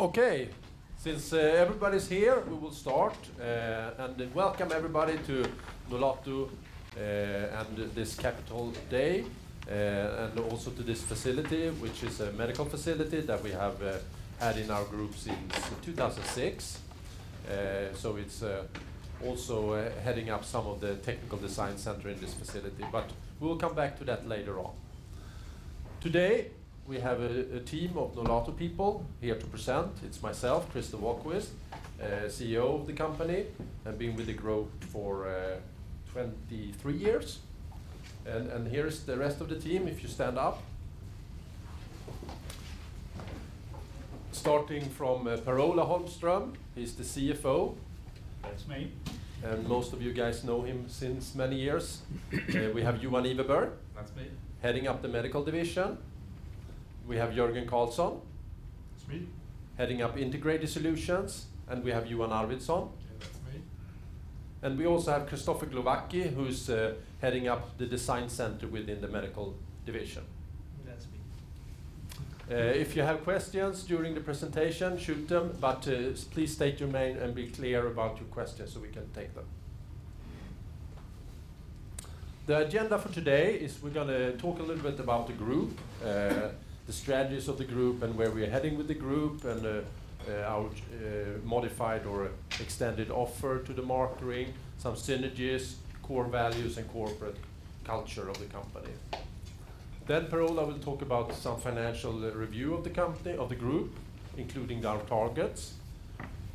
Okay. Since everybody's here, we will start. Welcome everybody to Nolato and this Capital Day, and also to this facility, which is a medical facility that we have had in our groups since 2006. It's also heading up some of the technical design center in this facility, but we will come back to that later on. Today, we have a team of Nolato people here to present. It's myself, Christer Wahlquist, CEO of the company. I've been with the group for 23 years. Here is the rest of the team, if you stand up. Starting from Per-Ola Holmström, he's the CFO. That's me. Most of you guys know him since many years. We have Johan Iveberg. That's me. Heading up the medical division. We have Jörgen Karlsson. That's me. Heading up Integrated Solutions. We have Johan Arvidsson. Yeah, that's me. We also have Kristoffer Glowacki, who's heading up the design center within the medical division. That's me. If you have questions during the presentation, shoot them, but please state your name and be clear about your questions so we can take them. The agenda for today is we're going to talk a little bit about the group, the strategies of the group, and where we're heading with the group, and our modified or extended offer to the market offering, some synergies, core values, and corporate culture of the company. Per-Ola will talk about some financial review of the group, including our targets.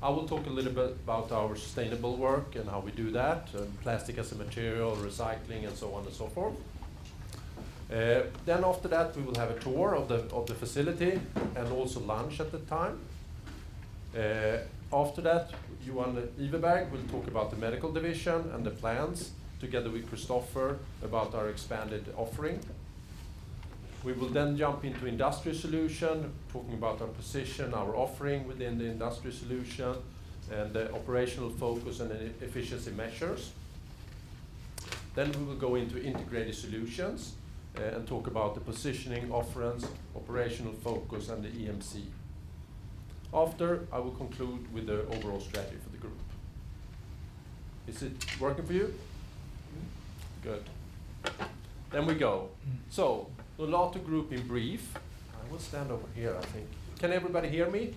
I will talk a little bit about our sustainable work and how we do that, plastic as a material, recycling, and so on and so forth. After that, we will have a tour of the facility and also lunch at the time. After that, Johan Iveberg will talk about the medical division and the plans together with Kristoffer about our expanded offering. We will jump into Industrial Solutions, talking about our position, our offering within the Industrial Solutions, and the operational focus and efficiency measures. We will go into Integrated Solutions and talk about the positioning, offerings, operational focus, and the EMC. I will conclude with the overall strategy for the group. Is it working for you? Good. We go. Nolato Group in brief. I will stand over here, I think. Can everybody hear me?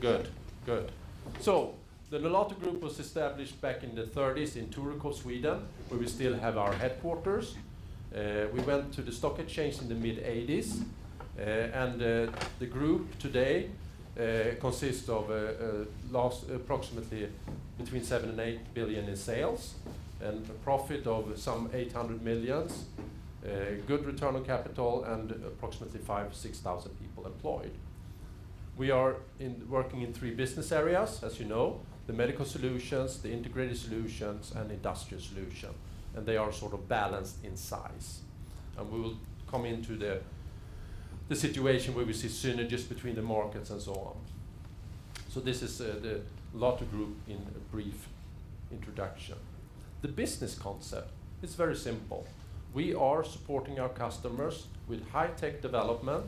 Yes. Good. The Nolato Group was established back in the '30s in Torekov, Sweden, where we still have our headquarters. We went to the stock exchange in the mid-'80s. The group today consists of approximately between 7 billion and 8 billion in sales and a profit of some 800 million, a good return on capital, and approximately 5,000 to 6,000 people employed. We are working in three business areas, as you know, the Medical Solutions, the Integrated Solutions, and Industrial Solutions, and they are sort of balanced in size. We will come into the situation where we see synergies between the markets and so on. This is Nolato Group in a brief introduction. The business concept is very simple. We are supporting our customers with high-tech development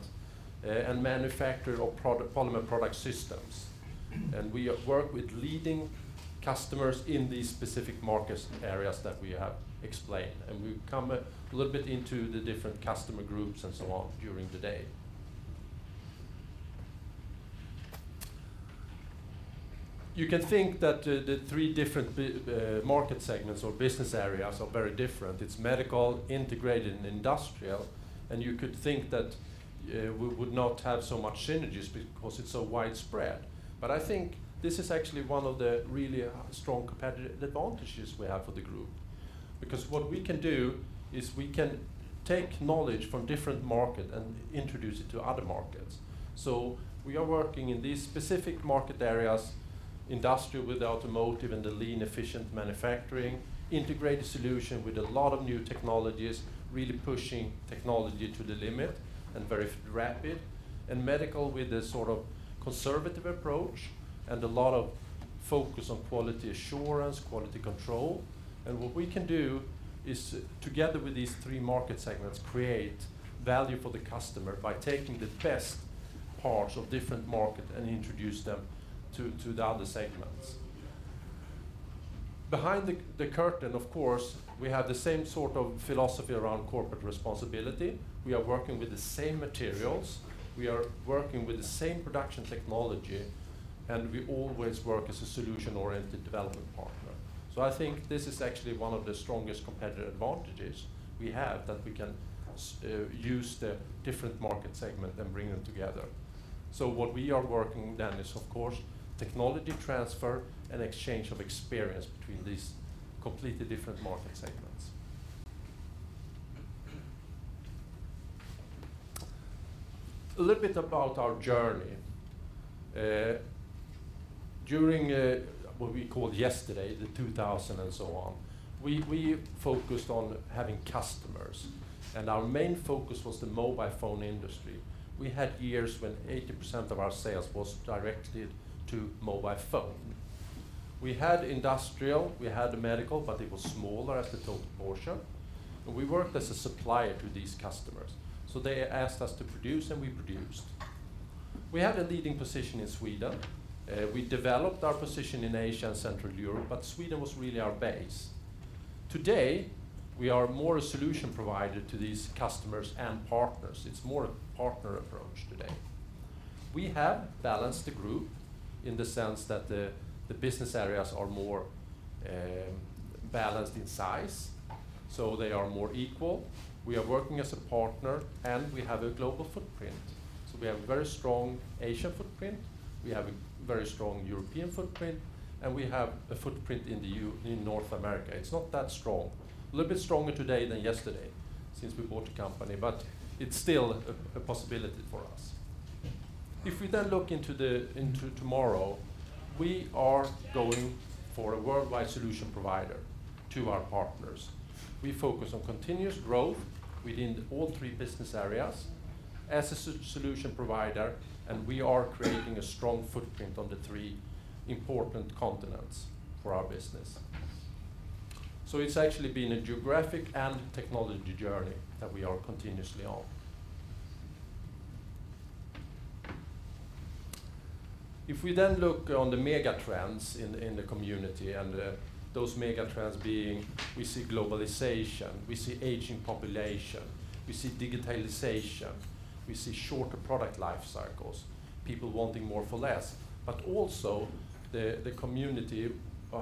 and manufacture of polymer product systems. We work with leading customers in these specific market areas that we have explained. We'll come a little bit into the different customer groups and so on during the day. You can think that the three different market segments or business areas are very different. It's Medical, Integrated, and Industrial. You could think that we would not have so much synergies because it's so widespread. I think this is actually one of the really strong competitive advantages we have for the group. What we can do is we can take knowledge from different market and introduce it to other markets. We are working in these specific market areas, Industrial with the automotive and the lean, efficient manufacturing, Integrated Solution with a lot of new technologies, really pushing technology to the limit and very rapid, and Medical with a sort of conservative approach and a lot of focus on quality assurance, quality control. What we can do is, together with these three market segments, create value for the customer by taking the best parts of different market and introduce them to the other segments. Behind the curtain, of course, we have the same sort of philosophy around corporate responsibility. We are working with the same materials, we are working with the same production technology, and we always work as a solution-oriented development partner. I think this is actually one of the strongest competitive advantages we have, that we can use the different market segment and bring them together. What we are working then is, of course, technology transfer and exchange of experience between these completely different market segments. A little bit about our journey. During what we call yesterday, the 2000 and so on, we focused on having customers, and our main focus was the mobile phone industry. We had years when 80% of our sales was directed to mobile phone. We had industrial, we had medical, but it was smaller as the total portion. We worked as a supplier to these customers. They asked us to produce, and we produced. We had a leading position in Sweden. We developed our position in Asia and Central Europe, but Sweden was really our base. Today, we are more a solution provider to these customers and partners. It's more a partner approach today. We have balanced the group in the sense that the business areas are more balanced in size, so they are more equal. We are working as a partner, and we have a global footprint. We have a very strong Asia footprint, we have a very strong European footprint, and we have a footprint in North America. It's not that strong. A little bit stronger today than yesterday since we bought the company, it's still a possibility for us. If we look into tomorrow, we are going for a worldwide solution provider to our partners. We focus on continuous growth within all three business areas as a solution provider, and we are creating a strong footprint on the three important continents for our business. It's actually been a geographic and technology journey that we are continuously on. If we look on the mega trends in the community, and those mega trends being, we see globalization, we see aging population, we see digitalization, we see shorter product life cycles, people wanting more for less. Also, the community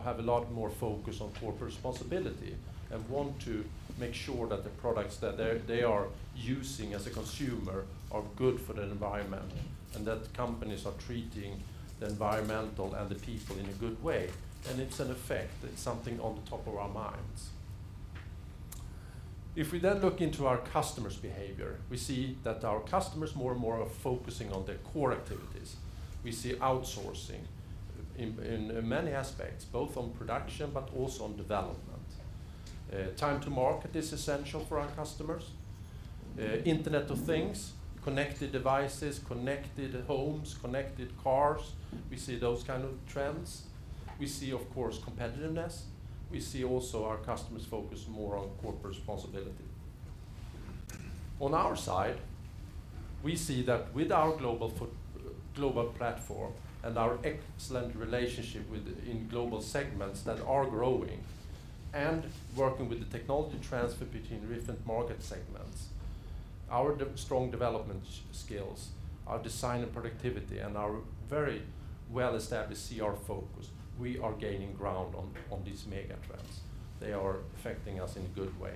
have a lot more focus on corporate responsibility and want to make sure that the products that they are using as a consumer are good for the environment, and that companies are treating the environmental and the people in a good way. It's an effect. It's something on the top of our minds. If we look into our customers' behavior, we see that our customers more and more are focusing on their core activities. We see outsourcing in many aspects, both on production but also on development. Time to market is essential for our customers. Internet of Things, connected devices, connected homes, connected cars, we see those kind of trends. We see, of course, competitiveness. We see also our customers focus more on corporate responsibility. On our side, we see that with our global platform and our excellent relationship within global segments that are growing and working with the technology transfer between different market segments, our strong development skills, our design and productivity, and our very well-established CR focus, we are gaining ground on these mega trends. They are affecting us in a good way.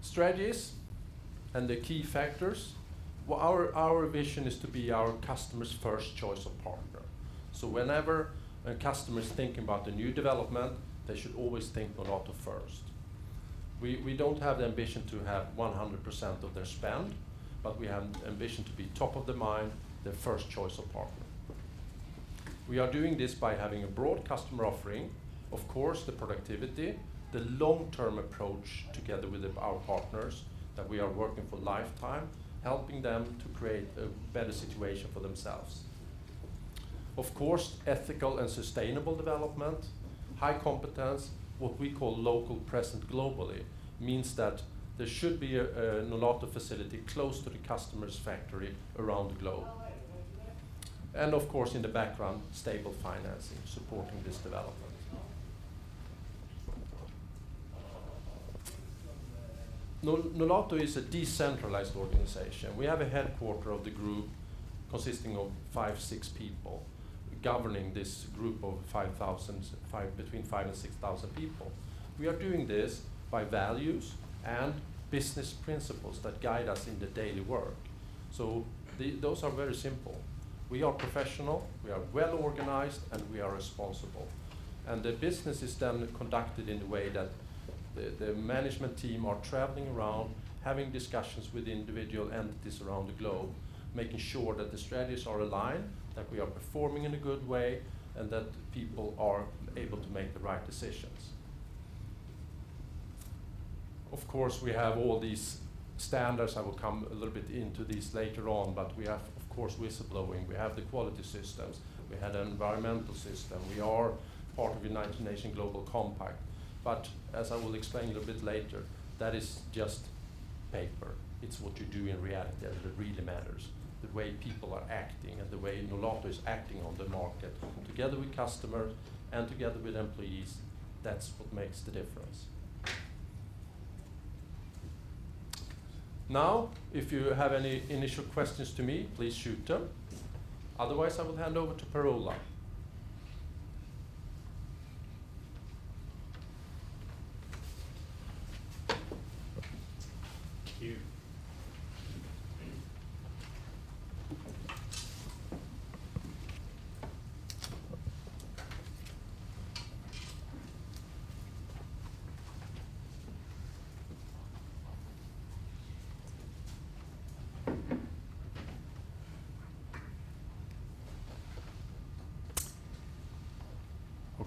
Strategies and the key factors. Well, our vision is to be our customers' first choice of partner. Whenever a customer is thinking about a new development, they should always think Nolato first. We don't have the ambition to have 100% of their spend, but we have ambition to be top of the mind, their first choice of partner. We are doing this by having a broad customer offering. Of course, the productivity, the long-term approach together with our partners, that we are working for lifetime, helping them to create a better situation for themselves. Of course, ethical and sustainable development, high competence, what we call local present globally means that there should be a Nolato facility close to the customer's factory around the globe. Of course, in the background, stable financing supporting this development. Nolato is a decentralized organization. We have a headquarter of the group consisting of five, six people governing this group of between 5,000 and 6,000 people. We are doing this by values and business principles that guide us in the daily work. Those are very simple. We are professional, we are well-organized, and we are responsible. The business is then conducted in a way that the management team are traveling around, having discussions with individual entities around the globe, making sure that the strategies are aligned, that we are performing in a good way, and that people are able to make the right decisions. Of course, we have all these standards. I will come a little bit into this later on, but we have, of course, whistleblowing. We have the quality systems. We have the environmental system. We are part of the United Nations Global Compact. As I will explain a little bit later, that is just paper. It's what you do in reality that really matters. The way people are acting and the way Nolato is acting on the market together with customers and together with employees, that's what makes the difference. Now, if you have any initial questions to me, please shoot them. Otherwise, I will hand over to Per-Ola.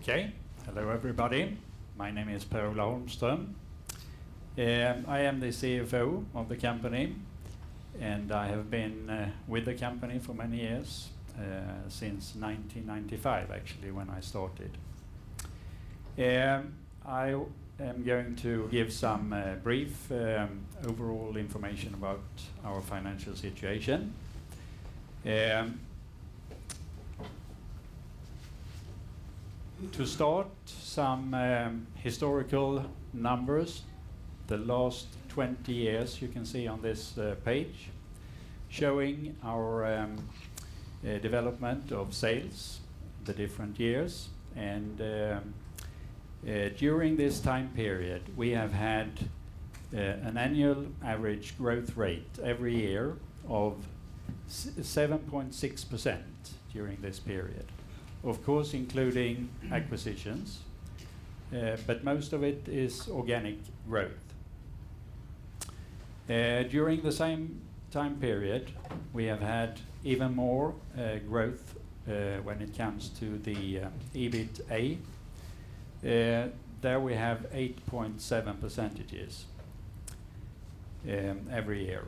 Thank you. Okay. Hello everybody. My name is Per-Ola Holmström. I am the CFO of the company, and I have been with the company for many years, since 1995, actually, when I started. I am going to give some brief overall information about our financial situation. To start, some historical numbers. The last 20 years, you can see on this page, showing our development of sales, the different years, and during this time period, we have had an annual average growth rate every year of 7.6% during this period. Of course, including acquisitions, but most of it is organic growth. During the same time period, we have had even more growth when it comes to the EBITA. There we have 8.7% every year.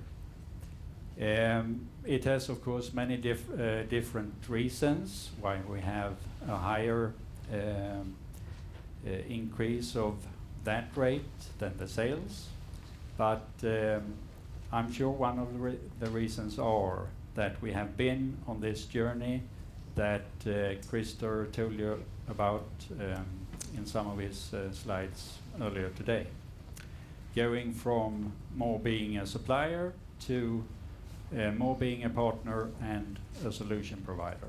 It has, of course, many different reasons why we have a higher increase of that rate than the sales. I'm sure one of the reasons are that we have been on this journey that Christer Wahlquist told you about in some of his slides earlier today, going from more being a supplier to more being a partner and a solution provider.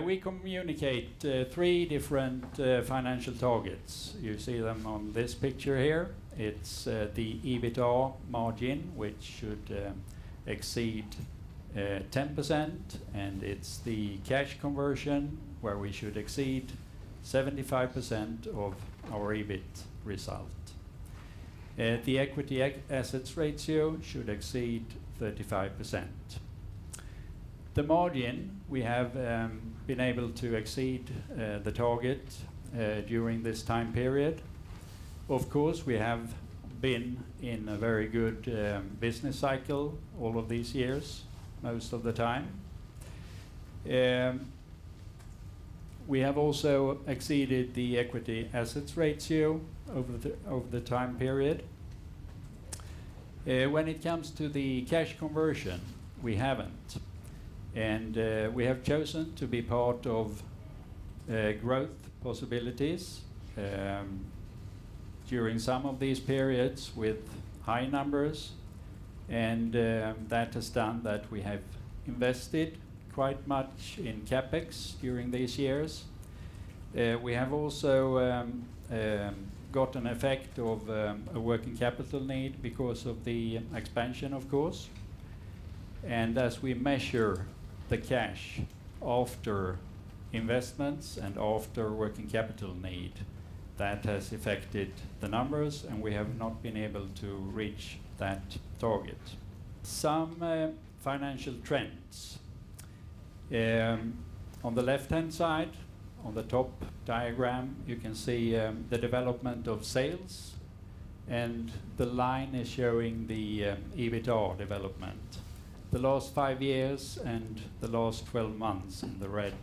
We communicate three different financial targets. You see them on this picture here. It's the EBITA margin, which should exceed 10%, and it's the cash conversion, where we should exceed 75% of our EBIT result. The equity assets ratio should exceed 35%. The margin we have been able to exceed the target during this time period. Of course, we have been in a very good business cycle all of these years, most of the time. We have also exceeded the equity assets ratio over the time period. When it comes to the cash conversion, we haven't, and we have chosen to be part of growth possibilities during some of these periods with high numbers, and that has done that we have invested quite much in CapEx during these years. We have also got an effect of a working capital need because of the expansion, of course, and as we measure the cash after investments and after working capital need, that has affected the numbers, and we have not been able to reach that target. Some financial trends. On the left-hand side, on the top diagram, you can see the development of sales, and the line is showing the EBITA development. The last five years and the last 12 months in the red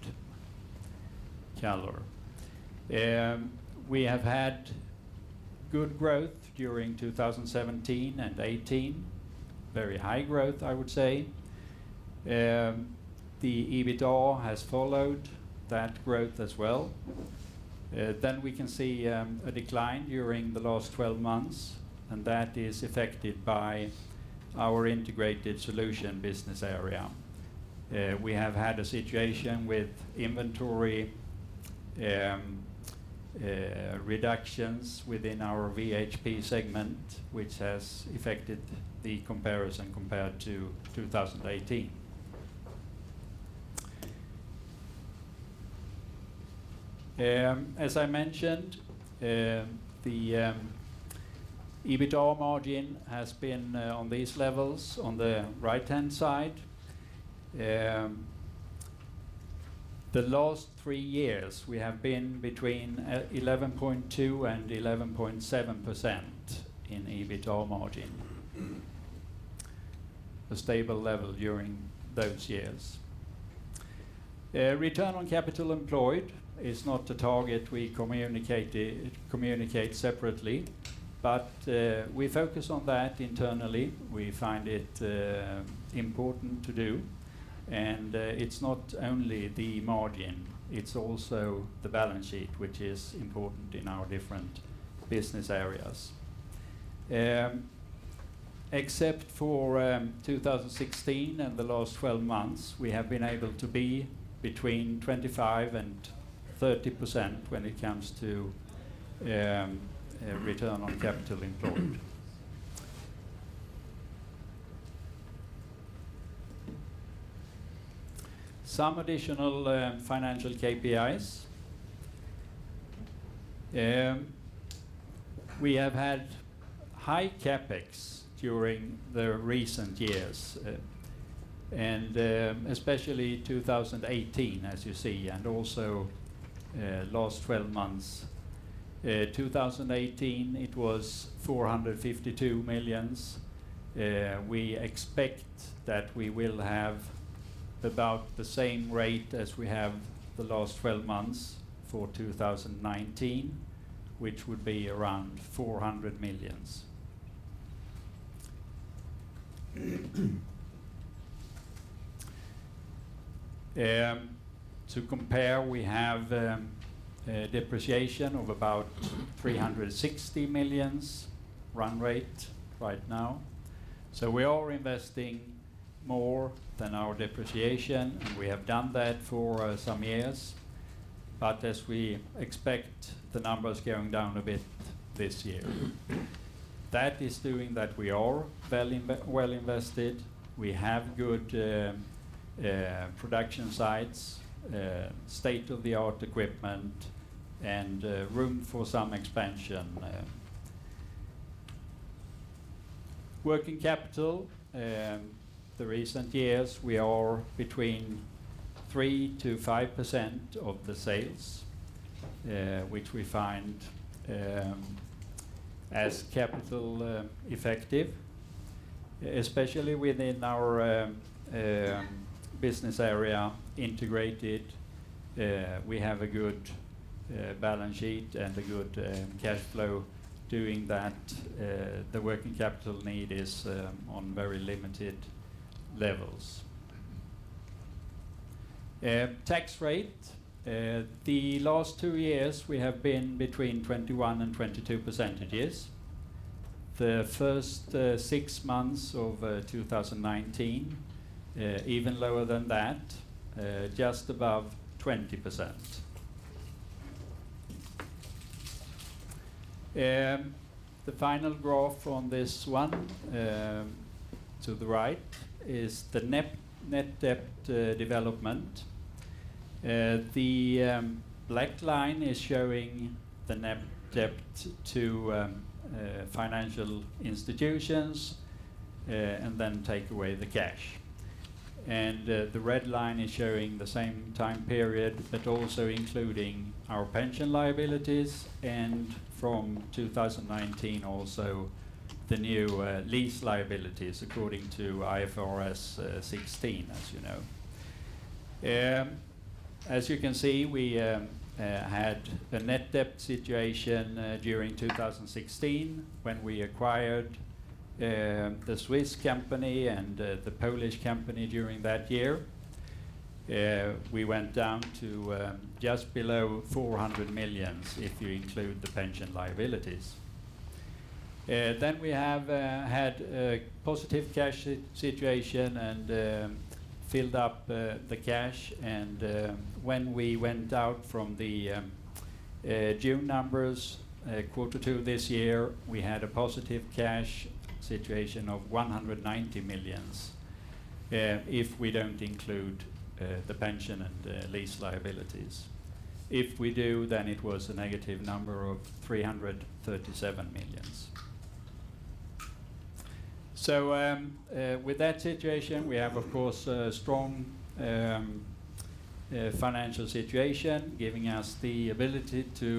color. We have had good growth during 2017 and 2018. Very high growth, I would say. The EBITA has followed that growth as well. We can see a decline during the last 12 months, and that is affected by our Integrated Solutions business area. We have had a situation with inventory reductions within our VHP segment, which has affected the comparison compared to 2018. As I mentioned, the EBITA margin has been on these levels on the right-hand side. The last three years, we have been between 11.2% and 11.7% in EBITA margin. A stable level during those years. Return on capital employed is not a target we communicate separately, but we focus on that internally. We find it important to do, and it's not only the margin, it's also the balance sheet, which is important in our different business areas. Except for 2016 and the last 12 months, we have been able to be between 25% and 30% when it comes to return on capital employed. Some additional financial KPIs. We have had high CapEx during the recent years, especially 2018, as you see, and also the last 12 months. 2018, it was 452 million. We expect that we will have about the same rate as we have the last 12 months for 2019, which would be around 400 million. To compare, we have depreciation of about 360 million run rate right now. We are investing more than our depreciation, and we have done that for some years. As we expect the numbers going down a bit this year. That is doing that we are well-invested. We have good production sites, state-of-the-art equipment, and room for some expansion. Working capital. The recent years, we are between 3%-5% of the sales, which we find as capital effective, especially within our Integrated Solutions business area. We have a good balance sheet and a good cash flow doing that. The working capital need is on very limited levels. Tax rate. The last two years, we have been between 21% and 22%. The first six months of 2019, even lower than that, just above 20%. The final graph on this one to the right is the net debt development. The black line is showing the net debt to financial institutions and then take away the cash. The red line is showing the same time period, but also including our pension liabilities, and from 2019 also the new lease liabilities according to IFRS 16, as you know. As you can see, we had a net debt situation during 2016 when we acquired the Swiss company and the Polish company during that year. We went down to just below 400 million, if you include the pension liabilities. We have had a positive cash situation and filled up the cash, and when we went out from the June numbers, quarter two of this year, we had a positive cash situation of 190 million, if we don't include the pension and lease liabilities. If we do, then it was a negative number of 337 million. With that situation, we have, of course, a strong financial situation, giving us the ability to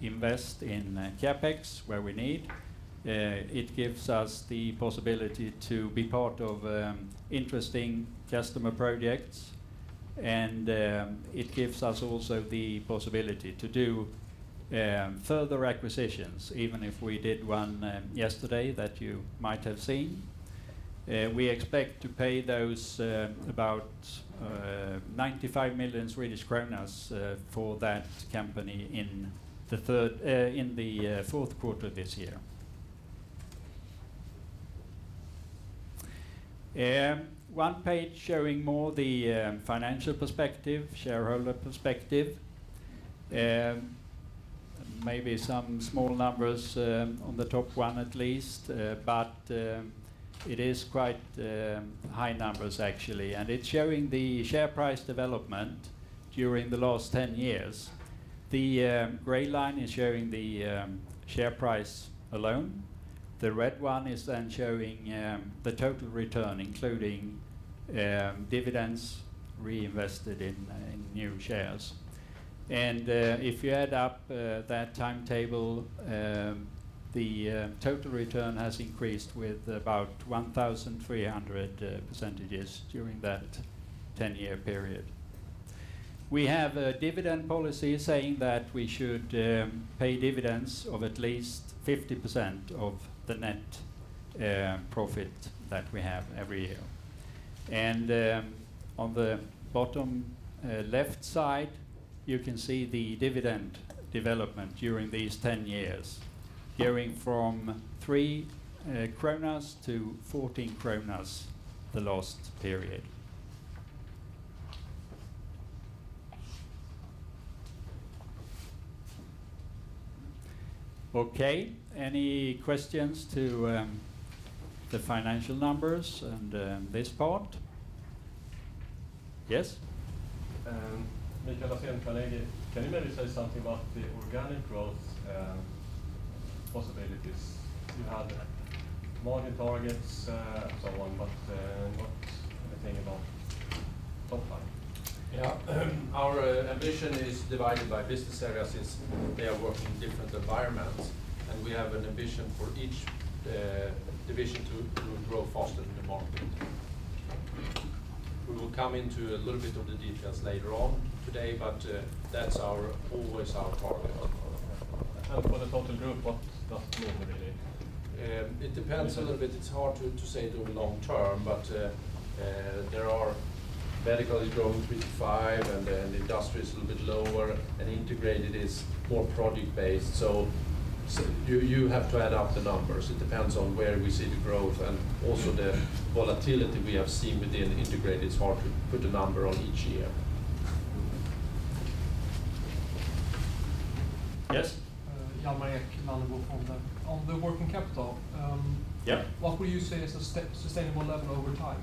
invest in CapEx where we need. It gives us the possibility to be part of interesting customer projects, and it gives us also the possibility to do further acquisitions, even if we did one yesterday that you might have seen. We expect to pay those about 95 million Swedish kronor for that company in the fourth quarter of this year. One page showing more the financial perspective, shareholder perspective. Maybe some small numbers on the top one at least, but it is quite high numbers actually, and it's showing the share price development during the last 10 years. The gray line is showing the share price alone. The red one is then showing the total return, including dividends reinvested in new shares. If you add up that timetable, the total return has increased with about 1,300% during that 10-year period. We have a dividend policy saying that we should pay dividends of at least 50% of the net profit that we have every year. On the bottom left side, you can see the dividend development during these 10 years, going from three SEK to 14 kronor the last period. Okay, any questions to the financial numbers and this part? Yes? Can you maybe say something about the organic growth possibilities? You had margin targets, and so on, but not anything about top line. Yeah. Our ambition is divided by business areas since they are working in different environments. We have an ambition for each division to grow faster than the market. We will come into a little bit of the details later on today. That's always our target. For the total group, what's the target, really? It depends a little bit. It is hard to say the long term, but Medical Solutions is growing 35%, and then Industrial Solutions is a little bit lower, and Integrated Solutions is more project based, so you have to add up the numbers. It depends on where we see the growth, and also the volatility we have seen within Integrated Solutions, it is hard to put a number on each year. Yes? Hjalmar Ek, Lannebo. On the working capital. Yeah What would you say is a sustainable level over time?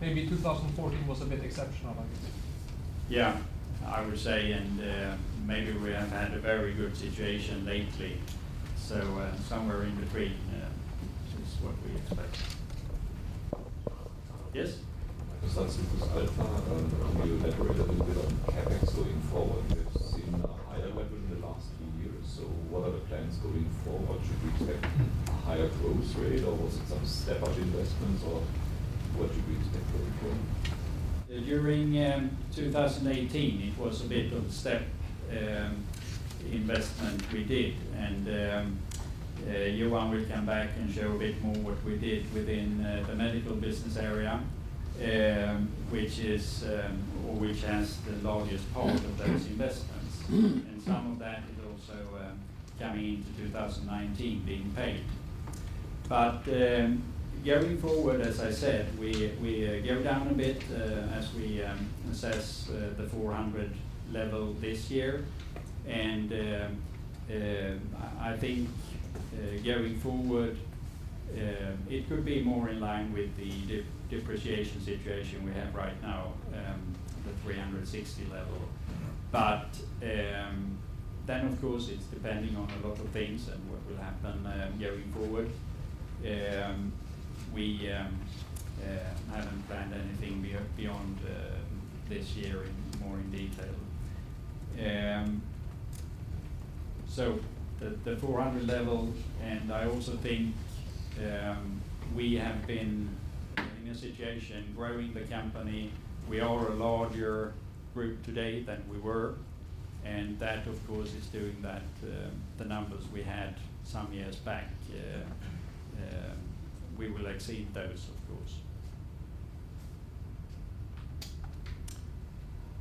Maybe 2014 was a bit exceptional, I guess. Yeah. I would say, and maybe we have had a very good situation lately, so somewhere in between is what we expect. Yes? Mats Liss, Swedbank. Can you elaborate a little bit on CapEx going forward? We have seen a higher level in the last few years. What are the plans going forward? Should we expect a higher growth rate, or was it some step-up investments, or what should we expect going forward? During 2018, it was a bit of step investment we did, and Johan will come back and share a bit more what we did within the medical business area, which has the largest part of those investments. Some of that is also coming into 2019 being paid. Going forward, as I said, we gear down a bit as we assess the 400 level this year, and I think going forward it could be more in line with the depreciation situation we have right now, the 360 level. Of course, it's depending on a lot of things and what will happen going forward. We haven't planned anything beyond this year more in detail. The 400 level, and I also think we have been in a situation growing the company. We are a larger group today than we were, and that, of course, is doing that. The numbers we had some years back, we will exceed those, of course.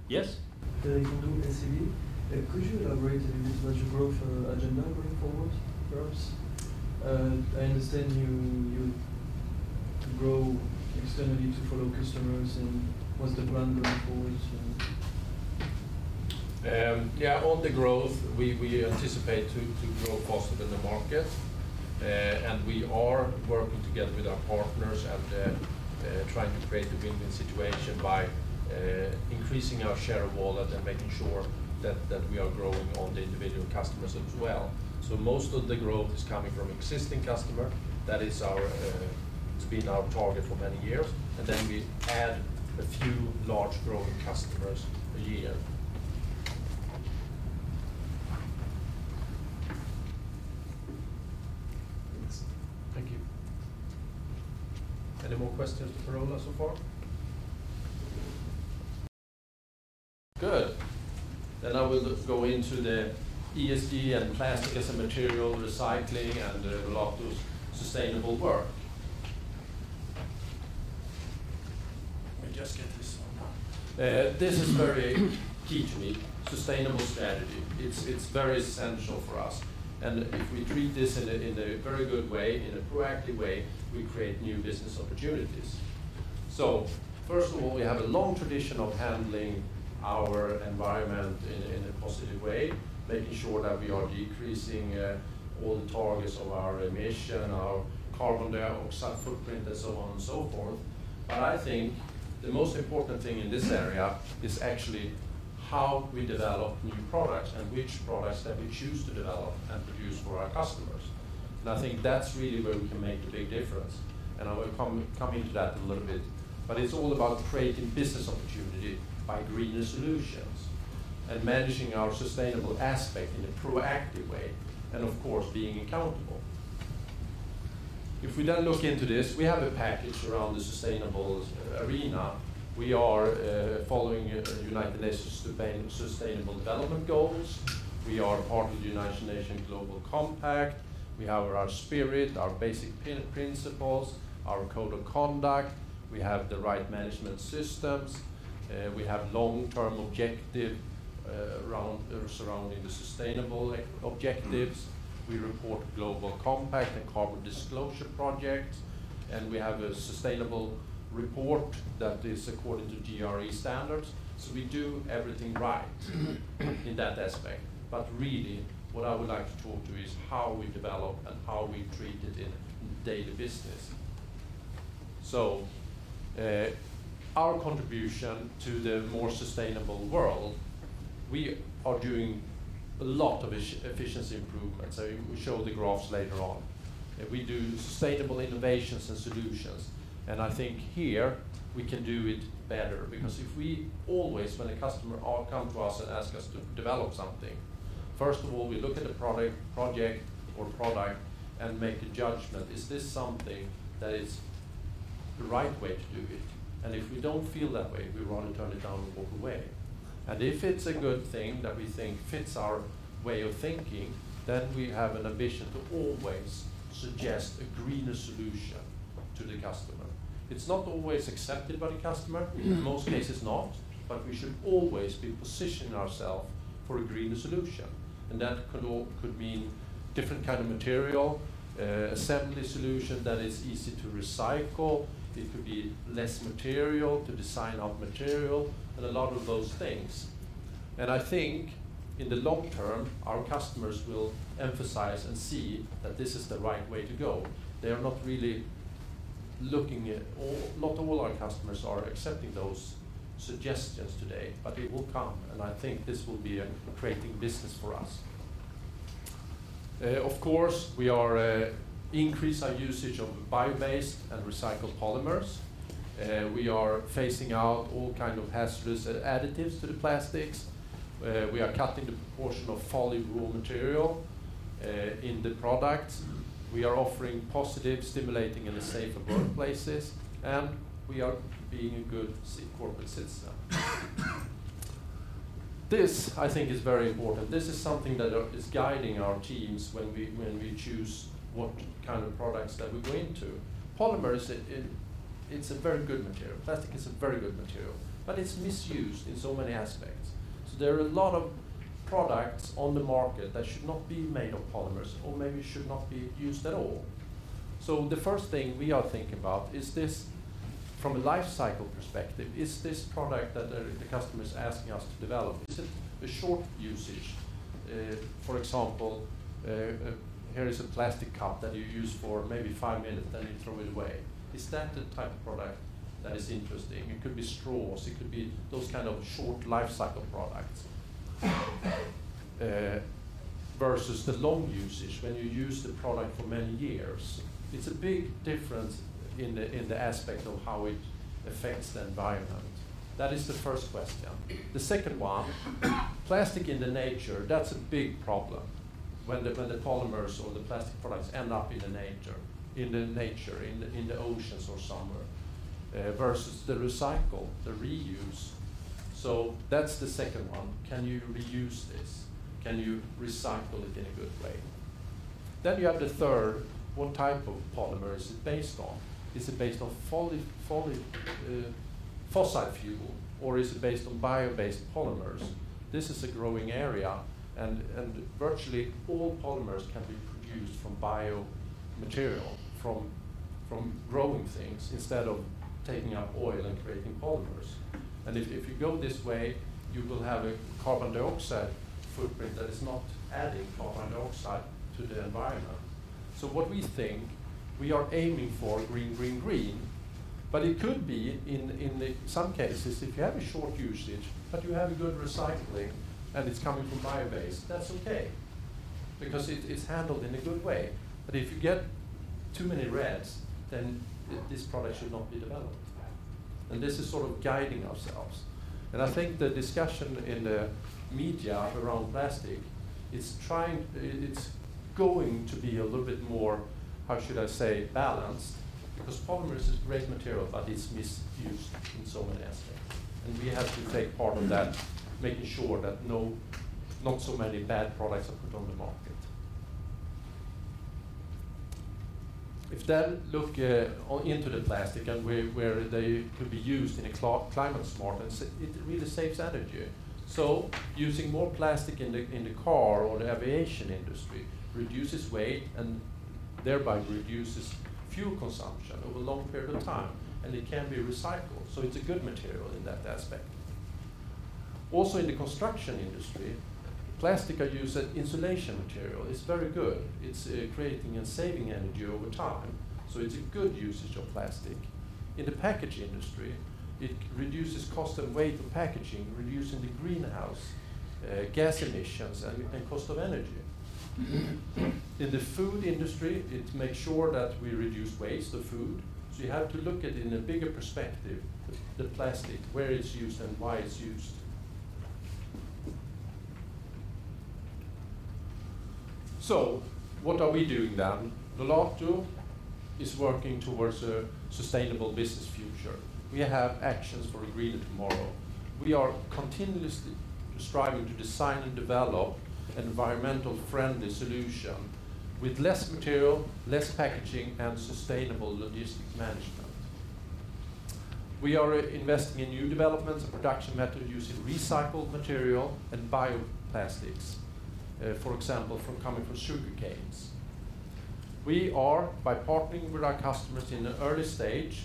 Yes? Richard Nilsson, SEB. Could you elaborate a little bit about your growth agenda going forward, perhaps? I understand you grow externally to follow customers, and what's the plan going forward? Yeah. On the growth, we anticipate to grow faster than the market, and we are working together with our partners and trying to create a win-win situation by increasing our share of wallet and making sure that we are growing on the individual customers as well. Most of the growth is coming from existing customer. That has been our target for many years, and then we add a few large growing customers a year. Thanks. Thank you. Any more questions for Per-Ola so far? Good. I will go into the ESG and plastic as a material, recycling, and a lot of sustainable work. Let me just get this on. This is very key to me, sustainable strategy. It's very essential for us, and if we treat this in a very good way, in a proactive way, we create new business opportunities. First of all, we have a long tradition of handling our environment in a positive way, making sure that we are decreasing all the targets of our emission, our carbon dioxide footprint, and so on and so forth. I think the most important thing in this area is actually how we develop new products and which products that we choose to develop and produce for our customers, and I think that's really where we can make the big difference, and I will come into that in a little bit. It's all about creating business opportunity by greener solutions and managing our sustainable aspect in a proactive way and, of course, being accountable. If we look into this, we have a package around the sustainable arena. We are following United Nations sustainable development goals. We are part of the United Nations Global Compact. We have our Spirit, our basic principles, our code of conduct. We have the right management systems. We have long-term objective surrounding the sustainable objectives. We report Global Compact and Carbon Disclosure Project. We have a sustainable report that is according to GRI standards. We do everything right in that aspect. Really what I would like to talk to is how we develop and how we treat it in day-to-day business. Our contribution to the more sustainable world, we are doing a lot of efficiency improvements. We show the graphs later on. We do sustainable innovations and solutions, and I think here we can do it better. If we always, when a customer come to us and ask us to develop something, first of all, we look at the project or product and make a judgment. Is this something that is the right way to do it? If we don't feel that way, we rather turn it down and walk away. If it's a good thing that we think fits our way of thinking, then we have an ambition to always suggest a greener solution to the customer. It's not always accepted by the customer, in most cases not, but we should always be positioning ourselves for a greener solution. That could mean different kind of material, assembly solution that is easy to recycle. It could be less material to design our material and a lot of those things. I think in the long term, our customers will emphasize and see that this is the right way to go. Not all our customers are accepting those suggestions today, but it will come, and I think this will be creating business for us. Of course, we increase our usage of bio-based and recycled polymers. We are phasing out all kind of hazardous additives to the plastics. We are cutting the proportion of fossil raw material, in the products. We are offering positive, stimulating, and safer workplaces, and we are being a good corporate citizen. This I think is very important. This is something that is guiding our teams when we choose what kind of products that we go into. Polymers, it's a very good material. Plastic is a very good material, but it's misused in so many aspects. There are a lot of products on the market that should not be made of polymers or maybe should not be used at all. The first thing we are thinking about, from a life cycle perspective, is this product that the customer's asking us to develop, is it a short usage? For example, here is a plastic cup that you use for maybe five minutes, then you throw it away. Is that the type of product that is interesting? It could be straws, it could be those kind of short life cycle products, versus the long usage, when you use the product for many years. It's a big difference in the aspect of how it affects the environment. That is the first question. The second one, plastic in the nature, that's a big problem. When the polymers or the plastic products end up in the nature, in the oceans or somewhere, versus the recycle, the reuse. That's the second one. Can you reuse this? Can you recycle it in a good way? You have the third, what type of polymer is it based on? Is it based on fossil fuel, or is it based on bio-based polymers? This is a growing area and virtually all polymers can be produced from bio material, from growing things instead of taking up oil and creating polymers. If you go this way, you will have a carbon dioxide footprint that is not adding carbon dioxide to the environment. What we think we are aiming for green, green, but it could be in some cases, if you have a short usage, but you have a good recycling and it's coming from bio-based, that's okay because it's handled in a good way. If you get too many reds, then this product should not be developed. This is sort of guiding ourselves, and I think the discussion in the media around plastic, it's going to be a little bit more, how should I say, balanced. Polymers is great material, but it's misused in so many aspects, and we have to take part in that, making sure that not so many bad products are put on the market. If look into the plastic and where they could be used in a climate smart way, it really saves energy. Using more plastic in the car or the aviation industry reduces weight and thereby reduces fuel consumption over a long period of time. It can be recycled, it's a good material in that aspect. Also, in the construction industry, plastic are used as insulation material. It's very good. It's creating and saving energy over time, it's a good usage of plastic. In the packaging industry, it reduces cost and weight of packaging, reducing the greenhouse gas emissions and cost of energy. In the food industry, it makes sure that we reduce waste of food. You have to look at in a bigger perspective, the plastic, where it's used and why it's used. What are we doing then? Nolato is working towards a sustainable business future. We have actions for a greener tomorrow. We are continuously striving to design and develop environmental-friendly solution with less material, less packaging, and sustainable logistic management. We are investing in new developments and production method using recycled material and bioplastics, for example, coming from sugar canes. By partnering with our customers in the early stage,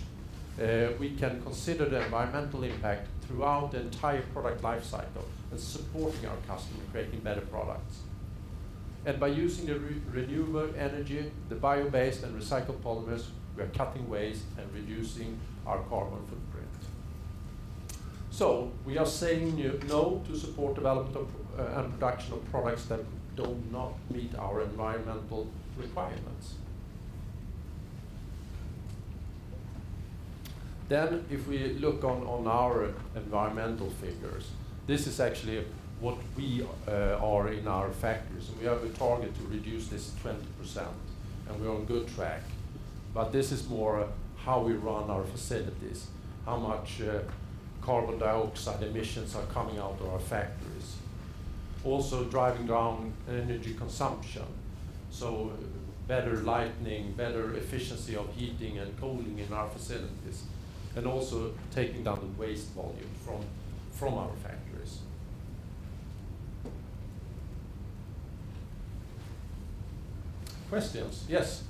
we can consider the environmental impact throughout the entire product life cycle and supporting our customer, creating better products. By using the renewable energy, the bio-based and recycled polymers, we are cutting waste and reducing our carbon footprint. We are saying no to support development and production of products that do not meet our environmental requirements. If we look on our environmental figures, this is actually what we are in our factories, and we have a target to reduce this 20%, and we're on good track. This is more how we run our facilities, how much carbon dioxide emissions are coming out of our factories. Also driving down energy consumption, so better lighting, better efficiency of heating and cooling in our facilities, and also taking down the waste volume from our factories. Questions? Yes.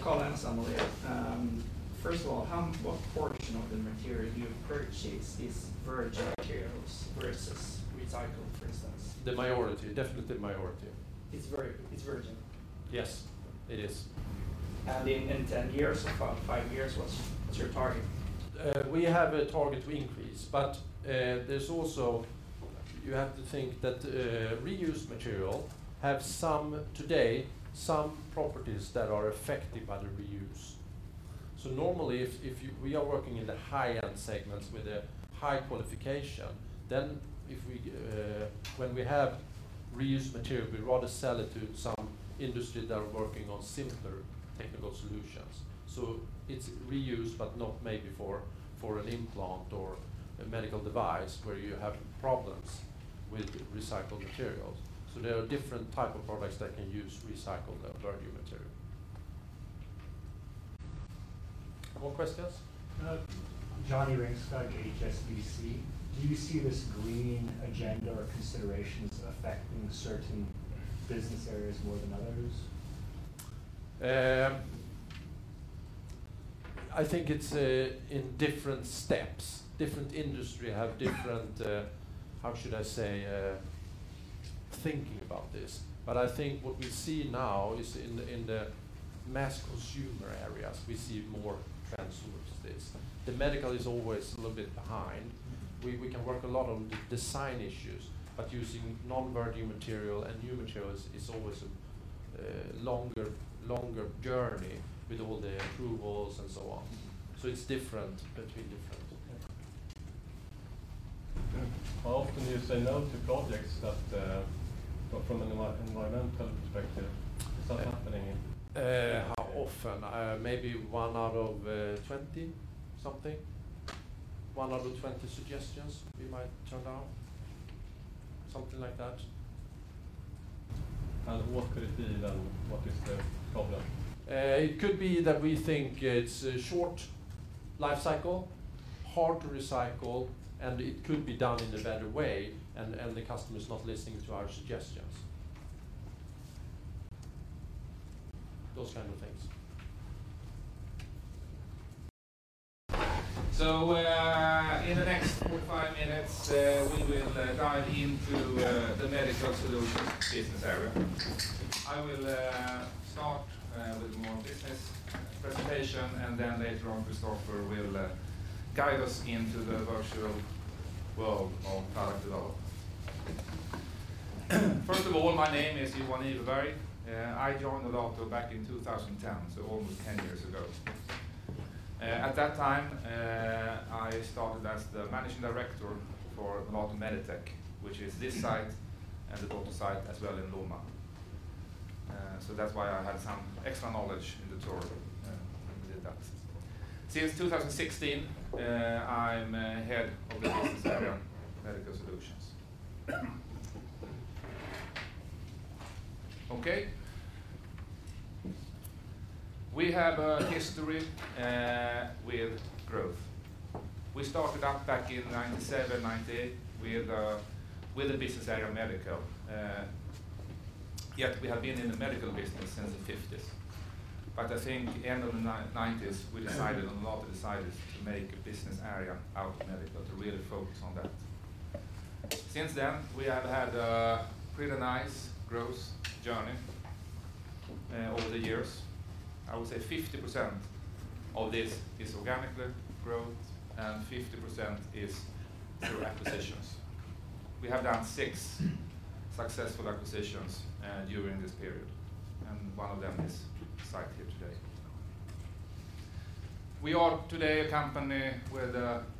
Colin Samuel here. First of all, what portion of the material you purchase is virgin materials versus recycled, for instance? The majority. Definite the majority. It's virgin? Yes, it is. In 10 years' time, five years, what's your target? We have a target to increase. You have to think that the reused material have, today, some properties that are affected by the reuse. Normally, if we are working in the high-end segments with a high qualification, then when we have reused material, we'd rather sell it to some industry that are working on simpler technical solutions. It's reused, but not maybe for an implant or a medical device where you have problems with recycled materials. There are different type of products that can use recycled than virgin material. More questions? Do you see this green agenda or considerations affecting certain business areas more than others? I think it's in different steps. Different industries have different, how should I say, thinking about this. I think what we see now is in the mass consumer areas, we see more trends towards this. The medical is always a little bit behind. We can work a lot on design issues, but using non-virgin material and new materials is always a longer journey with all the approvals and so on. It's different between different areas. How often do you say no to projects that, from an environmental perspective, is that happening? How often? Maybe one out of 20 something. One out of 20 suggestions we might turn down. Something like that. What could it be, then? What is the problem? It could be that we think it's a short life cycle, hard to recycle, and it could be done in a better way, and the customer's not listening to our suggestions. Those kind of things. In the next four to five minutes, we will dive into the Medical Solutions business area. I will start with more business presentation, and then later on, Kristoffer will guide us into the virtual world of product development. First of all, my name is Johan Iveberg. I joined Nolato back in 2010, so almost 10 years ago. At that time, I started as the managing director for Nolato MediTech, which is this site and the Botkyrka site as well in Lomma. That's why I had some extra knowledge in the tour when we did that. Since 2016, I'm head of the business area, Medical Solutions. Okay. We have a history with growth. We started out back in 1997, 1998, with the business area, medical. We have been in the medical business since the 1950s. I think end of the 1990s, Nolato decided to make a business area out of medical, to really focus on that. Since then, we have had a pretty nice growth journey over the years. I would say 50% of this is organically growth and 50% is through acquisitions. We have done six successful acquisitions during this period, and one of them is site here today. We are today a company with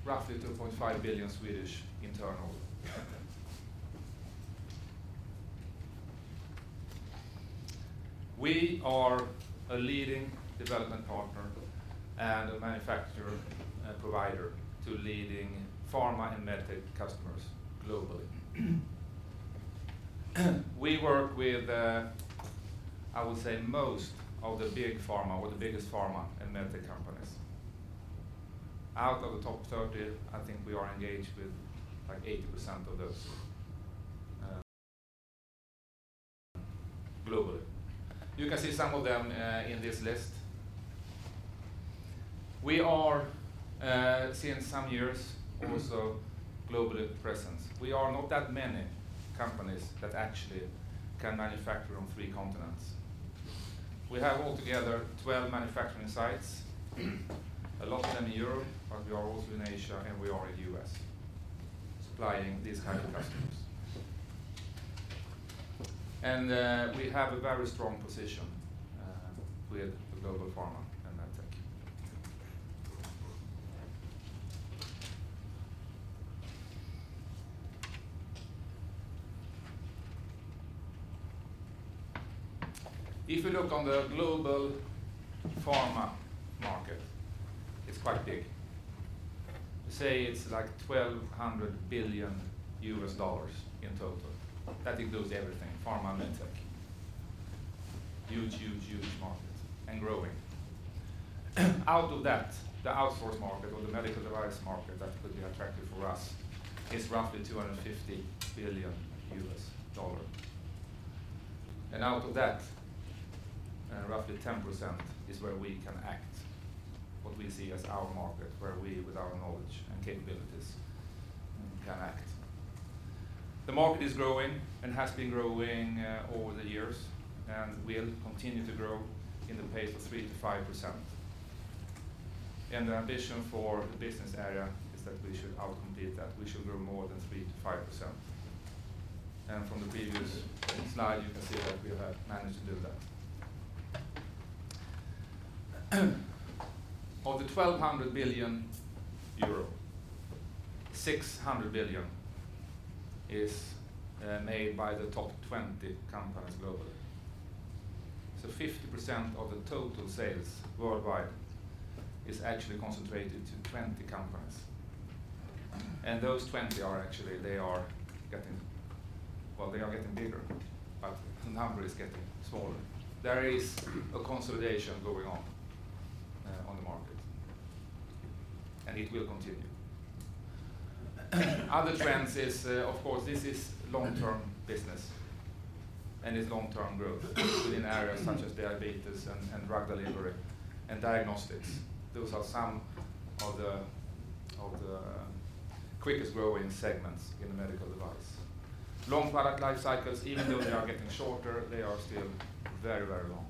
roughly 2.5 billion. We are a leading development partner and a manufacturer and provider to leading pharma and med tech customers globally. We work with, I would say, most of the big pharma or the biggest pharma and med tech companies. Out of the top 30, I think we are engaged with 80% of those, globally. You can see some of them in this list. We are, since some years, also globally present. We are not that many companies that actually can manufacture on three continents. We have altogether 12 manufacturing sites, a lot of them in Europe, but we are also in Asia, and we are in the U.S., supplying these kind of customers. We have a very strong position with the global pharma and med tech. If we look on the global pharma market, it's quite big. Say it's like $1,200 billion in total. That includes everything, pharma and med tech. Huge market, and growing. Out of that, the outsource market or the medical device market that could be attractive for us is roughly $250 billion. Out of that, roughly 10% is where we can act, what we see as our market, where we, with our knowledge and capabilities, can act. The market is growing and has been growing over the years and will continue to grow in the pace of 3%-5%. The ambition for the business area is that we should out-compete that. We should grow more than 3%-5%. From the previous slide, you can see that we have managed to do that. Of the 1,200 billion euro, 600 billion is made by the top 20 companies globally. 50% of the total sales worldwide is actually concentrated to 20 companies. Those 20, they are getting bigger, but the number is getting smaller. There is a consolidation going on the market, and it will continue. Other trends is, of course, this is long-term business, and it's long-term growth in areas such as diabetes and drug delivery and diagnostics. Those are some of the quickest growing segments in the medical device. Long product life cycles, even though they are getting shorter, they are still very long.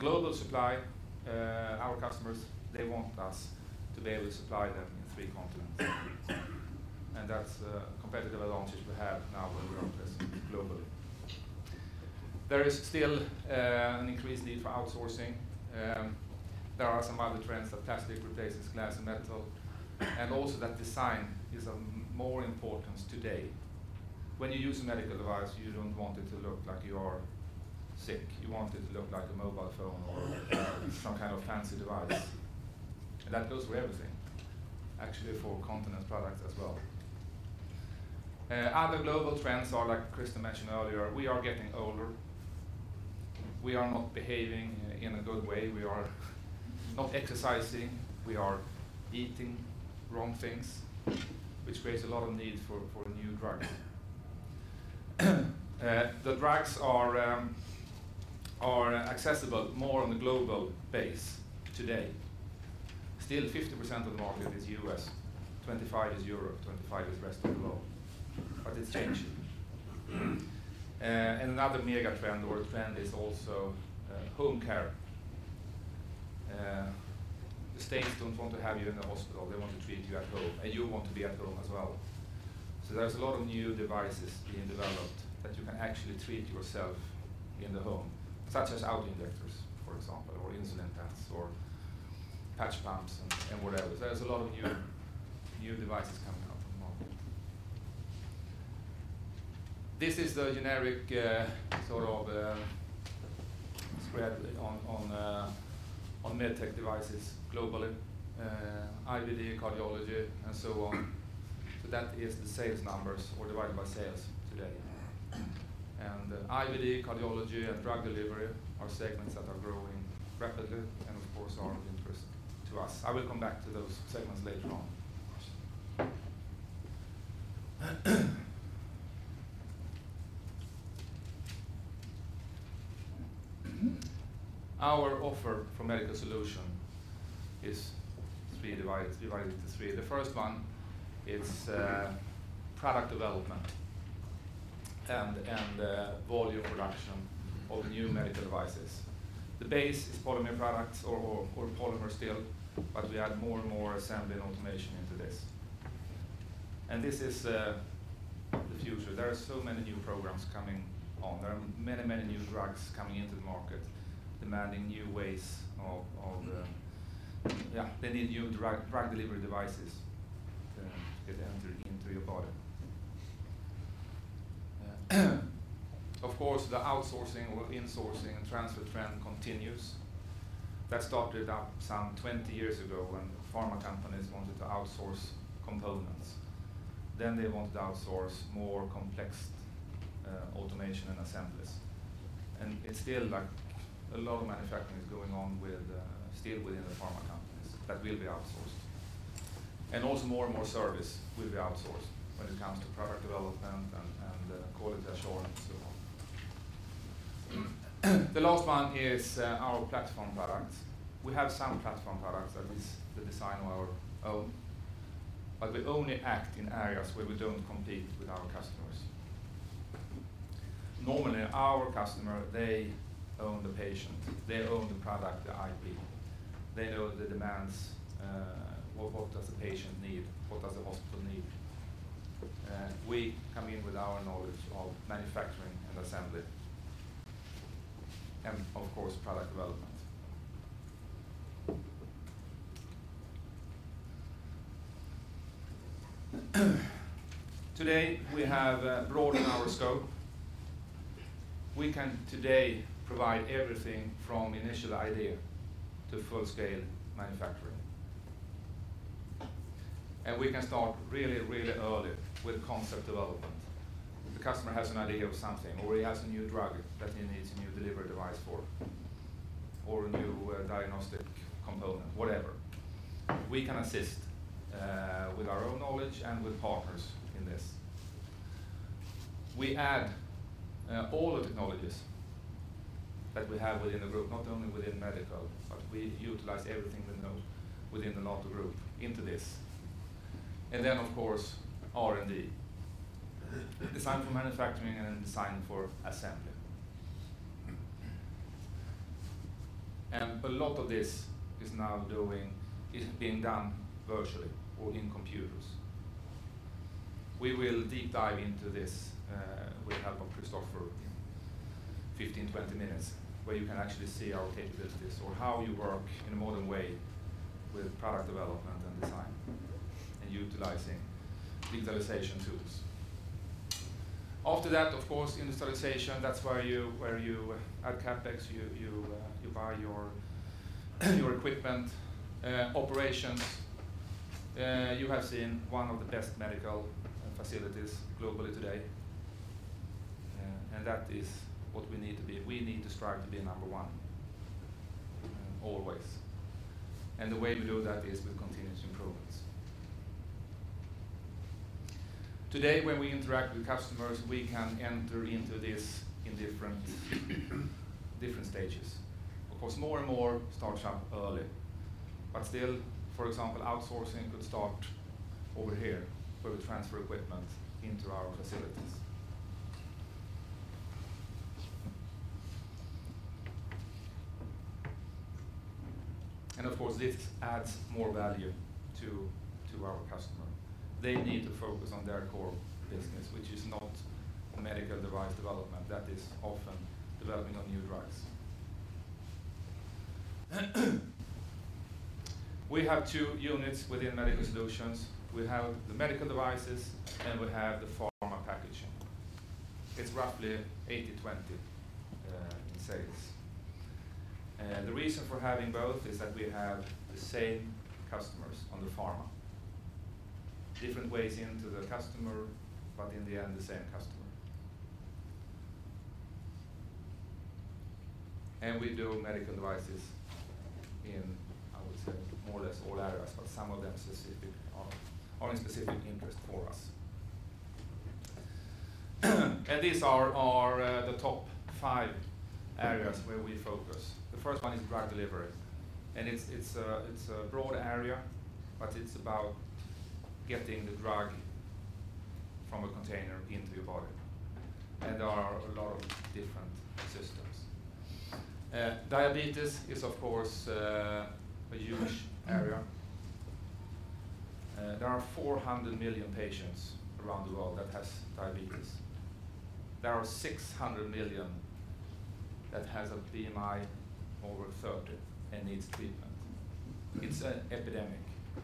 Global supply, our customers, they want us to be able to supply them in three continents. That's a competitive advantage we have now that we are present globally. There is still an increased need for outsourcing. There are some other trends, like plastic replaces glass and metal, and also that design is of more importance today. When you use a medical device, you don't want it to look like you are sick. You want it to look like a mobile phone or some kind of fancy device. That goes for everything. Actually, for continence products as well. Other global trends are, like Christer mentioned earlier, we are getting older. We are not behaving in a good way. We are not exercising, we are eating wrong things, which creates a lot of need for new drugs. The drugs are accessible more on the global base today. Still, 50% of the market is U.S., 25% is Europe, 25% is rest of the world, but it's changing. Another mega trend or trend is also home care. States don't want to have you in the hospital. They want to treat you at home, and you want to be at home as well. There's a lot of new devices being developed that you can actually treat yourself in the home, such as autoinjectors, for example, or insulin pumps or patch pumps and whatever. There's a lot of new devices coming out on the market. This is the generic spread on med tech devices globally, IVD, cardiology, and so on. That is the sales numbers or divided by sales today. IVD, cardiology, and drug delivery are segments that are growing rapidly and, of course, are of interest to us. I will come back to those segments later on. Our offer for Medical Solutions is divided into three. The first one, it's product development and volume production of new medical devices. The base is polymer products or polymer steel, but we add more and more assembly and automation into this. This is the future. There are so many new programs coming on. There are many new drugs coming into the market. They need new drug delivery devices to get entered into your body. Of course, the outsourcing or insourcing transfer trend continues. That started up some 20 years ago when pharma companies wanted to outsource components. They wanted to outsource more complex automation and assemblies. Still, a lot of manufacturing is going on still within the pharma companies that will be outsourced. Also more and more service will be outsourced when it comes to product development and quality assurance and so on. The last one is our platform products. We have some platform products that we design on our own, but we only act in areas where we don't compete with our customers. Normally, our customer, they own the patient, they own the product, the IP, they know the demands, what does the patient need, what does the hospital need. We come in with our knowledge of manufacturing and assembly and, of course, product development. Today, we have broadened our scope. We can today provide everything from initial idea to full-scale manufacturing. We can start really, really early with concept development. If the customer has an idea of something, or he has a new drug that he needs a new delivery device for, or a new diagnostic component, whatever, we can assist with our own knowledge and with partners in this. We add all the technologies that we have within the group, not only within medical, but we utilize everything we know within the Nolato group into this. Then, of course, R&D. Design for manufacturing and design for assembly. A lot of this is being done virtually or in computers. We will deep dive into this, with help of Kristoffer, in 15, 20 minutes, where you can actually see our capabilities or how we work in a modern way with product development and design and utilizing digitalization tools. After that, of course, industrialization, that's where you add CapEx, you buy your equipment, operations. You have seen one of the best medical facilities globally today. That is what we need to be. We need to strive to be number 1, always. The way we do that is with continuous improvements. Today, when we interact with customers, we can enter into this in different stages. Of course, more and more start up early. Still, for example, outsourcing could start over here, where we transfer equipment into our facilities. Of course, this adds more value to our customer. They need to focus on their core business, which is not medical device development. That is often developing of new drugs. We have two units within Medical Solutions. We have the medical devices, and we have the pharma packaging. It's roughly 80/20 in sales. The reason for having both is that we have the same customers on the pharma. Different ways into the customer, but in the end, the same customer. We do medical devices in, I would say, more or less all areas, but some of them are in specific interest for us. These are the top five areas where we focus. The first one is drug delivery. It's a broad area, but it's about getting the drug from a container into your body, and there are a lot of different systems. Diabetes is, of course, a huge area. There are 400 million patients around the world that has diabetes. There are 600 million that has a BMI over 30 and needs treatment. It's an epidemic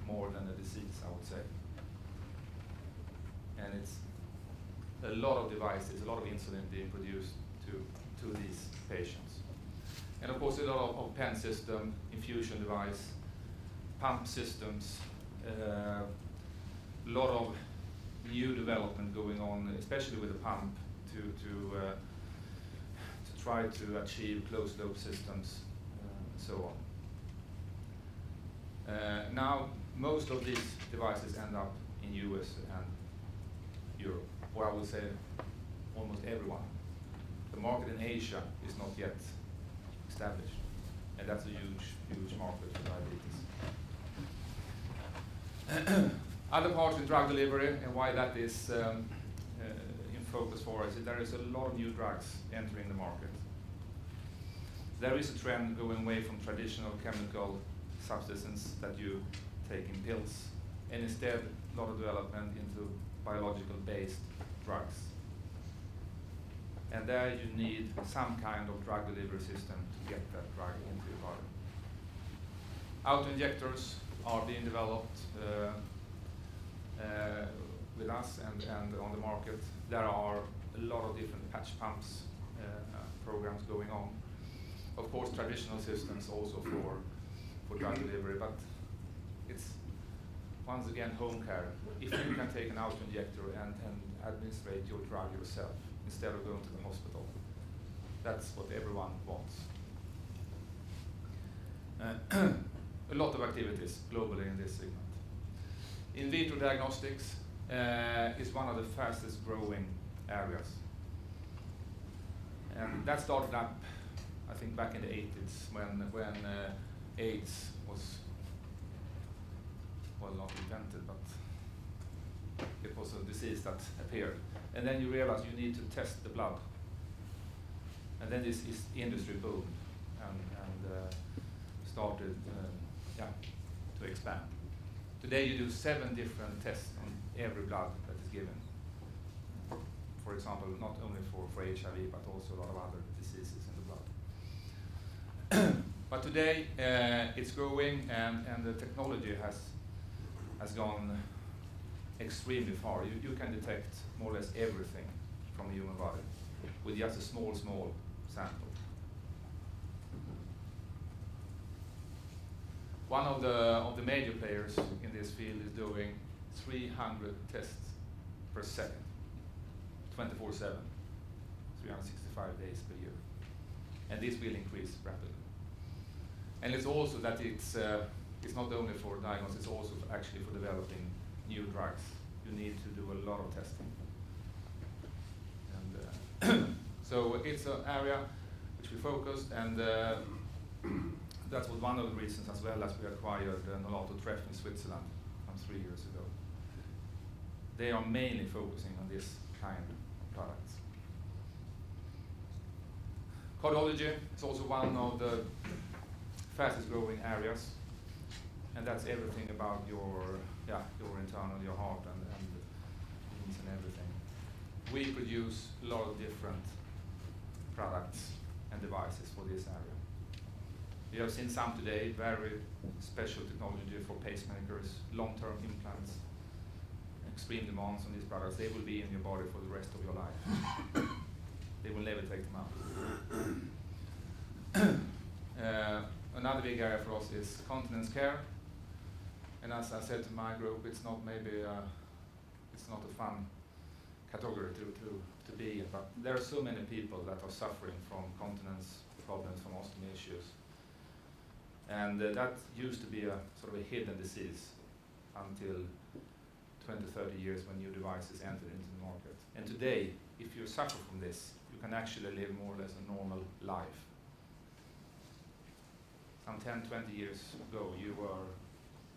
more than a disease, I would say. It's a lot of devices, a lot of insulin being produced to these patients. Of course, a lot of pen system, infusion device, pump systems. A lot of new development going on, especially with the pump to try to achieve closed-loop systems, and so on. Most of these devices end up in U.S. and Europe, or I would say almost everyone. The market in Asia is not yet established, that's a huge, huge market for diabetes. Other parts of the drug delivery and why that is in focus for us is there is a lot of new drugs entering the market. There is a trend going away from traditional chemical substances that you take in pills, instead, a lot of development into biological-based drugs. There you need some kind of drug delivery system to get that drug into your body. Auto-injectors are being developed, with us and on the market. There are a lot of different patch pumps programs going on. Of course, traditional systems also for drug delivery, but it's once again home care. If you can take an auto-injector and administrate your drug yourself instead of going to the hospital, that's what everyone wants. A lot of activities globally in this segment. In vitro diagnostics is one of the fastest-growing areas. That started up, I think, back in the '80s when AIDS was, well, not invented, but it was a disease that appeared. Then you realize you need to test the blood. Then this industry boomed and started to expand. Today, you do seven different tests on every blood that is given. For example, not only for HIV, but also a lot of other diseases in the blood. Today, it's growing, and the technology has gone extremely far. You can detect more or less everything from the human body with just a small sample. One of the major players in this field is doing 300 tests per second, 24/7, 365 days per year. This will increase rapidly. It's not only for diagnosis, it's also actually for developing new drugs. You need to do a lot of testing. It's an area which we focus, and that was one of the reasons as well that we acquired Nolato Treff in Switzerland from three years ago. They are mainly focusing on this kind of products. Cardiology is also one of the fastest-growing areas. That's everything about your internal, your heart, and lungs and everything. We produce a lot of different products and devices for this area. You have seen some today, very special technology for pacemakers, long-term implants, extreme demands on these products. They will be in your body for the rest of your life. They will never take them out. Another big area for us is continence care. As I said to my group, it's not a fun category to be in, but there are so many people that are suffering from continence problems, from ostomy issues. That used to be a sort of a hidden disease until 20, 30 years when new devices entered into the market. Today, if you suffer from this, you can actually live more or less a normal life. Some 10, 20 years ago, you were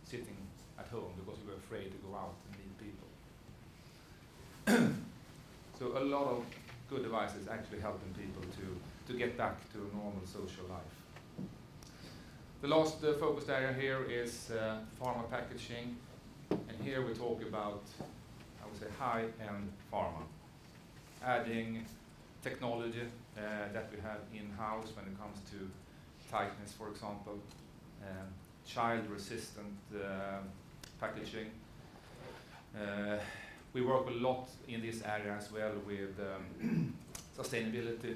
sitting at home because you were afraid to go out and meet people. A lot of good devices actually helping people to get back to a normal social life. The last focus area here is pharma packaging, and here we talk about, I would say, high-end pharma. Adding technology that we have in-house when it comes to tightness, for example, child-resistant packaging. We work a lot in this area as well with sustainability.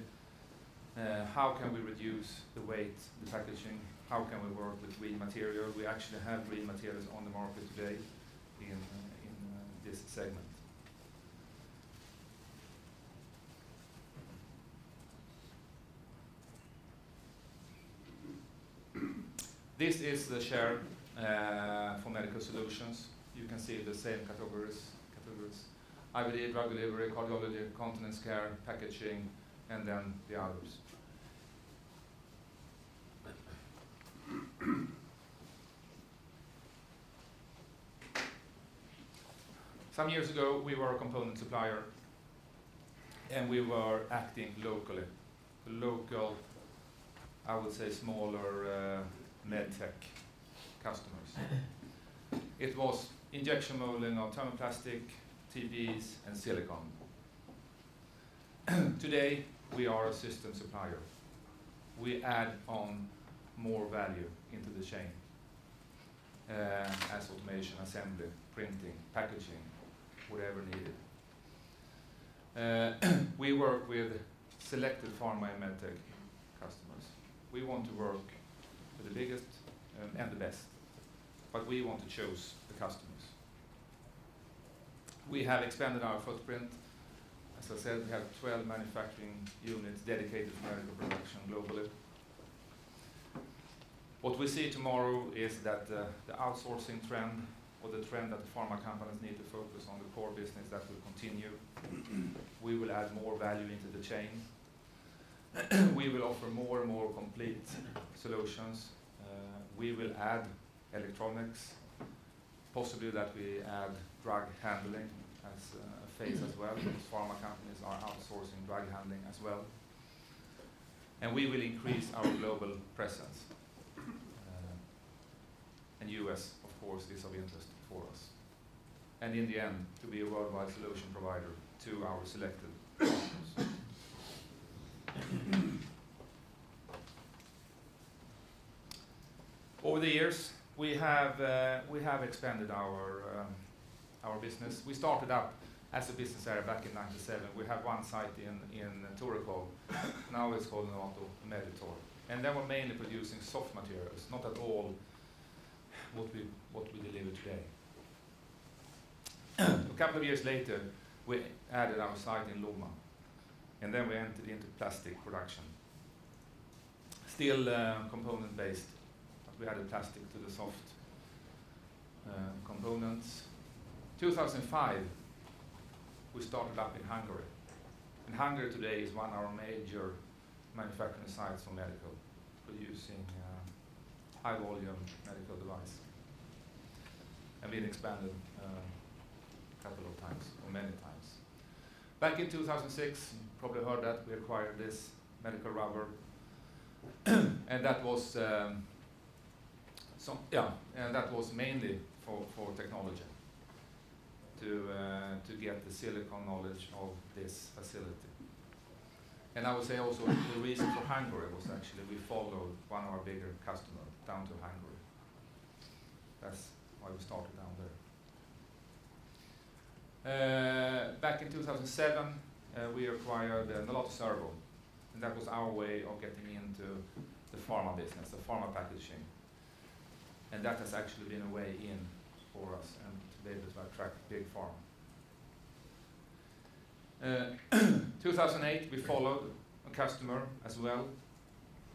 How can we reduce the weight, the packaging? How can we work with green material? We actually have green materials on the market today in this segment. This is the share for Medical Solutions. You can see the same categories. IVD, drug delivery, cardiology, continence care, packaging, and then the others. Some years ago, we were a component supplier, and we were acting locally. Local, I would say, smaller med tech customers. It was injection molding of thermoplastic, PDs, and silicone. Today, we are a system supplier. We add on more value into the chain as automation, assembly, printing, packaging, whatever needed. We work with selected pharma and med tech customers. We want to work with the biggest and the best, but we want to choose the customers. We have expanded our footprint. As I said, we have 12 manufacturing units dedicated for medical production globally. What we see tomorrow is that the outsourcing trend or the trend that the pharma companies need to focus on the core business, that will continue. We will add more value into the chain. We will offer more and more complete solutions. We will add electronics. Possibly that we add drug handling as a phase as well, because pharma companies are outsourcing drug handling as well. We will increase our global presence. U.S., of course, this will be interesting for us. In the end, to be a worldwide solution provider to our selected customers. Over the years, we have expanded our business. We started up as a business back in 1997. We had one site in Torekov, now it's called Nolato MediTor. We're mainly producing soft materials, not at all what we deliver today. A couple of years later, we added our site in Lomma. We entered into plastic production. Still component-based, we added plastic to the soft components. 2005, we started up in Hungary. Hungary today is one of our major manufacturing sites for medical, producing high volume medical device. We expanded a couple of times or many times. Back in 2006, probably heard that we acquired this Medical Rubber. That was mainly for technology to get the silicone knowledge of this facility. I would say also the reason for Hungary was actually we followed one of our bigger customers down to Hungary. That's why we started down there. Back in 2007, we acquired Nolato Cerbo. That was our way of getting into the pharma business, the pharma packaging. That has actually been a way in for us, and to be able to attract big pharma. 2008, we followed a customer as well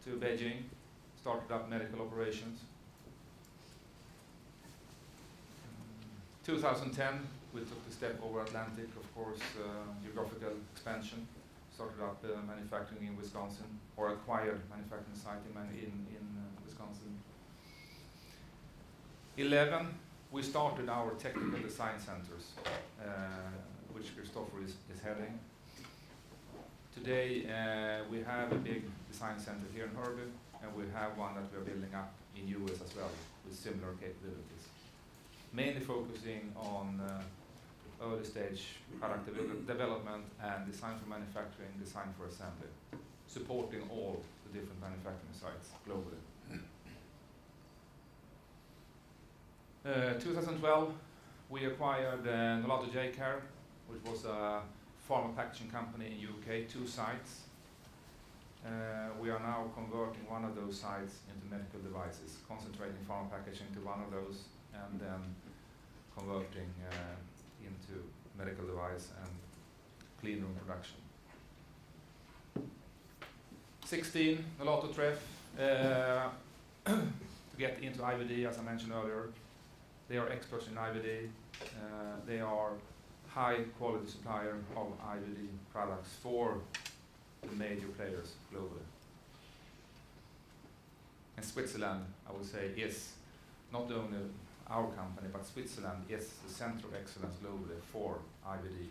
to Beijing, started up medical operations. 2010, we took the step over Atlantic, of course, geographical expansion, started up manufacturing in Wisconsin, or acquired manufacturing site in Wisconsin. 2011, we started our technical design centers, which Kristoffer is heading. Today, we have a big design center here in Hörby, and we have one that we are building up in U.S. as well with similar capabilities. Mainly focusing on early stage product development and design for manufacturing, design for assembly, supporting all the different manufacturing sites globally. 2012, we acquired Nolato Jaycare, which was a pharma packaging company in U.K., two sites. We are now converting one of those sites into medical devices, concentrating pharma packaging to one of those, and then converting into medical device and clean room production. 2016, Nolato Treff. To get into IVD, as I mentioned earlier. They are experts in IVD. They are high quality supplier of IVD products for the major players globally. Switzerland, I would say, is not only our company, but Switzerland is the center of excellence globally for IVD.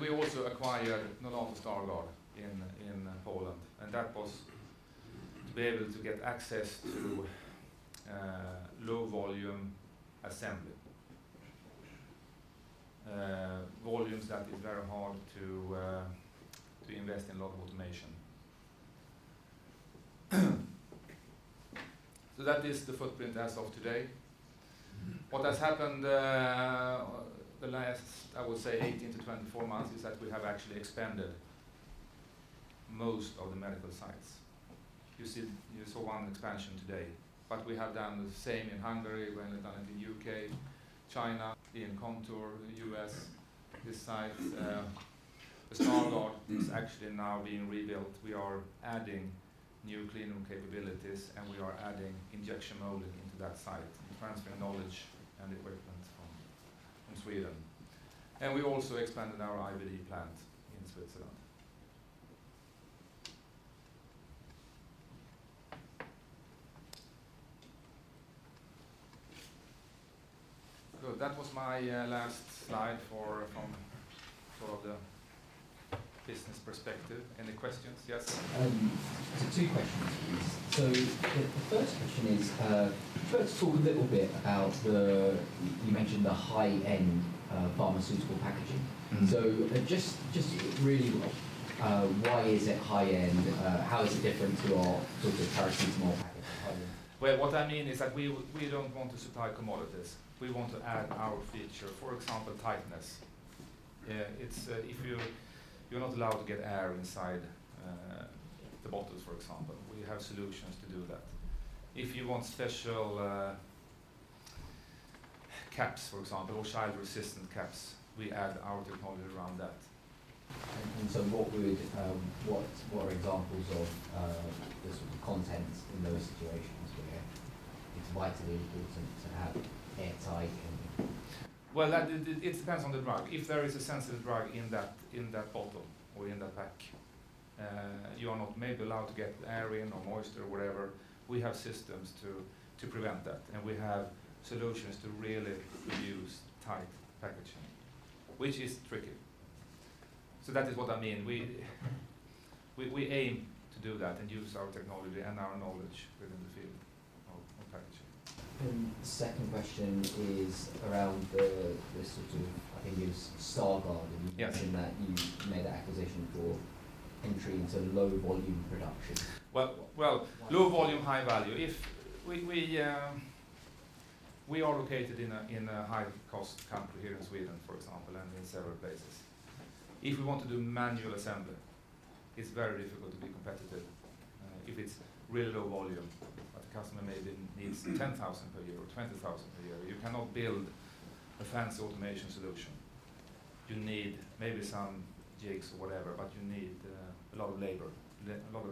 We also acquired Nolato Stargard in Poland, and that was to be able to get access to low volume assembly. Volumes that is very hard to invest in a lot of automation. That is the footprint as of today. What has happened, the last, I would say 18 to 24 months, is that we have actually expanded most of the medical sites. You saw one expansion today. We have done the same in Hungary. We have done it in U.K., China, in Nolato Contour, U.S., these sites. Nolato Stargard is actually now being rebuilt. We are adding new clean room capabilities, and we are adding injection molding into that site and transferring knowledge and equipment from Sweden. We also expanded our IVD plant in Switzerland. Good. That was my last slide for the business perspective. Any questions? Yes. Two questions, please. The first question is, first talk a little bit about the, you mentioned the high-end pharmaceutical packaging. Just really, why is it high end? How is it different to your sort of paracetamol package, high end? Well, what I mean is that we don't want to supply commodities. We want to add our feature. For example, tightness. You're not allowed to get air inside the bottles, for example. We have solutions to do that. If you want special caps, for example, or child-resistant caps, we add our technology around that. What are examples of the sort of contents in those situations where it's vitally important to have airtight and Well, it depends on the drug. If there is a sensitive drug in that bottle or in that pack, you are not maybe allowed to get air in or moisture or whatever. We have systems to prevent that, and we have solutions to really produce tight packaging, which is tricky. That is what I mean. We aim to do that and use our technology and our knowledge within the field. Perfect. Second question is around the, I think it was Stargard. Yes. You made that acquisition for entry into low volume production. Well, low volume, high value. We are located in a high-cost country, here in Sweden, for example, and in several places. If we want to do manual assembly, it's very difficult to be competitive, if it's really low volume. The customer maybe needs 10,000 per year or 20,000 per year. You cannot build a fancy automation solution. You need maybe some jigs or whatever, but you need a lot of labor-intensive.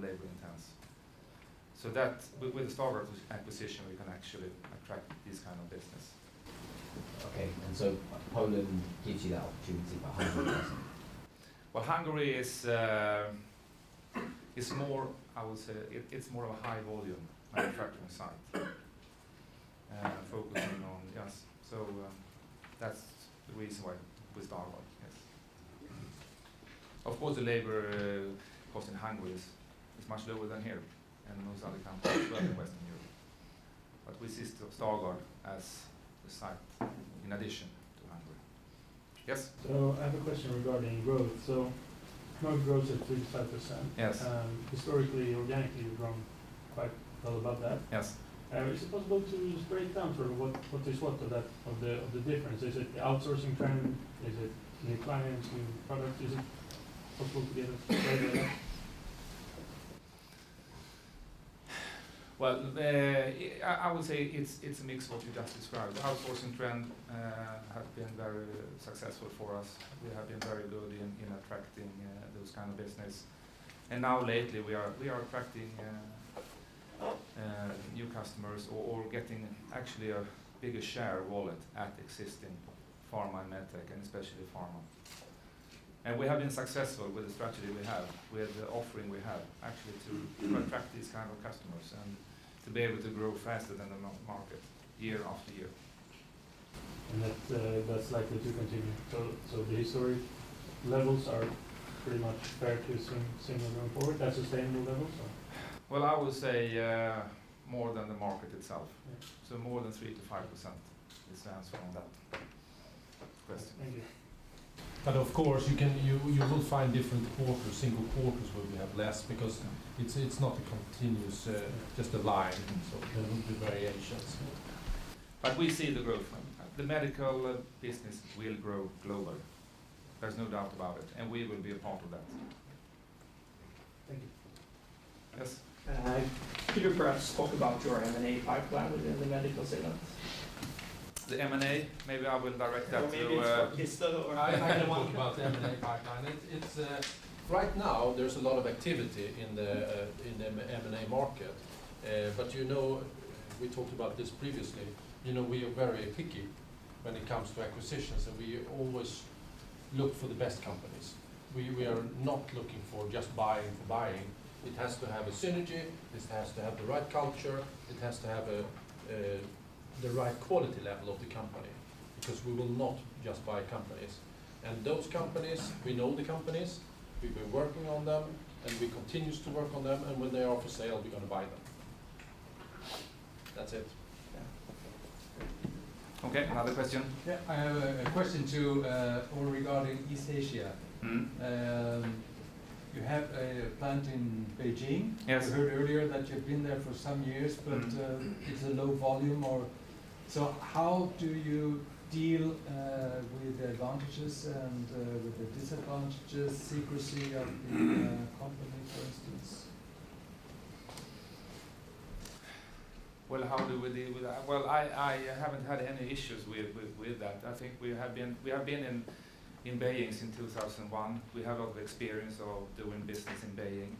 With the Stargard acquisition, we can actually attract this kind of business. Okay. Poland gives you that opportunity, but Hungary doesn't. Well, Hungary is more of a high volume manufacturing site, focusing on Yes. That's the reason why with Stargard. Yes. Of course, the labor cost in Hungary is much lower than here and most other countries as well in Western Europe. We see Stargard as the site in addition to Hungary. Yes? I have a question regarding growth. Growth is at 3%-5%. Yes. Historically, organically, you've grown quite well above that. Yes. Is it possible to break down for what is what of the difference? Is it the outsourcing trend? Is it new clients, new product? Is it possible to get it spread out? Well, I would say it's a mix of what you just described. The outsourcing trend has been very successful for us. We have been very good in attracting those kind of business. Now lately, we are attracting new customers or getting actually a bigger share of wallet at existing pharma and med tech, and especially pharma. We have been successful with the strategy we have, with the offering we have, actually to attract these kind of customers and to be able to grow faster than the market, year after year. That's likely to continue. The historic levels are pretty much fair to assume similar going forward, that sustainable level? Well, I would say, more than the market itself. Yeah. More than 3%-5% is the answer on that question. Thank you. Of course, you will find different quarters, single quarters, where we have less because it's not a continuous, just a line. There will be variations. We see the growth. The medical business will grow globally. There's no doubt about it, and we will be a part of that. Thank you. Yes. Could you perhaps talk about your M&A pipeline within the medical segment? The M&A, maybe I will direct that. Maybe it's for Kristoffer, or either one. talk about the M&A pipeline. Right now, there's a lot of activity in the M&A market. We talked about this previously. We are very picky when it comes to acquisitions, and we always look for the best companies. We are not looking for just buying for buying. It has to have a synergy. It has to have the right culture. It has to have the right quality level of the company because we will not just buy companies. Those companies, we know the companies, we've been working on them, and we continue to work on them, and when they are for sale, we're going to buy them. That's it. Yeah. Okay, another question. Yeah, I have a question too, or regarding East Asia. You have a plant in Beijing. Yes. We heard earlier that you've been there for some years, but it's a low volume. How do you deal with the advantages and with the disadvantages, secrecy of the company, for instance? Well, how do we deal with that? Well, I haven't had any issues with that. I think we have been in Beijing since 2001. We have experience of doing business in Beijing.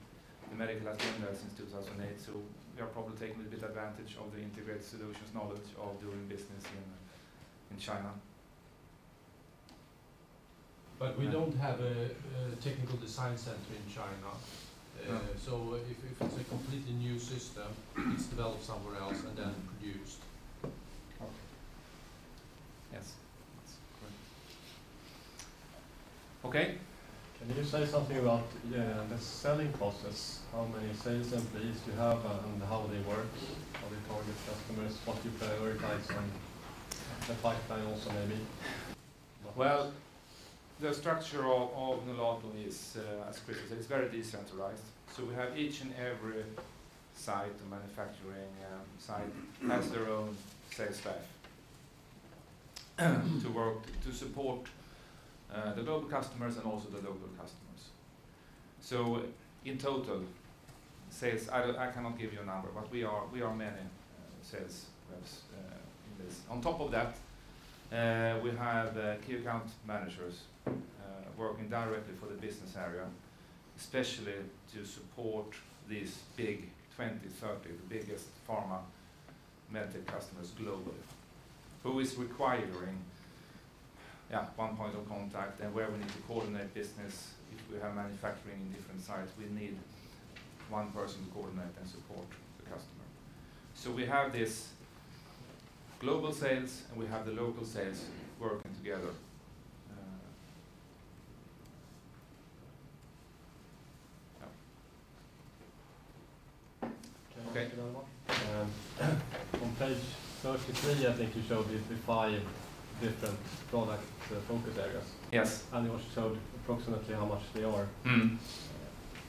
The Medical has been there since 2008, so we are probably taking a bit advantage of the Integrated Solutions knowledge of doing business in China. We don't have a technical design center in China. No. If it's a completely new system, it's developed somewhere else and then produced. Okay. Yes. That's correct. Okay. Can you say something about the selling process, how many sales employees you have and how they work? How they target customers, what you prioritize, and the pipeline also, maybe? Well, the structure of Nolato is as Christer says. It's very decentralized. We have each and every site, the manufacturing site has their own sales staff to support the global customers and also the local customers. In total, sales, I cannot give you a number, but we are many sales reps in this. On top of that, we have key account managers, working directly for the business area, especially to support these big 20, 30, the biggest pharma med tech customers globally, who is requiring one point of contact and where we need to coordinate business. If we have manufacturing in different sites, we need one person to coordinate and support the customer. We have this global sales, and we have the local sales working together. Can I ask another one? Okay. On page 33, I think you showed the five different product focus areas. Yes. You also showed approximately how much they are.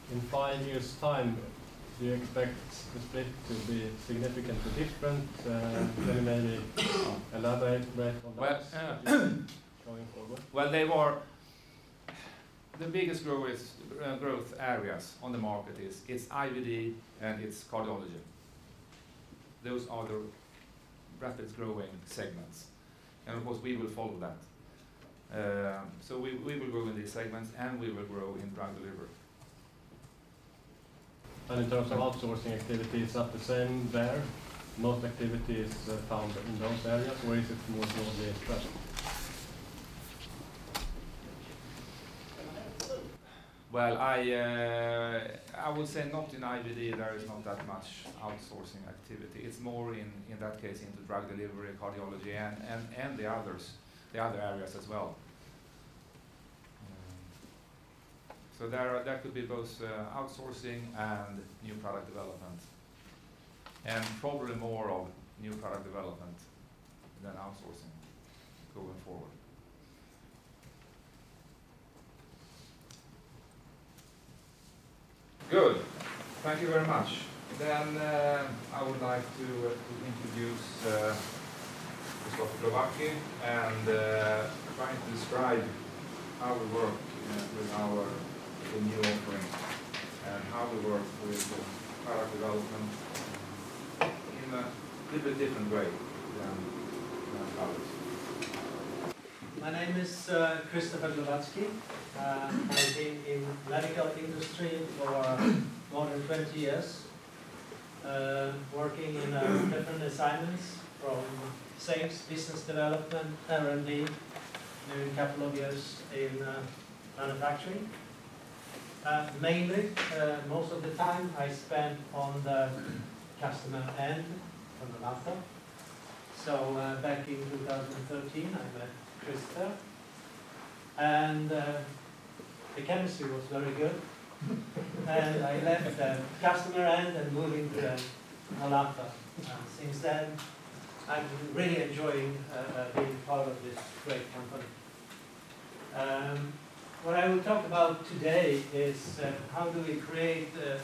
In five years' time, do you expect the split to be significantly different? Very many elaborate method products. Well, going forward. Well, the biggest growth areas on the market is, it's IVD and it's cardiology. Those are the fastest-growing segments. Of course, we will follow that. We will grow in these segments, and we will grow in drug delivery. In terms of outsourcing activities, is that the same there? Most activity is found in those areas or is it more towards the fresh? Well, I would say not in IVD, there is not that much outsourcing activity. It's more, in that case, into drug delivery, cardiology and the other areas as well. That could be both outsourcing and new product development, and probably more of new product development than outsourcing going forward. Good. Thank you very much. I would like to introduce Kristoffer Glowacki and try to describe how we work with the new offerings and how we work with product development in a little different way than others. My name is Kristoffer Glowacki. I've been in medical industry for more than 20 years, working in different assignments from sales, business development, R&D, doing a couple of years in manufacturing. Mainly, most of the time I spent on the customer end of Nolato. Back in 2013, I met Christer, the chemistry was very good. I left the customer end and moved into Nolato. Since then, I'm really enjoying being part of this great company. What I will talk about today is how do we create a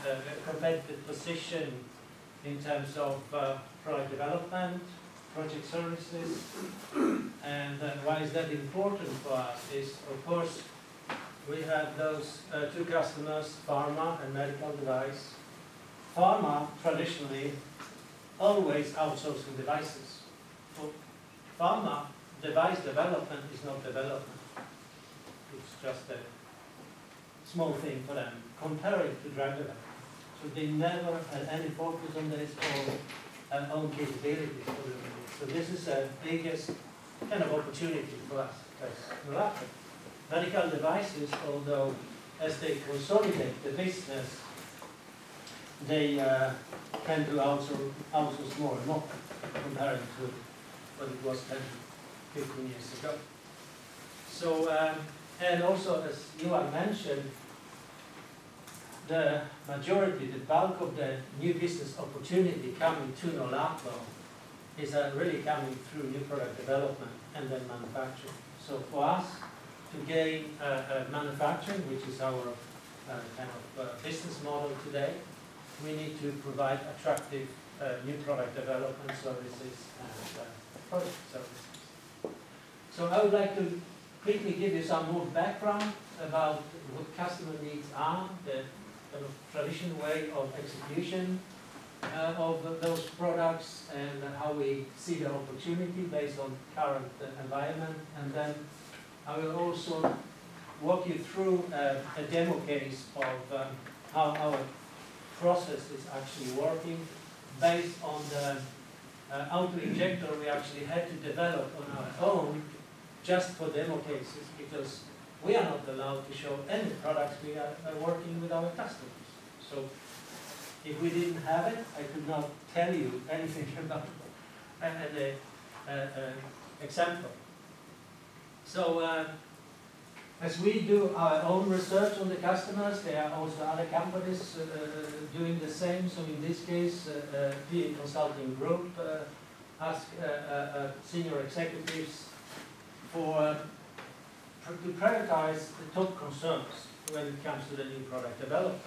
competitive position in terms of product development, project services. Why is that important for us is, of course, we have those two customers, pharma and medical device. Pharma, traditionally, always outsourcing devices. For pharma, device development is not development. It's just a small thing for them comparing to drug development. They never had any focus on this or own capabilities. This is the biggest kind of opportunity for us as Nolato. Medical devices, although as they consolidate the business, they tend to outsource more and more compared to what it was 10, 15 years ago. Also, as Johan mentioned, the majority, the bulk of the new business opportunity coming to Nolato is really coming through new product development and then manufacturing. For us to gain manufacturing, which is our business model today, we need to provide attractive new product development services and project services. I would like to quickly give you some more background about what customer needs are, the traditional way of execution of those products, and how we see the opportunity based on current environment. I will also walk you through a demo case of how our process is actually working based on the autoinjector we actually had to develop on our own just for demo cases, because we are not allowed to show any products we are working with our customers. If we didn't have it, I could not tell you anything about it as an example. As we do our own research on the customers, there are also other companies doing the same. In this case, Bain consulting group asked senior executives to prioritize the top concerns when it comes to the new product development.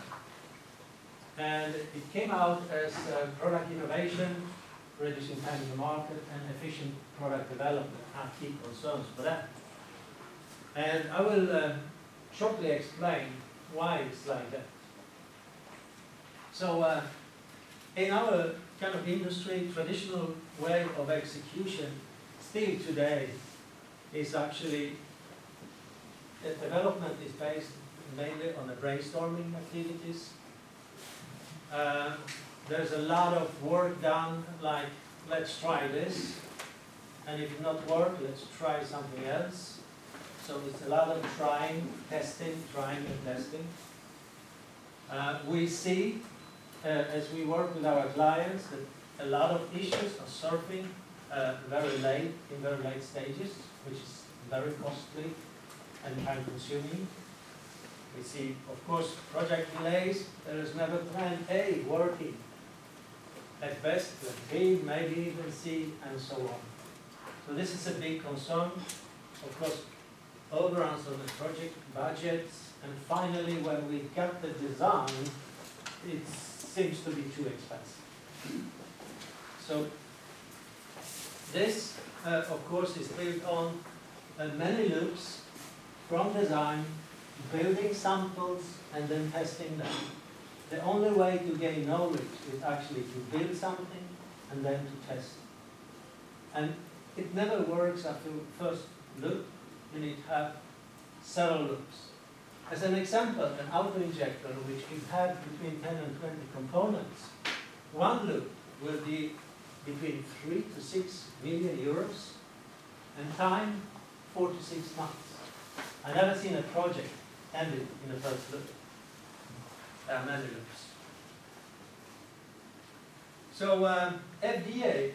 It came out as product innovation, reducing time to market, and efficient product development are key concerns for that. I will shortly explain why it's like that. In our kind of industry, traditional way of execution still today is actually the development is based mainly on the brainstorming activities. There's a lot of work done like, let's try this, and if it not work, let's try something else. It's a lot of trying, testing, trying and testing. As we work with our clients, a lot of issues are surfacing in very late stages, which is very costly and time-consuming. We see, of course, project delays. There is never plan A working. At best, plan B, maybe even C, and so on. This is a big concern. Of course, overruns on the project budgets. Finally, when we get the design, it seems to be too expensive. This, of course, is built on many loops from design, building samples, and then testing them. The only way to gain knowledge is actually to build something and then to test it. It never works after the first loop, you need to have several loops. As an example, an auto injector, which can have between 10 and 20 components, one loop will be between 3 million-6 million euros, and time, 4 to 6 months. I've never seen a project ended in the first loop. There are many loops. FDA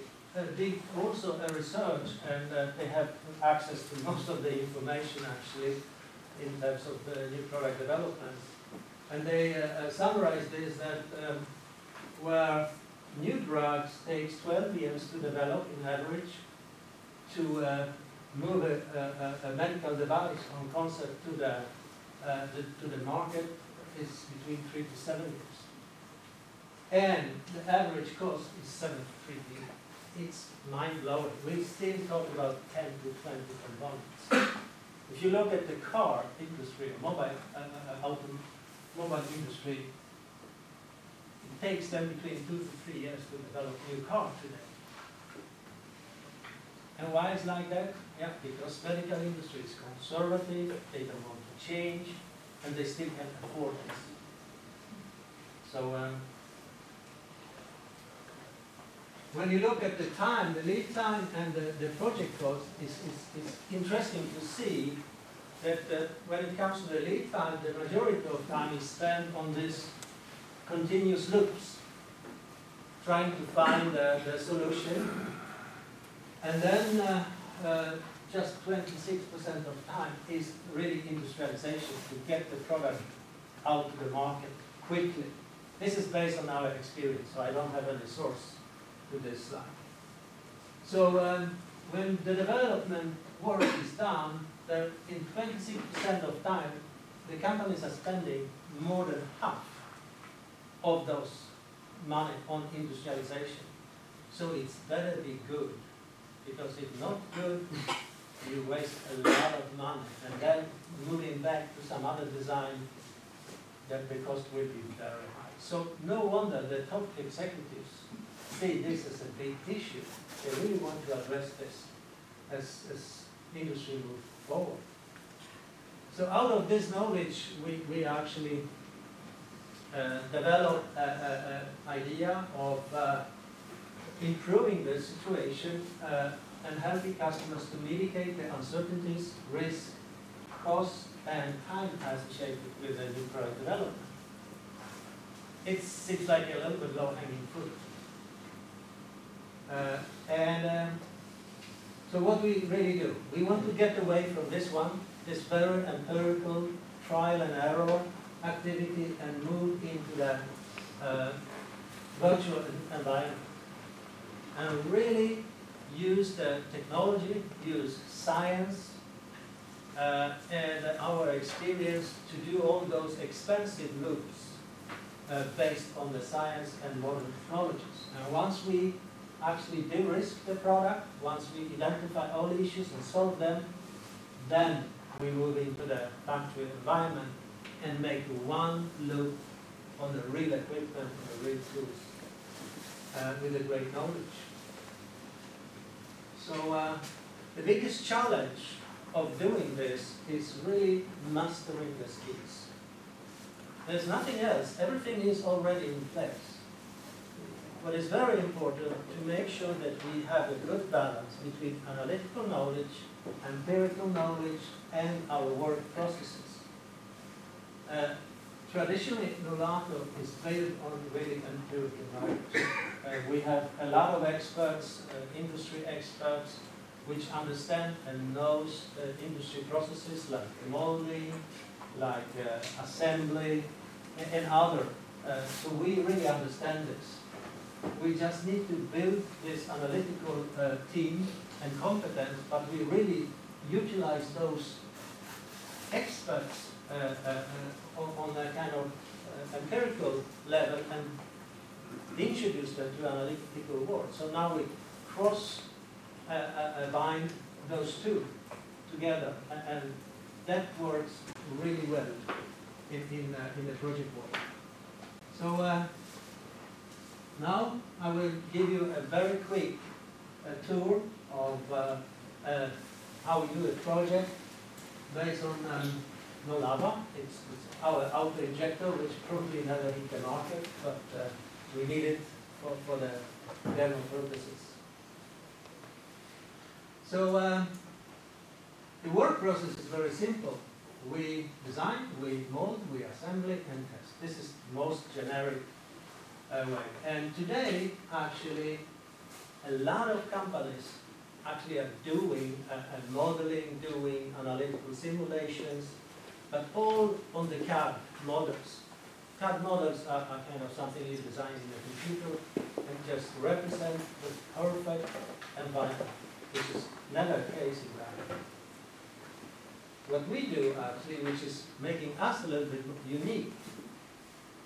did also a research, and they have access to most of the information, actually, in terms of the new product developments. They summarized this, that where new drugs takes 12 years to develop on average, to move a medical device from concept to the market is between 3 to 7 years. The average cost is 73 million. It's mind-blowing. We still talk about 10 to 20 components. If you look at the car industry or mobile industry, it takes them between two to three years to develop a new car today. Why is it like that? Yeah, because medical industry is conservative, they don't want to change, and they still have affordance. When you look at the time, the lead time, and the project cost, it's interesting to see that when it comes to the lead time, the majority of time is spent on these continuous loops trying to find the solution. Just 26% of time is really industrialization to get the product out to the market quickly. This is based on our experience, so I don't have any source to this slide. When the development work is done, in 26% of time, the companies are spending more than half of that money on industrialization. It better be good, because if not good, you waste a lot of money. Moving back to some other design, the cost will be very high. No wonder that top executives see this as a big issue. They really want to address this as industry moves forward. Out of this knowledge, we actually developed an idea of improving the situation, and helping customers to mitigate the uncertainties, risk, cost, and time associated with a new product development. It seems like a little bit low-hanging fruit. What we really do, we want to get away from this one, this very empirical trial-and-error activity, and move into the virtual environment and really use the technology, use science, and our experience to do all those expensive loops, based on the science and modern technologies. Once we actually de-risk the product, once we identify all the issues and solve them, then we move into the factory environment and make one loop on the real equipment and the real tools, with a great knowledge. The biggest challenge of doing this is really mastering the skills. There's nothing else. Everything is already in place. What is very important to make sure that we have a good balance between analytical knowledge, empirical knowledge, and our work processes. Traditionally, Nolato is traded on very empirical knowledge. We have a lot of experts, industry experts, which understand and know the industry processes like molding, like assembly, and others. We really understand this. We just need to build this analytical team and competence, but we really utilize those experts, on the kind of empirical level and introduce them to analytical world. Now we cross-bind those two together, and that works really well in the project world. Now I will give you a very quick tour of how we do a project based on Nolova. It's our autoinjector, which probably never hit the market, we need it for the demo purposes. The work process is very simple. We design, we mold, we assemble, and test. This is the most generic way. Today, actually, a lot of companies actually are doing modeling, doing analytical simulations, but all on the CAD models. CAD models are something you design in a computer and just represent the perfect environment, which is never the case in reality. What we do, actually, which is making us a little bit unique,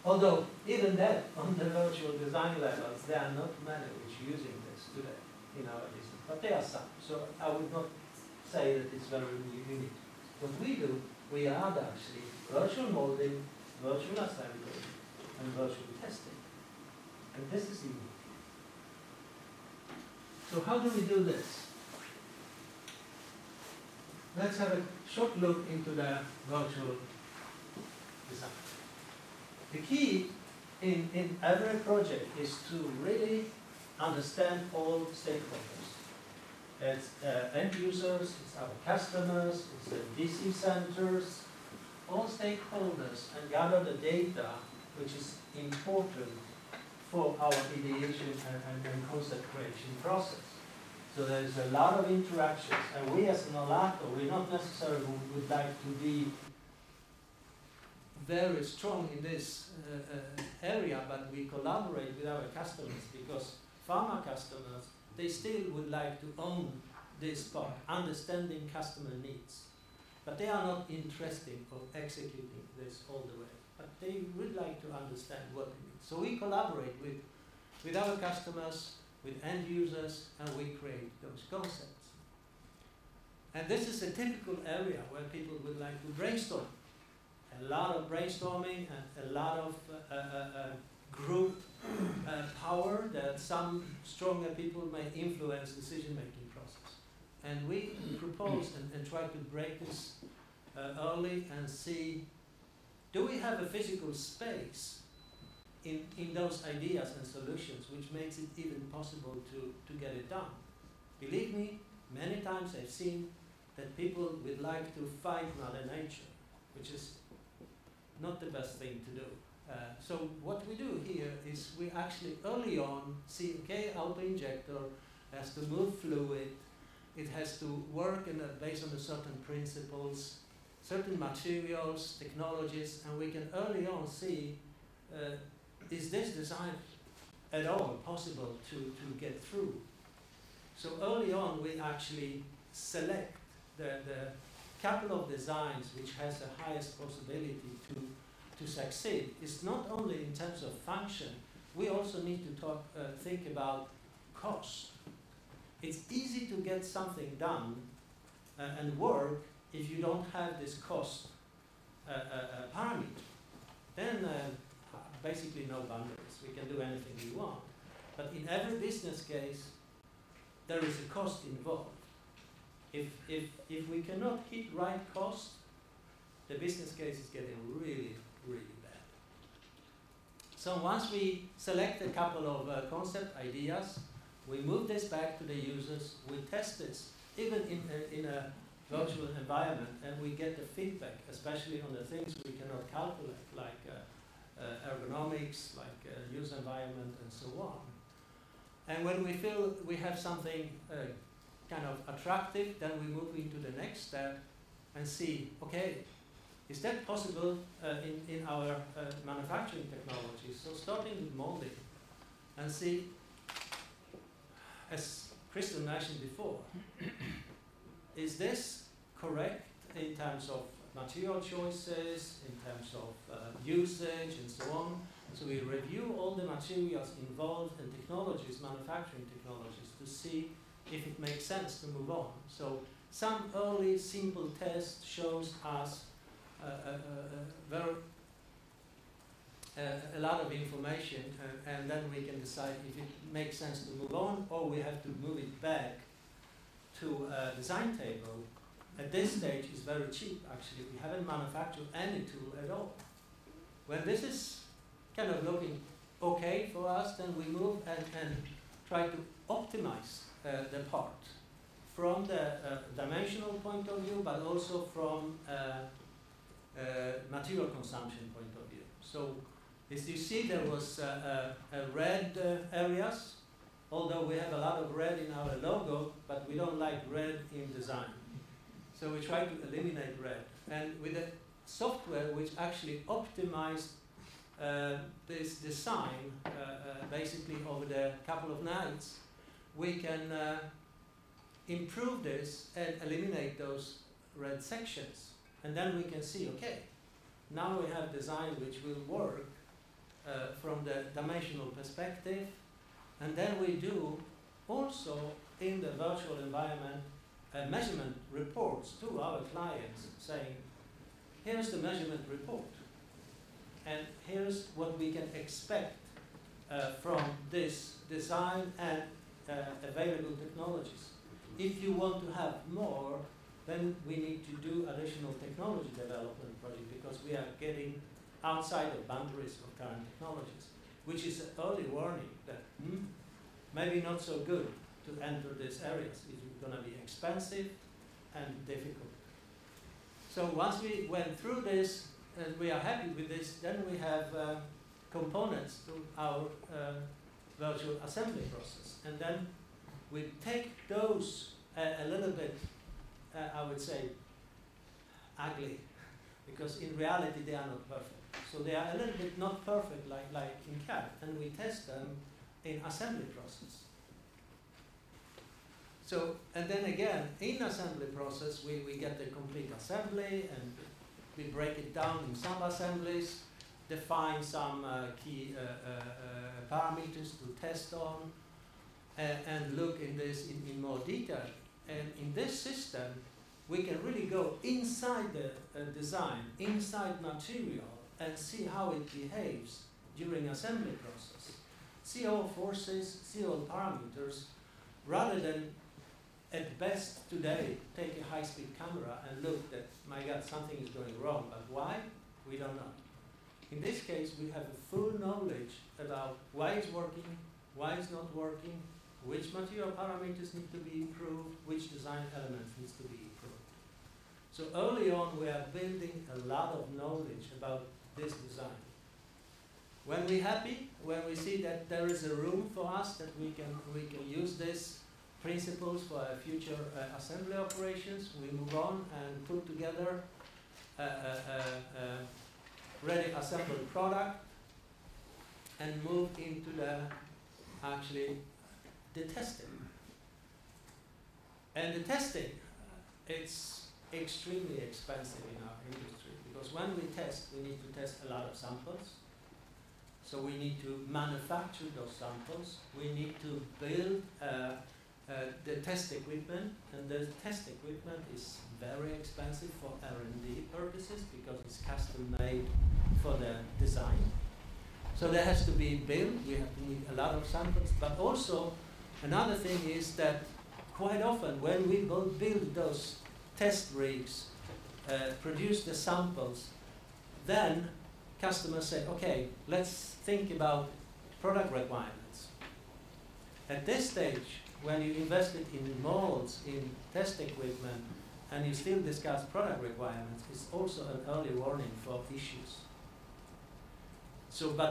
although, even then, on the virtual design levels, there are not many which are using this today in our business. There are some, I would not say that it's very unique. What we do, we add actually virtual modeling, virtual assembly, and virtual testing. This is unique. How do we do this? Let's have a short look into the virtual design. The key in every project is to really understand all stakeholders. It's end users, it's our customers, it's the DC centers, all stakeholders, and gather the data which is important for our ideation and concept creation process. There is a lot of interactions. We, as Nolato, we not necessarily would like to be very strong in this area, but we collaborate with our customers because pharma customers, they still would like to own this part, understanding customer needs. They are not interesting for executing this all the way. They would like to understand what it means. We collaborate with our customers, with end users, and we create those concepts. This is a typical area where people would like to brainstorm. A lot of brainstorming and a lot of group power that some stronger people may influence decision-making process. We propose and try to break this early and see, do we have a physical space in those ideas and solutions which makes it even possible to get it done? Believe me, many times I've seen that people would like to fight Mother Nature, which is not the best thing to do. What we do here is we actually early on see, okay, our injector has to move fluid. It has to work based on certain principles, certain materials, technologies. We can early on see, is this design at all possible to get through? Early on, we actually select the couple of designs which has the highest possibility to succeed. It's not only in terms of function, we also need to think about cost. It's easy to get something done and work if you don't have this cost parameter, then basically no boundaries. We can do anything we want. In every business case, there is a cost involved. If we cannot hit right cost, the business case is getting really, really bad. Once we select a couple of concept ideas, we move this back to the users. We test this even in a virtual environment, and we get the feedback, especially on the things we cannot calculate, like ergonomics, like user environment, and so on. When we feel we have something kind of attractive, then we move into the next step and see, okay, is that possible in our manufacturing technology? Starting with modeling, and see, as Christer mentioned before, is this correct in terms of material choices, in terms of usage, and so on? We review all the materials involved and technologies, manufacturing technologies, to see if it makes sense to move on. Some early simple test shows us a lot of information, and then we can decide if it makes sense to move on or we have to move it back to a design table. At this stage, it's very cheap, actually. We haven't manufactured any tool at all. When this is kind of looking okay for us, then we move and try to optimize the part from the dimensional point of view, but also from a material consumption point of view. As you see, there was red areas, although we have a lot of red in our logo, but we don't like red in design. We try to eliminate red. With a software which actually optimized this design, basically over the couple of nights, we can improve this and eliminate those red sections. Then we can see, okay, now we have design which will work, from the dimensional perspective. Then we do also in the virtual environment, measurement reports to our clients saying, "Here's the measurement report, and here's what we can expect from this design and available technologies. If you want to have more, we need to do additional technology development project because we are getting outside of boundaries of current technologies. This is an early warning that maybe not so good to enter these areas. It's going to be expensive and difficult. Once we went through this, and we are happy with this, we have components to our virtual assembly process. We take those a little bit, I would say, ugly, because in reality, they are not perfect. They are a little bit not perfect like in CAD, and we test them in assembly process. Again, in assembly process, we get the complete assembly, and we break it down in sub-assemblies, define some key parameters to test on, and look in this in more detail. In this system, we can really go inside the design, inside material, and see how it behaves during assembly process, see all forces, see all parameters, rather than at best today, take a high-speed camera and look that, my God, something is going wrong. Why? We don't know. In this case, we have a full knowledge about why it's working, why it's not working, which material parameters need to be improved, which design element needs to be improved. Early on, we are building a lot of knowledge about this design. When we happy, when we see that there is a room for us that we can use this principles for future assembly operations, we move on and put together a ready assembled product and move into the actually the testing. The testing, it's extremely expensive in our industry because when we test, we need to test a lot of samples. We need to manufacture those samples. We need to build the test equipment, and the test equipment is very expensive for R&D purposes because it's custom-made for the design. That has to be built. We need a lot of samples. Also, another thing is that quite often when we build those test rigs, produce the samples, then customers say, "Okay, let's think about product requirements." At this stage, when you invested in molds, in test equipment, and you still discuss product requirements, it's also an early warning for issues.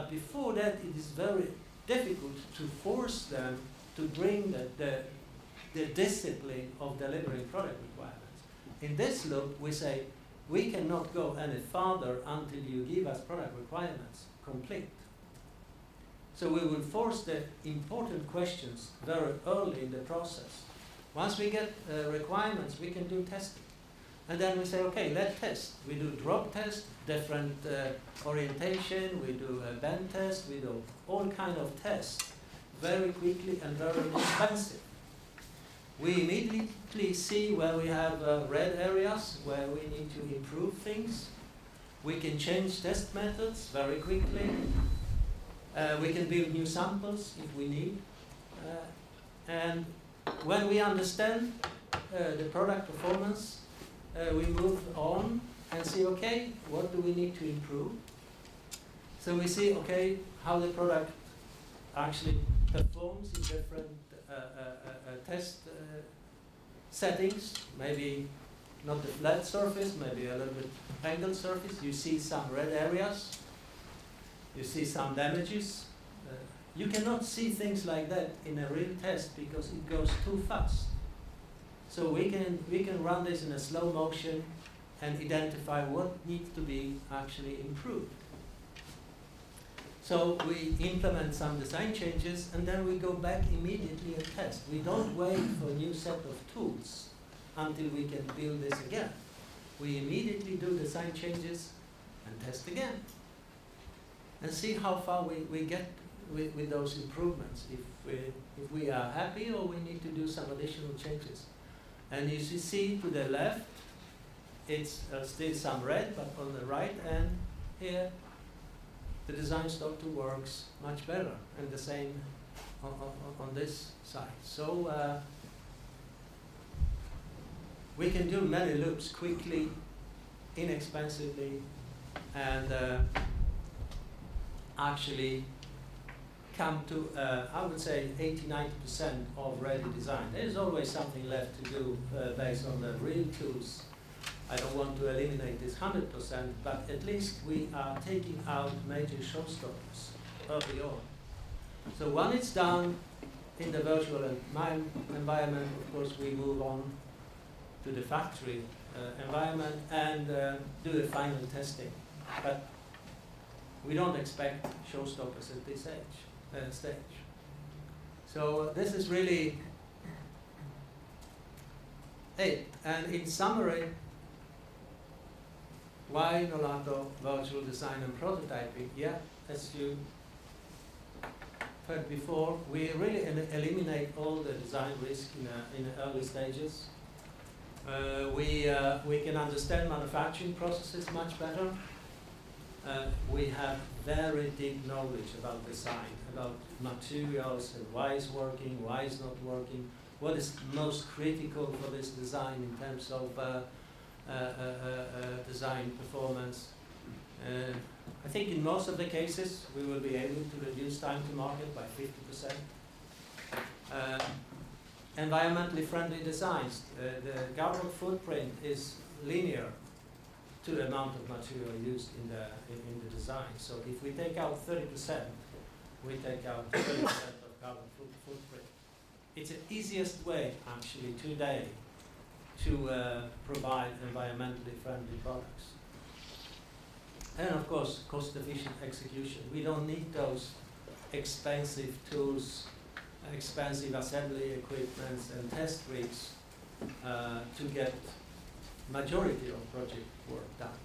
Before that, it is very difficult to force them to bring the discipline of delivering product requirements. In this loop, we say, "We cannot go any further until you give us product requirements complete." We will force the important questions very early in the process. Once we get requirements, we can do testing. Then we say, "Okay, let's test." We do drop test, different orientation. We do a bend test. We do all kind of tests very quickly and very inexpensive. We immediately see where we have red areas, where we need to improve things. We can change test methods very quickly. We can build new samples if we need. When we understand the product performance, we move on and see, okay, what do we need to improve? We see, okay, how the product actually performs in different test settings. Maybe not a flat surface, maybe a little bit angled surface. You see some red areas. You see some damages. You cannot see things like that in a real test because it goes too fast. We can run this in a slow motion and identify what needs to be actually improved. We implement some design changes, and then we go back immediately and test. We don't wait for a new set of tools until we can build this again. We immediately do design changes and test again and see how far we get with those improvements, if we are happy or we need to do some additional changes. As you see to the left, it's still some red, but on the right-hand here, the design starts to work much better, and the same on this side. We can do many loops quickly, inexpensively, and actually come to, I would say, 80%-90% of ready design. There's always something left to do based on the real tools. I don't want to eliminate this 100%, but at least we are taking out major showstoppers early on. When it's done in the virtual environment, of course, we move on to the factory environment and do the final testing. We don't expect showstoppers at this stage. This is really it. In summary, why Nolato virtual design and prototyping? As you heard before, we really eliminate all the design risk in the early stages. We can understand manufacturing processes much better. We have very deep knowledge about design, about materials, and why it's working, why it's not working, what is most critical for this design in terms of design performance. I think in most of the cases, we will be able to reduce time to market by 50%. Environmentally friendly designs. The carbon footprint is linear to the amount of material used in the design. If we take out 30%, we take out 30% of carbon footprint. It's the easiest way, actually, today to provide environmentally friendly products. Of course, cost-efficient execution. We don't need those expensive tools and expensive assembly equipments and test rigs, to get majority of project work done.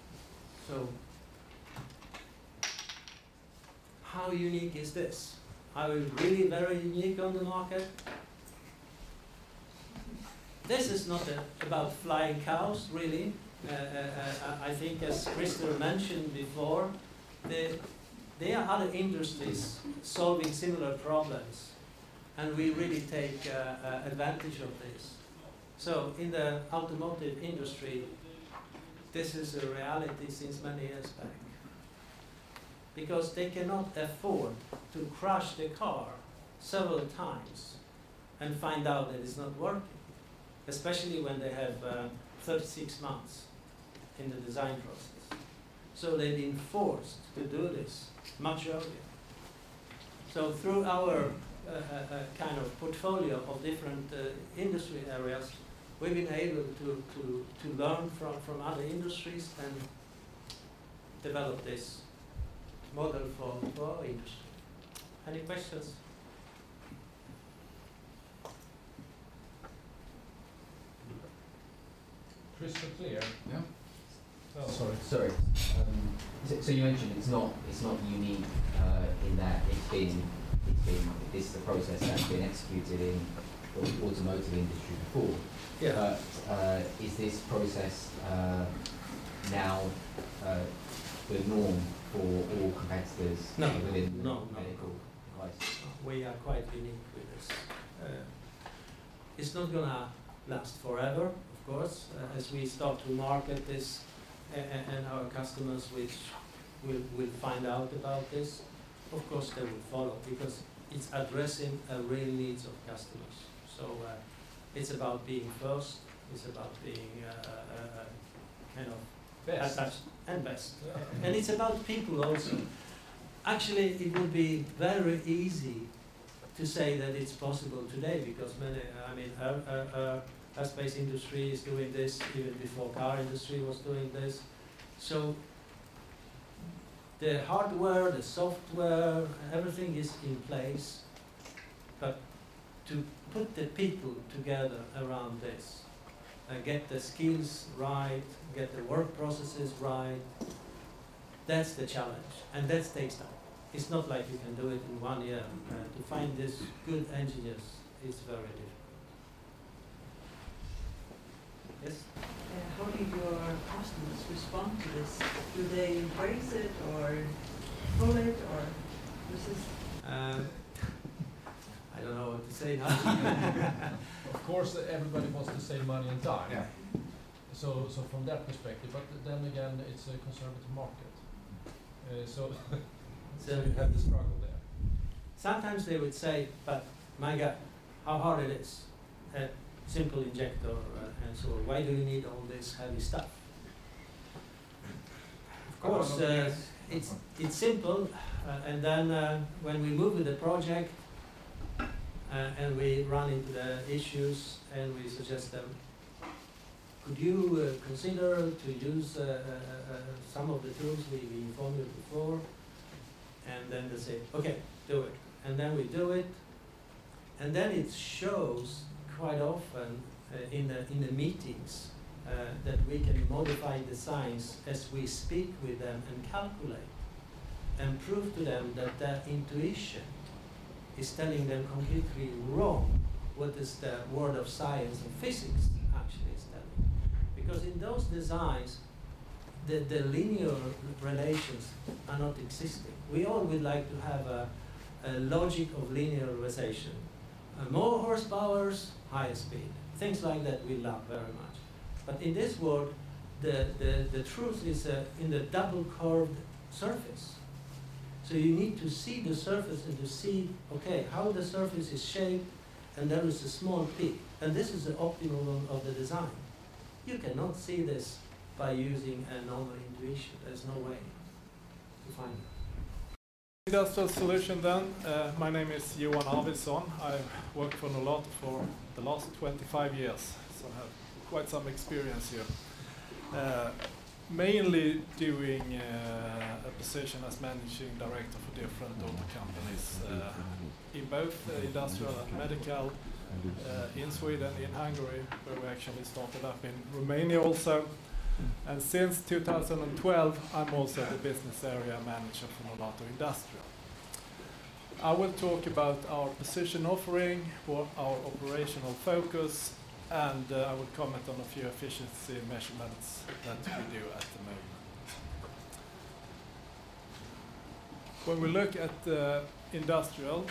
How unique is this? Are we really very unique on the market? This is not about flying cars, really. I think as Kristoffer mentioned before, there are other industries solving similar problems, and we really take advantage of this. In the automotive industry, this is a reality since many years back. They cannot afford to crash the car several times and find out that it's not working, especially when they have 36 months in the design process. They've been forced to do this much earlier. Through our portfolio of different industry areas, we've been able to learn from other industries and develop this model for our industry. Any questions? Kristoffer, yeah? Sorry. You mentioned it's not unique, in that this is a process that's been executed in the automotive industry before. Yeah. Is this process now the norm for all competitors? No within the medical devices? We are quite unique with this. It's not going to last forever, of course, as we start to market this, and our customers which will find out about this. Of course, they will follow because it's addressing a real needs of customers. It's about being first. Best Best. It's about people also. Actually, it will be very easy to say that it's possible today because aerospace industry is doing this even before car industry was doing this. The hardware, the software, everything is in place, but to put the people together around this and get the skills right, get the work processes right, that's the challenge, and that takes time. It's not like you can do it in one year. To find this good engineers is very difficult. Yes? How do your customers respond to this? Do they embrace it or pull it or resist? I don't know what to say now. Of course, everybody wants to save money and time. Yeah. From that perspective. Then again, it's a conservative market. You have the struggle there. Sometimes they would say, "My God, how hard it is. A simple injector. Why do you need all this heavy stuff? Of course, yes. It's simple. When we move with the project, we run into the issues, we suggest them, "Could you consider to use some of the tools we informed you before?" They say, "Okay, do it." We do it shows quite often, in the meetings, that we can modify designs as we speak with them and calculate and prove to them that their intuition is telling them completely wrong, what is the world of science and physics actually is telling. In those designs, the linear relations are not existing. We all would like to have a logic of linearization. More horsepowers, higher speed, things like that we love very much. In this world, the truth is in the double curved surface. You need to see the surface and to see, okay, how the surface is shaped, and there is a small peak. This is the optimum of the design. You cannot see this by using a normal intuition. There is no way to find that. Industrial Solutions. My name is Johan Arvidsson. I've worked for Nolato for the last 25 years, so I have quite some experience here. Mainly doing a position as managing director for different Nolato companies, in both industrial and medical, in Sweden, in Hungary, where we actually started up in Romania also. Since 2012, I'm also the business area manager for Nolato Industrial. I will talk about our position offering, what our operational focus is, and I will comment on a few efficiency measurements that we do at the moment. When we look at Industrial,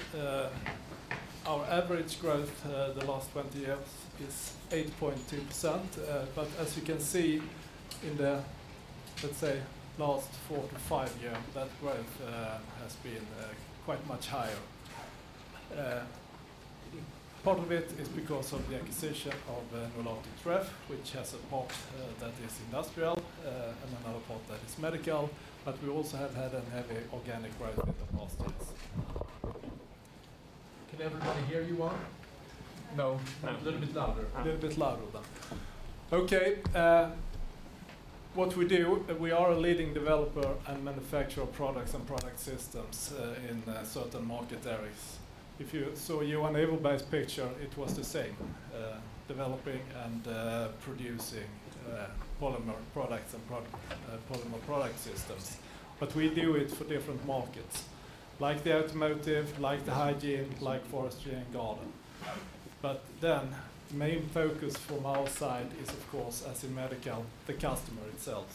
our average growth the last 20 years is 8.2%, as you can see in the last four to five years, that growth has been quite much higher. Part of it is because of the acquisition of Nolato Treff, which has a part that is industrial and another part that is medical. We also have had a heavy organic growth in the past years. Can everybody hear Johan? No. No. A little bit louder. A little bit louder. Okay. What we do, we are a leading developer and manufacturer of products and product systems in certain market areas. If you saw Johan Iveberg's picture, it was the same, developing and producing polymer products and polymer product systems. We do it for different markets, like the automotive, like the hygiene, like forestry and garden. The main focus from our side is, of course, as in medical, the customer itself.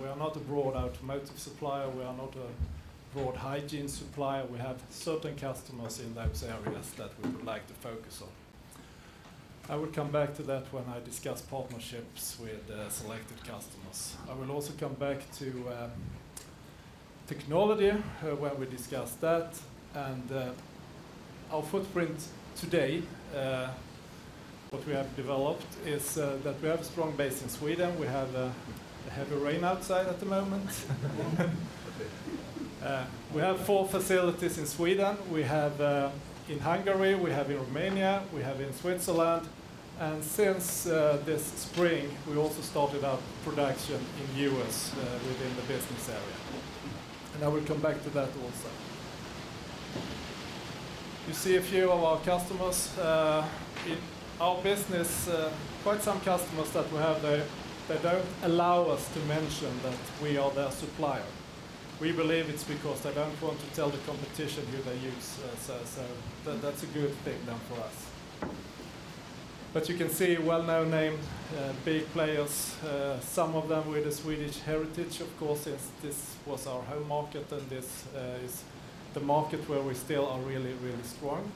We are not a broad automotive supplier. We are not a broad hygiene supplier. We have certain customers in those areas that we would like to focus on. I will come back to that when I discuss partnerships with selected customers. I will also come back to technology, where we discuss that, and our footprint today. What we have developed is that we have a strong base in Sweden. We have heavy rain outside at the moment. We have four facilities in Sweden. We have in Hungary, we have in Romania, we have in Switzerland, and since this spring, we also started our production in the U.S. within the business area. I will come back to that also. You see a few of our customers. In our business, quite some customers that we have, they don't allow us to mention that we are their supplier. We believe it's because they don't want to tell the competition who they use, so that's a good thing then for us. You can see well-known names, big players, some of them with a Swedish heritage, of course, since this was our home market, and this is the market where we still are really strong.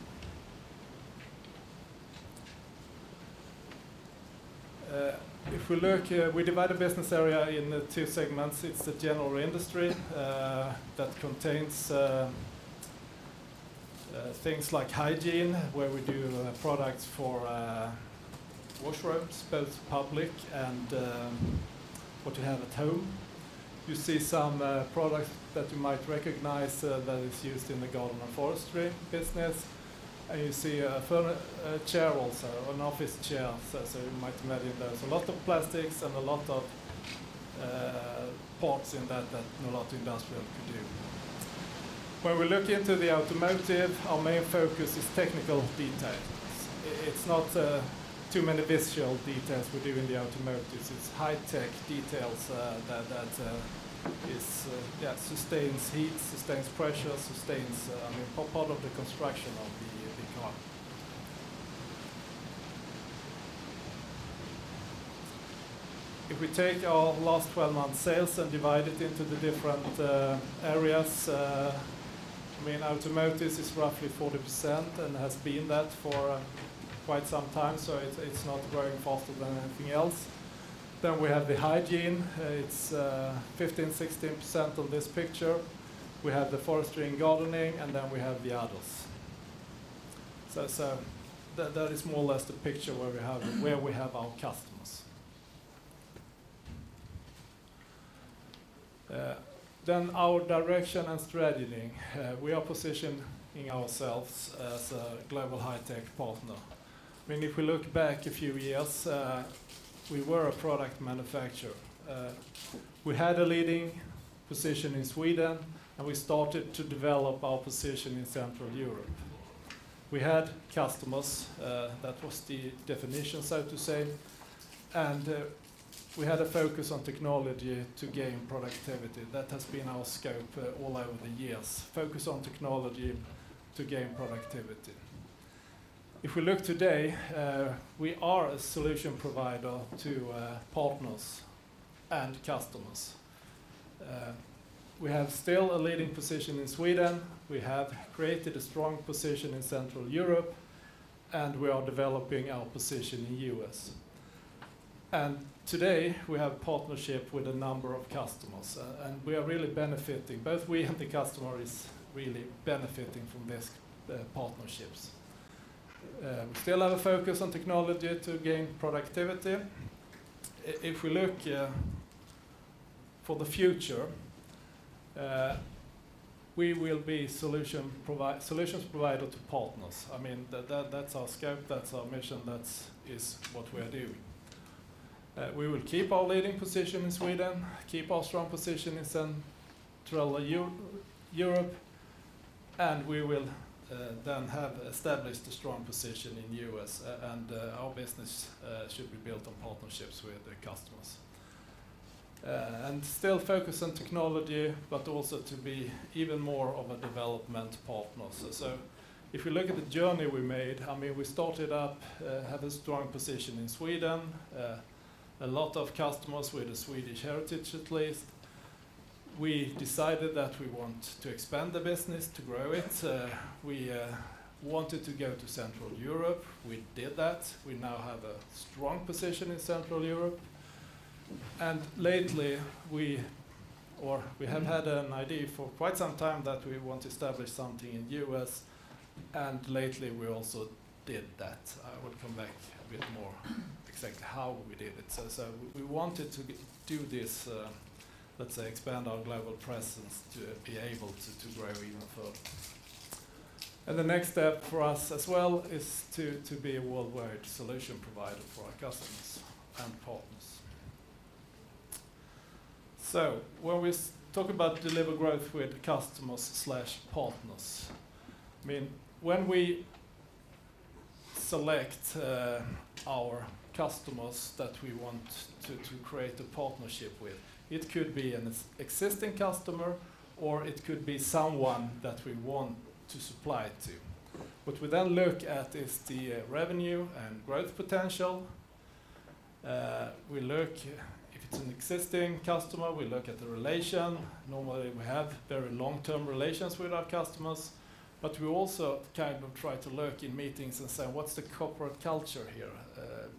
If we look, we divide the business area into two segments. It's the general industry that contains things like hygiene, where we do products for washrooms, both public and what you have at home. You see some products that you might recognize that is used in the garden and forestry business. You see a chair also, an office chair, so you might imagine there's a lot of plastics and a lot of parts in that Nolato Industrial could do. When we look into the automotive, our main focus is technical details. It's not too many visual details we do in the automotive. It's high-tech details that sustains heat, sustains pressure, sustains part of the construction of the car. If we take our last 12 months' sales and divide it into the different areas, automotive is roughly 40% and has been that for quite some time, it's not growing faster than anything else. We have the hygiene. It's 15%, 16% of this picture. We have the forestry and gardening, and then we have the others. That is more or less the picture where we have our customers. Our direction and strategy. We are positioning ourselves as a global high-tech partner. If we look back a few years, we were a product manufacturer. We had a leading position in Sweden, and we started to develop our position in Central Europe. We had customers, that was the definition, so to say, and we had a focus on technology to gain productivity. That has been our scope all over the years, focus on technology to gain productivity. If we look today, we are a solution provider to partners and customers. We have still a leading position in Sweden. We have created a strong position in Central Europe, and we are developing our position in the U.S. Today, we have partnerships with a number of customers, and we are really benefiting. Both we and the customer are really benefiting from these partnerships. We still have a focus on technology to gain productivity. If we look for the future, we will be solutions provider to partners. That's our scope, that's our mission, that is what we are doing. We will keep our leading position in Sweden, keep our strong position in Central Europe. We will then have established a strong position in the U.S. Our business should be built on partnerships with the customers. Still focus on technology, also to be even more of a development partner. If we look at the journey we made, we started up, had a strong position in Sweden, a lot of customers with a Swedish heritage, at least. We decided that we want to expand the business, to grow it. We wanted to go to Central Europe. We did that. We now have a strong position in Central Europe. Lately, we have had an idea for quite some time that we want to establish something in U.S. Lately, we also did that. I will come back a bit more exactly how we did it. We wanted to do this, let's say, expand our global presence to be able to grow even further. The next step for us as well is to be a worldwide solution provider for our customers and partners. When we talk about deliver growth with customers/partners, when we select our customers that we want to create a partnership with, it could be an existing customer, or it could be someone that we want to supply to. What we then look at is the revenue and growth potential. If it's an existing customer, we look at the relation. Normally, we have very long-term relations with our customers, but we also try to look in meetings and say: "What's the corporate culture here?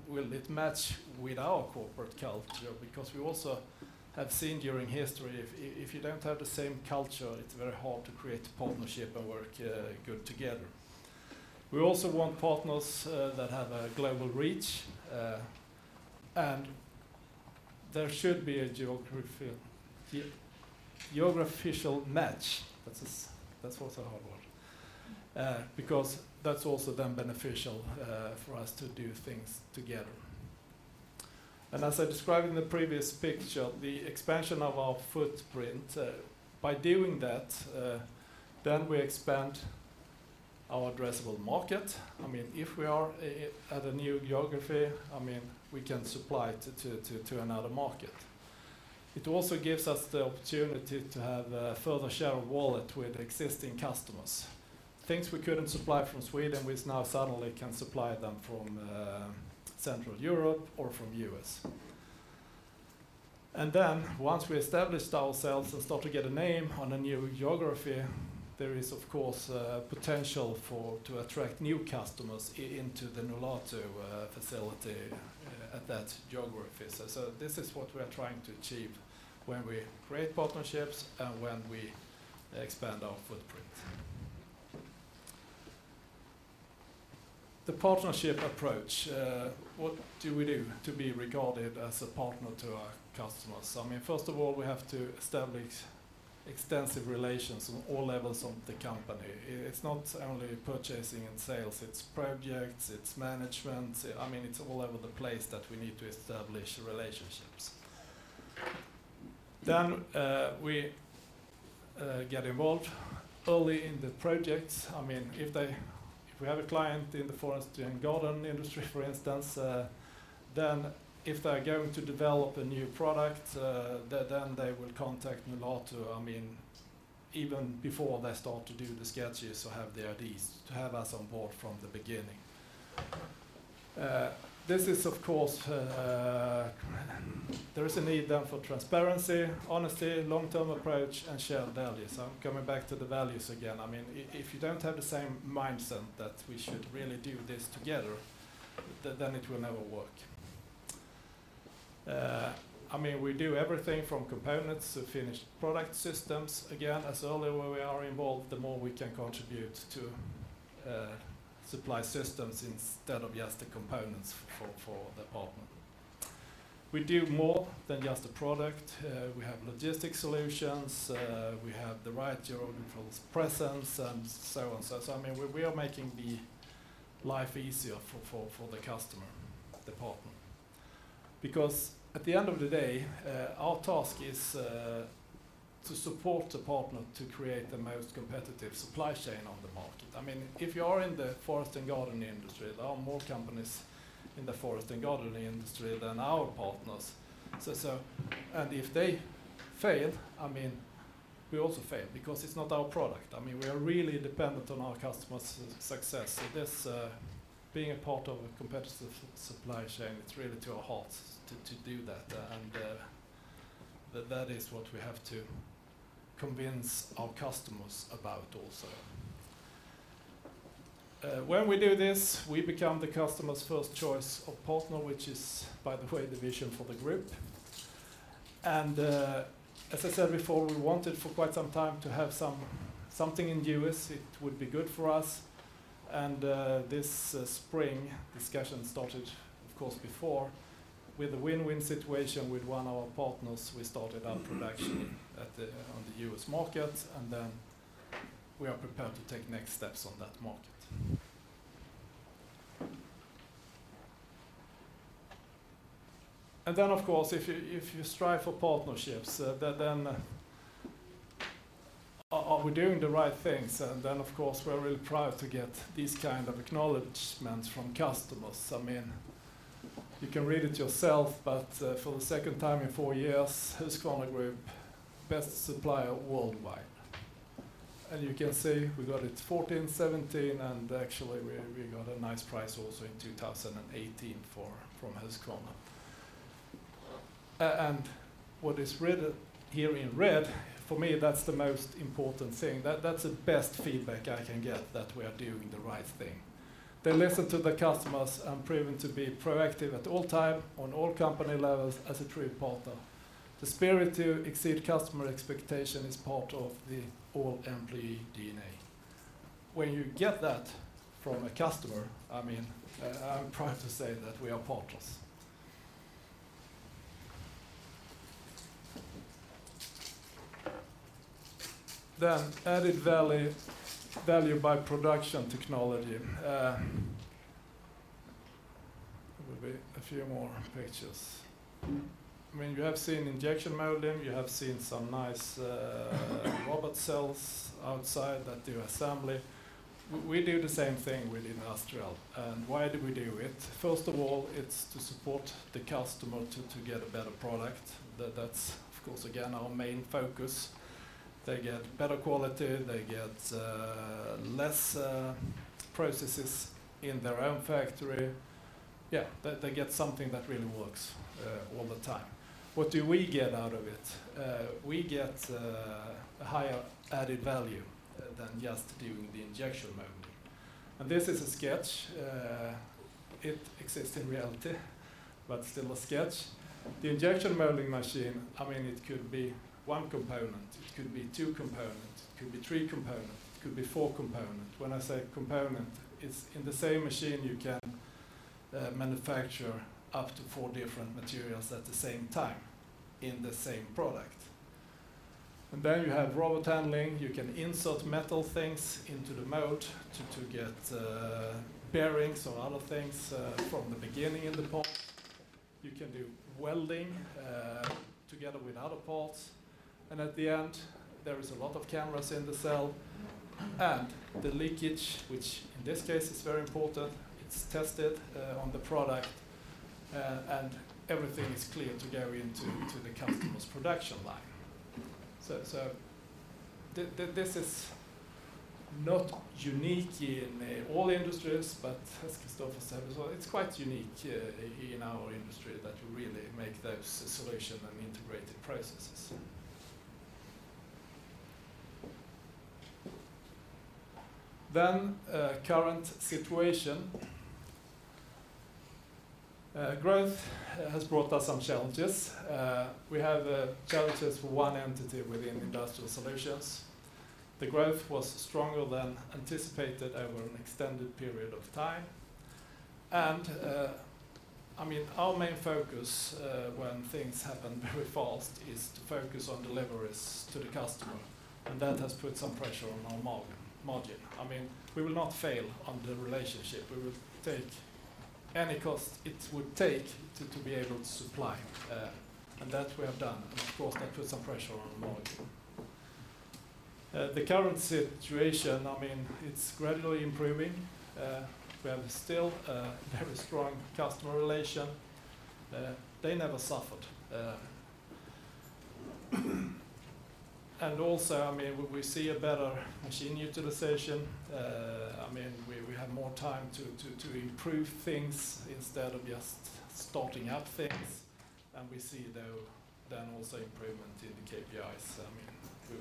Will it match with our corporate culture? We also have seen during history, if you don't have the same culture, it's very hard to create partnership and work good together. We also want partners that have a global reach, and there should be a geographical match. That's also a hard word. That's also then beneficial for us to do things together. As I described in the previous picture, the expansion of our footprint, by doing that, then we expand our addressable market. If we are at a new geography, we can supply to another market. It also gives us the opportunity to have a further share of wallet with existing customers. Things we couldn't supply from Sweden, we now suddenly can supply them from Central Europe or from U.S. Once we established ourselves and start to get a name on a new geography, there is, of course, potential to attract new customers into the Nolato facility at that geography. This is what we are trying to achieve when we create partnerships and when we expand our footprint. The partnership approach. What do we do to be regarded as a partner to our customers? First of all, we have to establish extensive relations on all levels of the company. It's not only purchasing and sales, it's projects, it's management. It's all over the place that we need to establish relationships. We get involved early in the projects. If we have a client in the forest and garden industry, for instance, if they're going to develop a new product, they will contact Nolato even before they start to do the sketches or have the ideas to have us on board from the beginning. There is a need for transparency, honesty, long-term approach, and shared values. I'm coming back to the values again. If you don't have the same mindset that we should really do this together, then it will never work. We do everything from components to finished product systems. Again, as early where we are involved, the more we can contribute to supply systems instead of just the components for the partner. We do more than just the product. We have logistic solutions. We have the right geographical presence and so on. We are making the life easier for the customer, the partner. Because at the end of the day, our task is to support the partner to create the most competitive supply chain on the market. If you are in the forest and garden industry, there are more companies in the forest and garden industry than our partners. If they fail, we also fail because it's not our product. We are really dependent on our customers' success. This being a part of a competitive supply chain, it's really to our heart to do that, and that is what we have to convince our customers about also. When we do this, we become the customer's first choice of partner, which is, by the way, the vision for the group. As I said before, we wanted for quite some time to have something in U.S. It would be good for us. This spring, discussion started, of course, before, with a win-win situation with one of our partners. We started up production on the U.S. market, and then we are prepared to take next steps on that market. Then, of course, if you strive for partnerships, then, are we doing the right things? Then, of course, we are really proud to get these kind of acknowledgments from customers. You can read it yourself, but for the second time in four years, Husqvarna Group, best supplier worldwide. You can see we got it '14, '17, and actually, we got a nice prize also in 2018 from Husqvarna. What is written here in red, for me, that's the most important thing. That's the best feedback I can get that we are doing the right thing. They listen to the customers and proven to be proactive at all time on all company levels as a true partner. The spirit to exceed customer expectation is part of the all employee DNA. When you get that from a customer, I'm proud to say that we are partners. Added value by production technology. There will be a few more pictures. You have seen injection molding, you have seen some nice robot cells outside that do assembly. We do the same thing within Industrial. Why do we do it? First of all, it's to support the customer to get a better product. That's, of course, again, our main focus. They get better quality, they get less processes in their own factory. Yeah, they get something that really works all the time. What do we get out of it? We get a higher added value than just doing the injection molding. This is a sketch. It exists in reality, but still a sketch. The injection molding machine, it could be 1 component, it could be 2 components, it could be 3 components, it could be 4 components. When I say component, it's in the same machine you can manufacture up to four different materials at the same time in the same product. Then you have robot handling. You can insert metal things into the mold to get bearings or other things from the beginning in the part. You can do welding together with other parts, and at the end, there is a lot of cameras in the cell. The leakage, which in this case is very important, it's tested on the product, and everything is clear to go into the customer's production line. This is not unique in all industries, but as Kristoffer said as well, it's quite unique in our industry that you really make those solutions and integrated processes. Current situation. Growth has brought us some challenges. We have challenges for one entity within Industrial Solutions. The growth was stronger than anticipated over an extended period of time. Our main focus, when things happen very fast, is to focus on deliveries to the customer. That has put some pressure on our margin. We will not fail on the relationship. We will take any cost it would take to be able to supply. That we have done, and of course, that put some pressure on the margin. The current situation, it's gradually improving. We have still a very strong customer relation. They never suffered. Also, we see a better machine utilization. We have more time to improve things instead of just starting up things. We see then also improvement in the KPIs.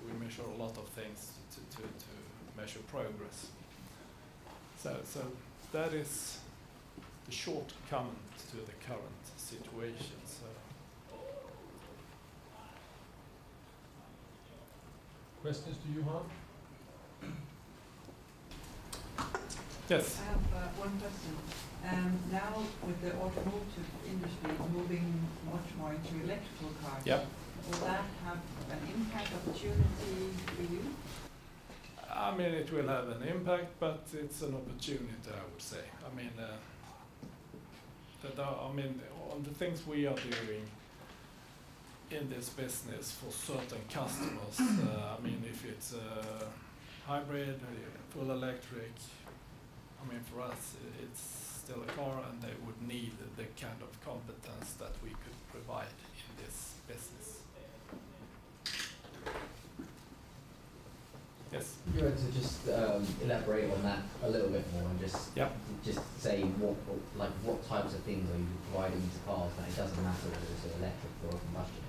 We measure a lot of things to measure progress. That is the short comment to the current situation. Questions to Johan? Yes. I have one question. Now with the automotive industry moving much more into electrical cars- Yeah will that have an impact opportunity for you? It will have an impact, but it's an opportunity, I would say. On the things we are doing in this business for certain customers, if it's a hybrid, full electric, for us, it's still a car, and they would need the kind of competence that we could provide in this business. Yes. If you were to just elaborate on that a little bit more. Yeah just say what types of things are you providing to cars? It doesn't matter whether it's electric or combustion.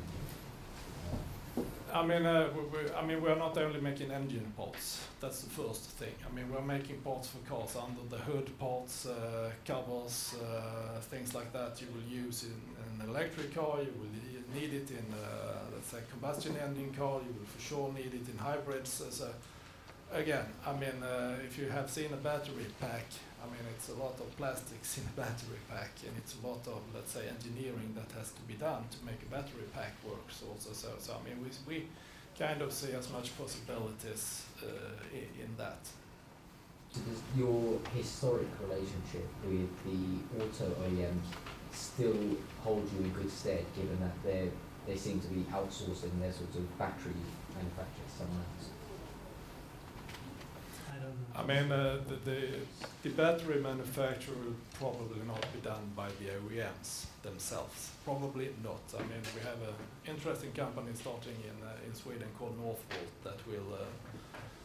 We're not only making engine parts. That's the first thing. We're making parts for cars, under the hood parts, covers, things like that you will use in an electric car, you will need it in, let's say, combustion engine car. You will for sure need it in hybrids. Again, if you have seen a battery pack, it's a lot of plastics in a battery pack, and it's a lot of, let's say, engineering that has to be done to make a battery pack work also. We kind of see as much possibilities in that. Does your historic relationship with the auto OEMs still hold you in good stead given that they seem to be outsourcing their battery manufacturers somewhere else? I don't know. The battery manufacturer will probably not be done by the OEMs themselves. Probably not. We have an interesting company starting in Sweden called Northvolt that will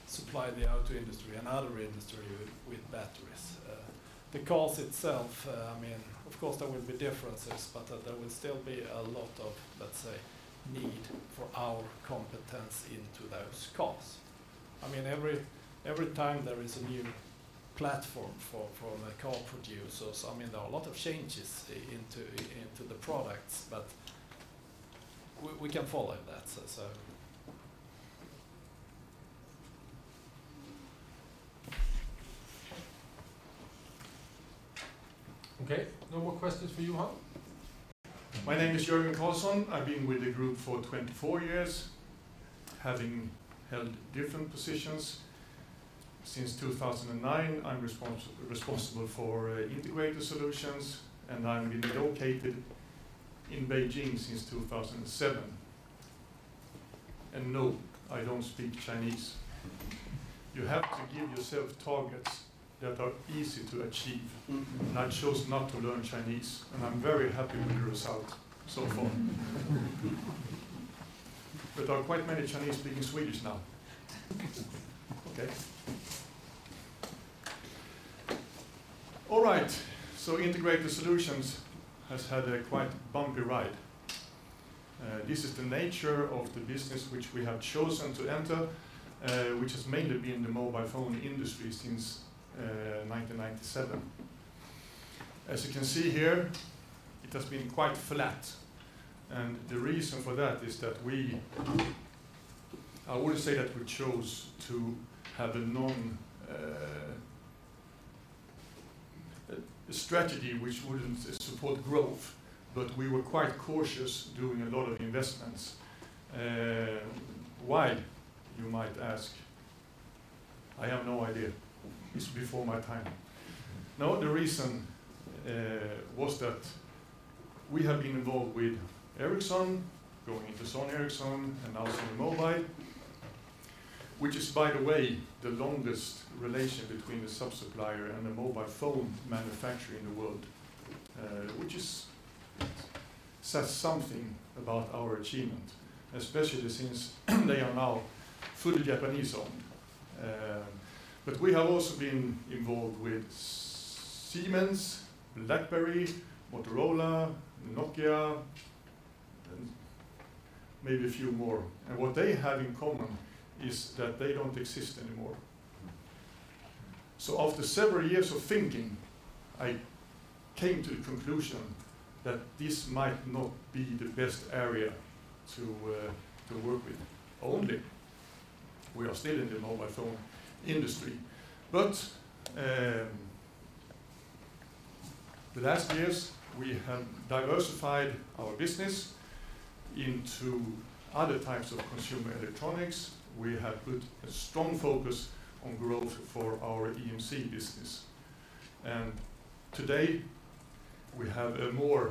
supply the auto industry and other industry with batteries. The cars itself, of course, there will be differences, but there will still be a lot of, let's say, need for our competence into those cars. Every time there is a new platform from the car producers, there are a lot of changes into the products, but we can follow that. Okay. No more questions for Johan? My name is Jörgen Karlsson. I've been with the group for 24 years, having held different positions. Since 2009, I'm responsible for Integrated Solutions, and I've been located in Beijing since 2007. No, I don't speak Chinese. You have to give yourself targets that are easy to achieve, and I chose not to learn Chinese, and I'm very happy with the result so far. There are quite many Chinese speaking Swedish now. Okay. All right. Integrated Solutions has had a quite bumpy ride. This is the nature of the business which we have chosen to enter, which has mainly been the mobile phone industry since 1997. As you can see here, it has been quite flat. The reason for that is that we I wouldn't say that we chose to have a strategy which wouldn't support growth, but we were quite cautious doing a lot of investments. Why, you might ask. I have no idea. It's before my time. The reason was that we have been involved with Ericsson, going into Sony Ericsson, and now Sony Mobile, which is, by the way, the longest relation between a sub-supplier and a mobile phone manufacturer in the world, which says something about our achievement, especially since they are now fully Japanese-owned. We have also been involved with Siemens, BlackBerry, Motorola, Nokia, and maybe a few more. What they have in common is that they don't exist anymore. After several years of thinking, I came to the conclusion that this might not be the best area to work with only. We are still in the mobile phone industry. The last years, we have diversified our business into other types of consumer electronics. We have put a strong focus on growth for our EMC business. Today, we have a more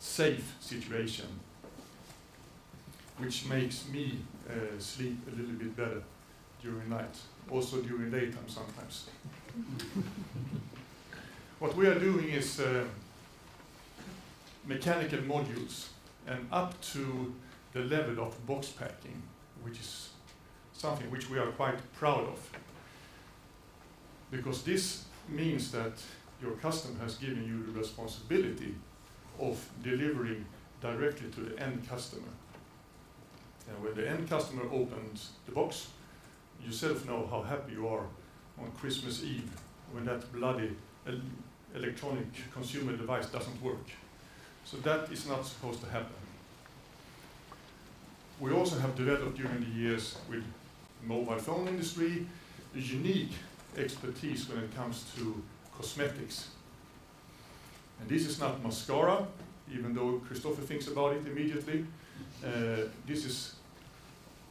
safe situation, which makes me sleep a little bit better during night, also during daytime sometimes. What we are doing is mechanical modules and up to the level of box packing, which is something which we are quite proud of because this means that your customer has given you the responsibility of delivering directly to the end customer. When the end customer opens the box, you yourself know how happy you are on Christmas Eve when that bloody electronic consumer device doesn't work. That is not supposed to happen. We also have developed during the years with mobile phone industry, a unique expertise when it comes to cosmetics. This is not mascara, even though Kristoffer thinks about it immediately. This is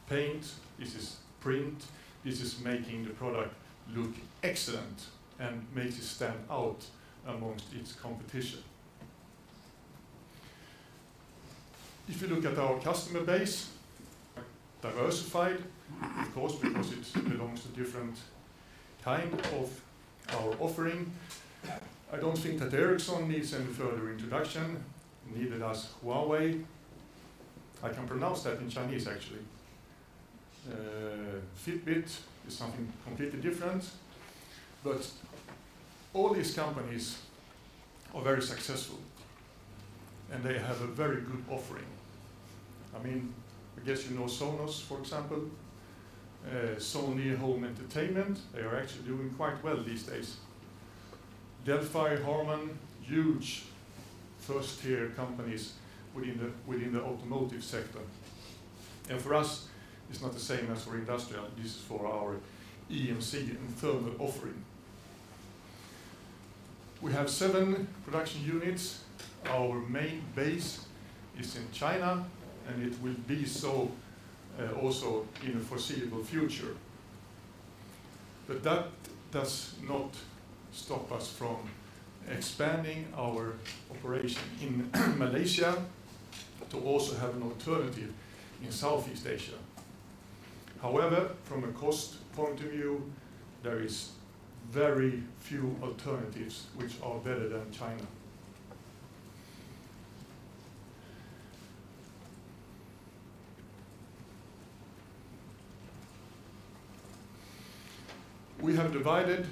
paint, this is print, this is making the product look excellent and makes it stand out amongst its competition. If you look at our customer base, diversified, of course, because it belongs to different kind of our offering. I don't think that Ericsson needs any further introduction, neither does Huawei. I can pronounce that in Chinese, actually. Fitbit is something completely different, but all these companies are very successful, and they have a very good offering. I guess you know Sonos, for example, Sony Home Entertainment, they are actually doing quite well these days. Delphi, Harman, huge first-tier companies within the automotive sector. For us, it's not the same as for industrial. This is for our EMC and thermal offering. We have seven production units. Our main base is in China, and it will be so also in the foreseeable future. That does not stop us from expanding our operation in Malaysia to also have an alternative in Southeast Asia. However, from a cost point of view, there is very few alternatives which are better than China. We have divided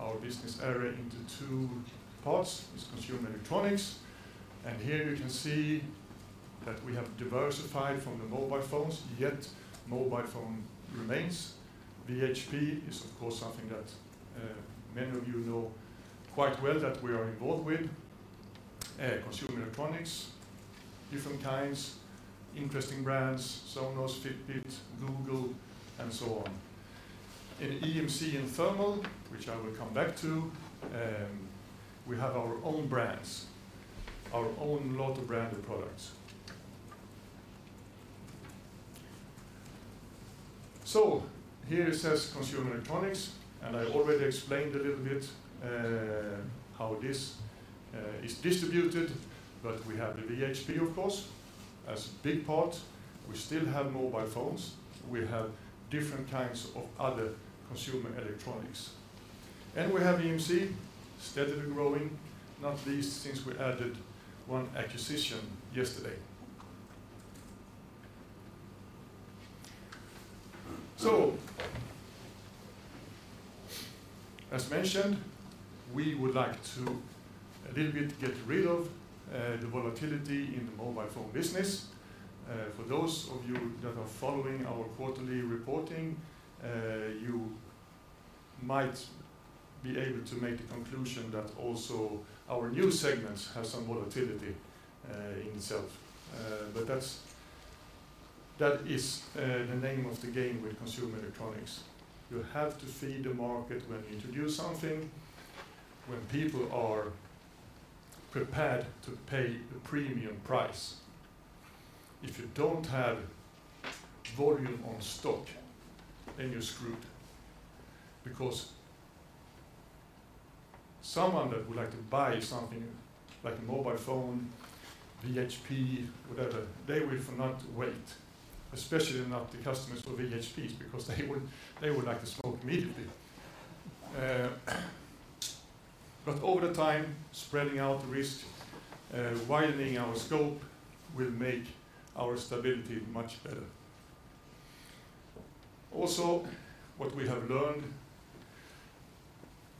our business area into two parts, is consumer electronics, and here you can see that we have diversified from the mobile phones, yet mobile phone remains. VHP is, of course, something that many of you know quite well that we are involved with. Consumer electronics, different kinds, interesting brands, Sonos, Fitbit, Google, and so on. In EMC and thermal, which I will come back to, we have our own brands, our own Nolato-branded products. Here it says consumer electronics, and I already explained a little bit how this is distributed. We have the VHP, of course, as a big part. We still have mobile phones. We have different kinds of other consumer electronics. We have EMC, steadily growing, not least since we added one acquisition yesterday. As mentioned, we would like to a little bit get rid of the volatility in the mobile phone business. For those of you that are following our quarterly reporting, you might be able to make a conclusion that also our new segments have some volatility in itself. That is the name of the game with consumer electronics. You have to feed the market when you introduce something, when people are prepared to pay a premium price. If you don't have volume on stock, then you're screwed, because someone that would like to buy something like a mobile phone, VHP, whatever, they will not wait, especially not the customers for VHPs, because they would like to smoke immediately. Over the time, spreading out risk, widening our scope will make our stability much better. Also, what we have learned,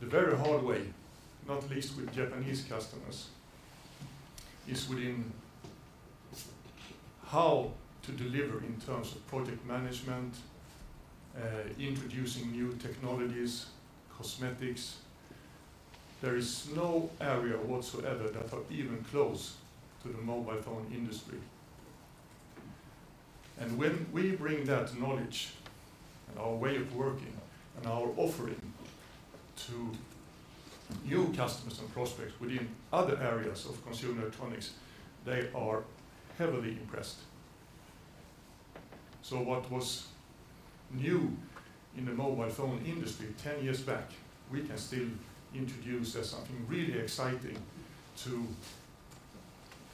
the very hard way, not least with Japanese customers, is within how to deliver in terms of project management, introducing new technologies, cosmetics. There is no area whatsoever that are even close to the mobile phone industry. When we bring that knowledge and our way of working and our offering to new customers and prospects within other areas of consumer electronics, they are heavily impressed. What was new in the mobile phone industry 10 years back, we can still introduce as something really exciting to,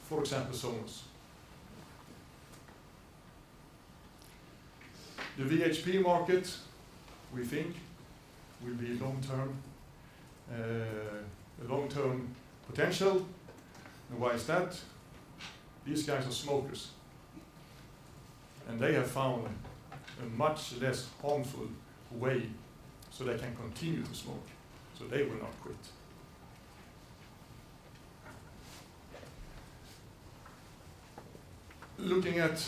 for example, Sonos. The VHP market, we think, will be a long-term potential. Why is that? These guys are smokers, and they have found a much less harmful way so they can continue to smoke, so they will not quit. Looking at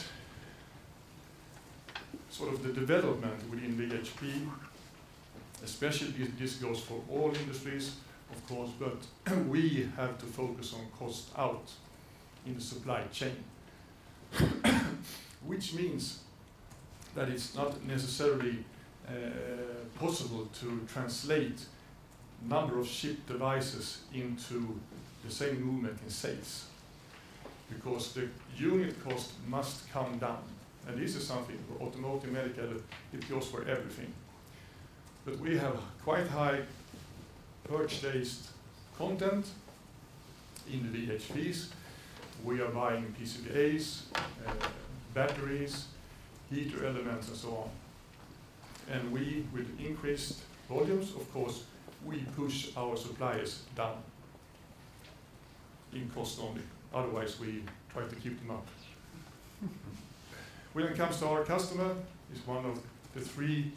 the development within VHP, especially this goes for all industries, of course, but we have to focus on cost out in the supply chain, which means that it's not necessarily possible to translate number of shipped devices into the same movement in sales, because the unit cost must come down. This is something for automotive, medical, it goes for everything. We have quite high purchased content in the VHPs. We are buying PCBAs, batteries, heater elements, and so on. We, with increased volumes, of course, we push our suppliers down in cost only. Otherwise, we try to keep them up. When it comes to our customer, it's one of the three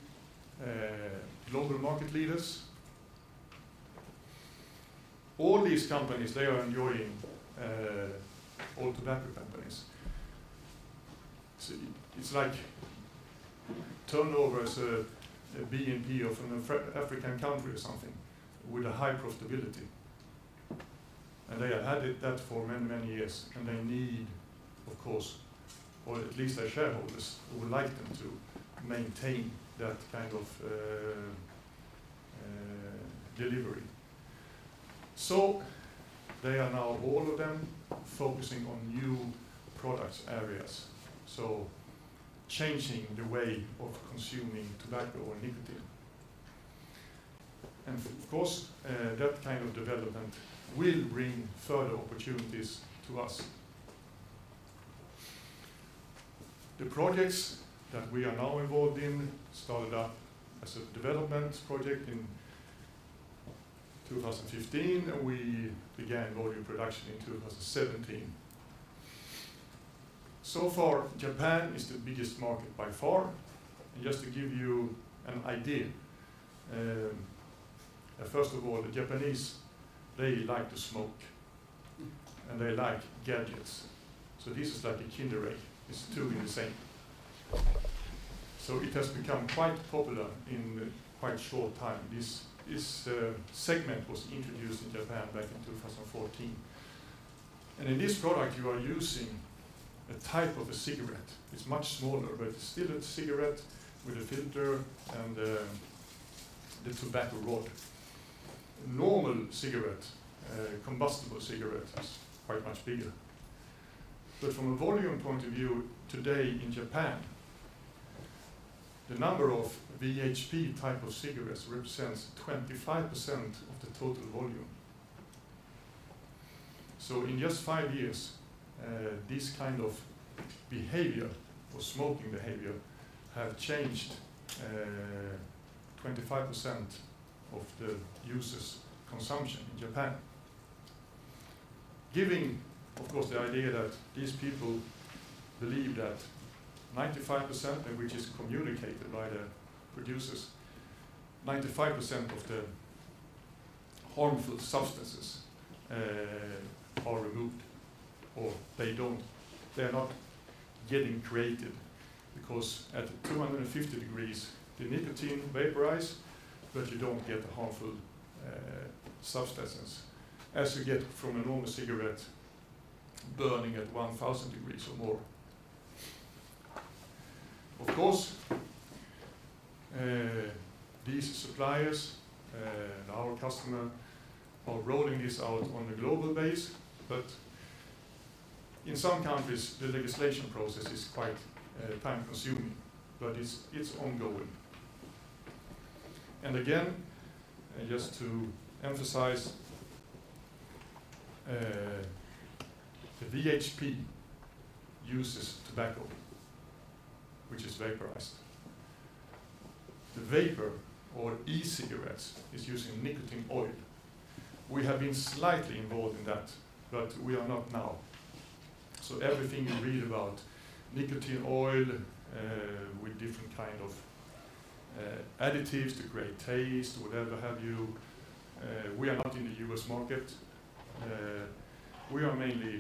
global market leaders. These companies, they are enjoying all tobacco companies. It's like turnover as a GNP of an African country or something with a high profitability. They have had that for many, many years, and they need, of course, or at least their shareholders would like them to maintain that kind of delivery. They are now, all of them, focusing on new product areas, so changing the way of consuming tobacco or nicotine. Of course, that kind of development will bring further opportunities to us. The projects that we are now involved in started up as a development project in 2015, and we began volume production in 2017. So far, Japan is the biggest market by far. Just to give you an idea, first of all, the Japanese, they like to smoke and they like gadgets. This is like a Kinder Egg. It's two in the same. It has become quite popular in quite a short time. This segment was introduced in Japan back in 2014. In this product, you are using a type of a cigarette. It's much smaller, but it's still a cigarette with a filter and the tobacco rod. Normal cigarette, combustible cigarette, is quite much bigger. From a volume point of view, today in Japan, the number of VHP type of cigarettes represents 25% of the total volume. In just five years, this kind of behavior or smoking behavior have changed 25% of the users' consumption in Japan. Given, of course, the idea that these people believe that 95%, and which is communicated by the producers, 95% of the harmful substances are removed, or they're not getting created, because at 250 degrees, the nicotine vaporizes, but you don't get the harmful substances as you get from a normal cigarette burning at 1,000 degrees or more. Of course, these suppliers and our customer are rolling this out on a global base. In some countries, the legislation process is quite time-consuming, but it's ongoing. Again, just to emphasize, the VHP uses tobacco, which is vaporized. The vapor or e-cigarettes is using nicotine oil. We have been slightly involved in that, but we are not now. Everything you read about nicotine oil, with different kind of additives to create taste, whatever have you, we are not in the U.S. market. The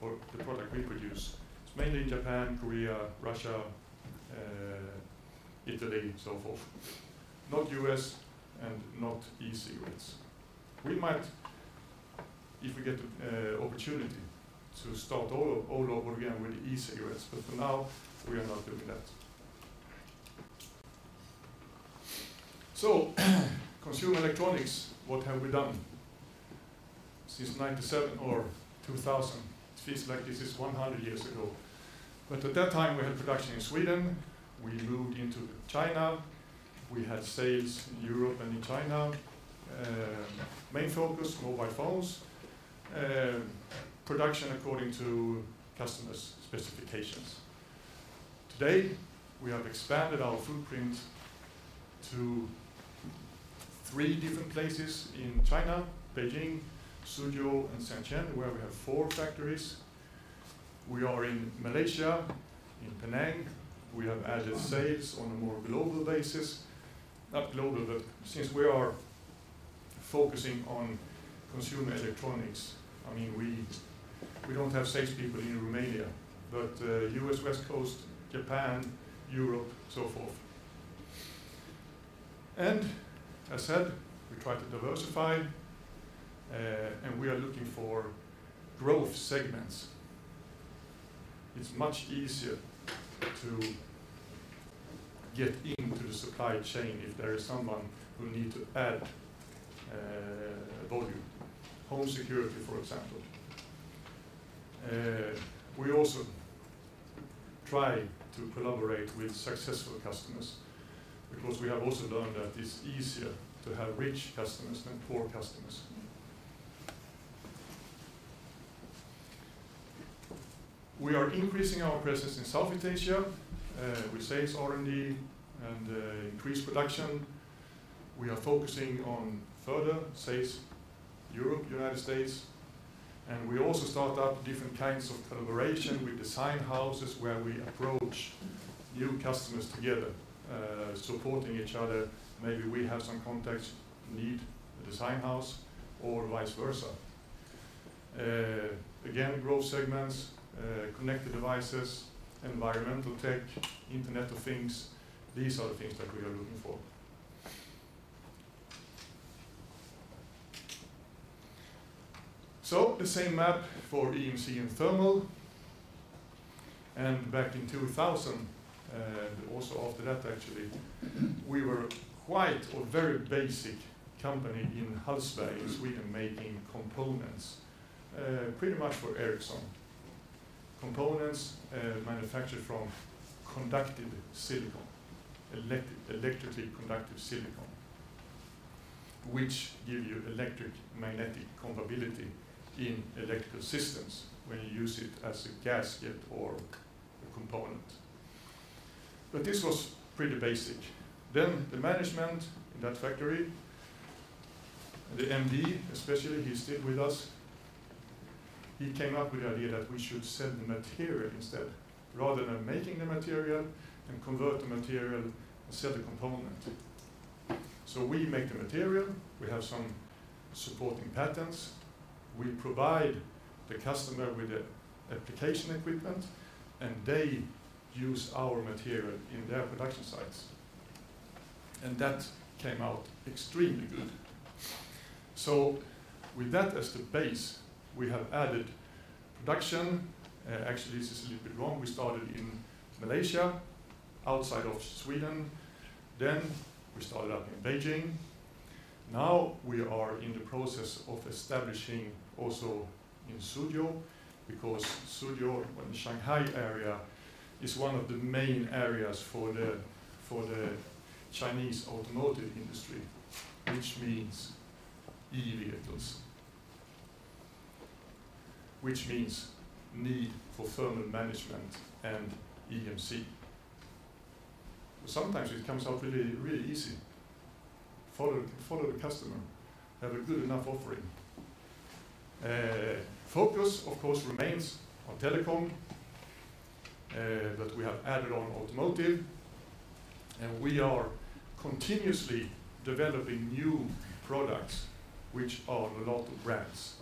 product we produce, it's mainly in Japan, Korea, Russia, Italy, so forth. Not U.S. and not e-cigarettes. We might, if we get the opportunity to start all over again with e-cigarettes. For now, we are not doing that. Consumer electronics, what have we done since 1997 or 2000? It feels like this is 100 years ago. At that time, we had production in Sweden. We moved into China. We had sales in Europe and in China. Main focus, mobile phones. Production according to customers' specifications. Today, we have expanded our footprint to three different places in China, Beijing, Suzhou, and Shenzhen, where we have four factories. We are in Malaysia, in Penang. We have added sales on a more global basis. Not global, but since we are focusing on consumer electronics, we don't have sales people in Romania, but U.S. West Coast, Japan, Europe, so forth. As said, we try to diversify, and we are looking for growth segments. It's much easier to get into the supply chain if there is someone who needs to add volume. Home security, for example. We also try to collaborate with successful customers because we have also learned that it's easier to have rich customers than poor customers. We are increasing our presence in Southeast Asia, with sales R&D and increased production. We are focusing on further sales, Europe, U.S., we also start up different kinds of collaboration with design houses where we approach new customers together, supporting each other. Maybe we have some contacts, need a design house or vice versa. Again, growth segments, connected devices, environmental tech, Internet of Things. These are the things that we are looking for. The same map for EMC and thermal. Back in 2000, and also after that actually, we were quite a very basic company in Hallsberg, Sweden, making components, pretty much for Ericsson. Components manufactured from conductive silicone, electrically conductive silicone, which give you electric magnetic compatibility in electrical systems when you use it as a gasket or a component. This was pretty basic. The management in that factory, the MD, especially, he's still with us, he came up with the idea that we should sell the material instead, rather than making the material and convert the material and sell the component. We make the material, we have some supporting patents. We provide the customer with the application equipment, and they use our material in their production sites, and that came out extremely good. With that as the base, we have added production. Actually, this is a little bit wrong. We started in Malaysia, outside of Sweden. We started up in Beijing. Now we are in the process of establishing also in Suzhou, because Suzhou, or the Shanghai area, is one of the main areas for the Chinese automotive industry, which means e-vehicles. Means need for thermal management and EMC. Sometimes it comes out really easy. Follow the customer, have a good enough offering. Focus, of course, remains on telecom, that we have added on automotive, and we are continuously developing new products, which are Nolato brands.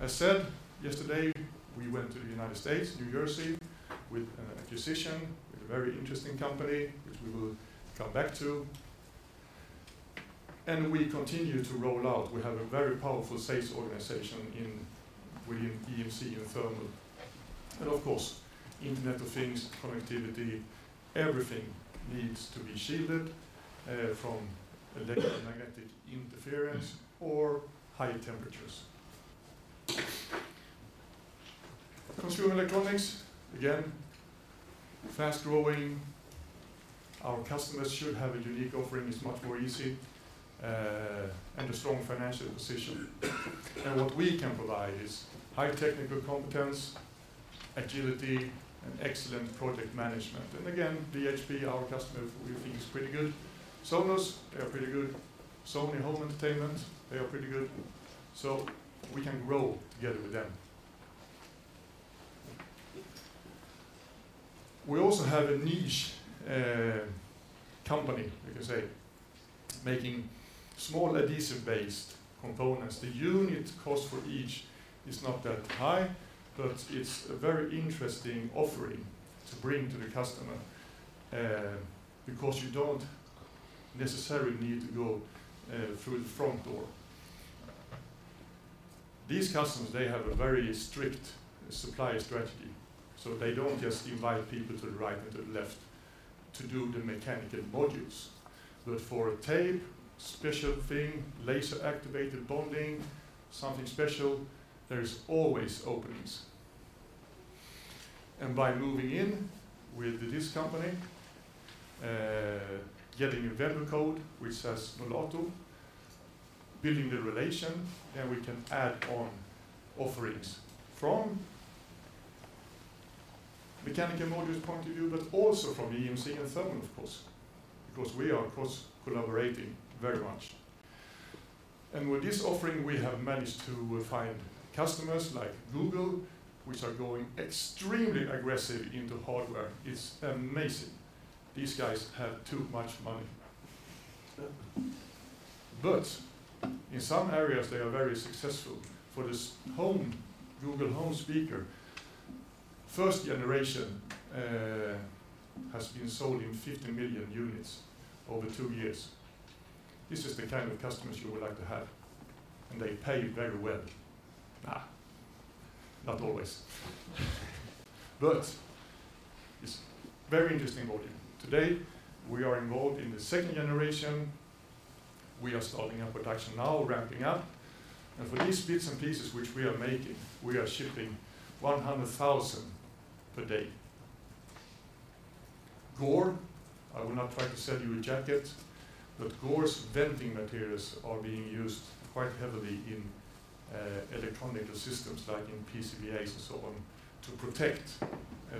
I said yesterday, we went to the U.S., New Jersey, with an acquisition, with a very interesting company, which we will come back to. We continue to roll out. We have a very powerful sales organization within EMC and thermal. Of course, Internet of Things, connectivity, everything needs to be shielded from electromagnetic interference or high temperatures. Consumer electronics, again, fast-growing. Our customers should have a unique offering. It's much more easy, a strong financial position. What we can provide is high technical competence, agility, and excellent project management. Again, BHP, our customer who we think is pretty good. Sonos, they are pretty good. Sony Home Entertainment, they are pretty good. We can grow together with them. We also have a niche company, you can say, making small adhesive-based components. The unit cost for each is not that high, but it's a very interesting offering to bring to the customer, because you don't necessarily need to go through the front door. These customers, they have a very strict supplier strategy, they don't just invite people to the right and to the left to do the mechanical modules. For a tape, special thing, laser-activated bonding, something special, there is always openings. By moving in with this company, getting a vendor code which says Nolato, building the relation, then we can add on offerings from mechanical modules point of view, but also from EMC and thermal, of course. We are, of course, collaborating very much. With this offering, we have managed to find customers like Google, which are going extremely aggressive into hardware. It's amazing. These guys have too much money. In some areas, they are very successful. For this Google Home speaker, first generation has been sold in 50 million units over two years. This is the kind of customers you would like to have, and they pay very well. Not always. It's very interesting volume. Today, we are involved in the second generation. We are starting our production now, ramping up. For these bits and pieces which we are making, we are shipping 100,000 per day. Gore, I will not try to sell you a jacket. Gore's venting materials are being used quite heavily in electronic systems, like in PCBAs and so on, to protect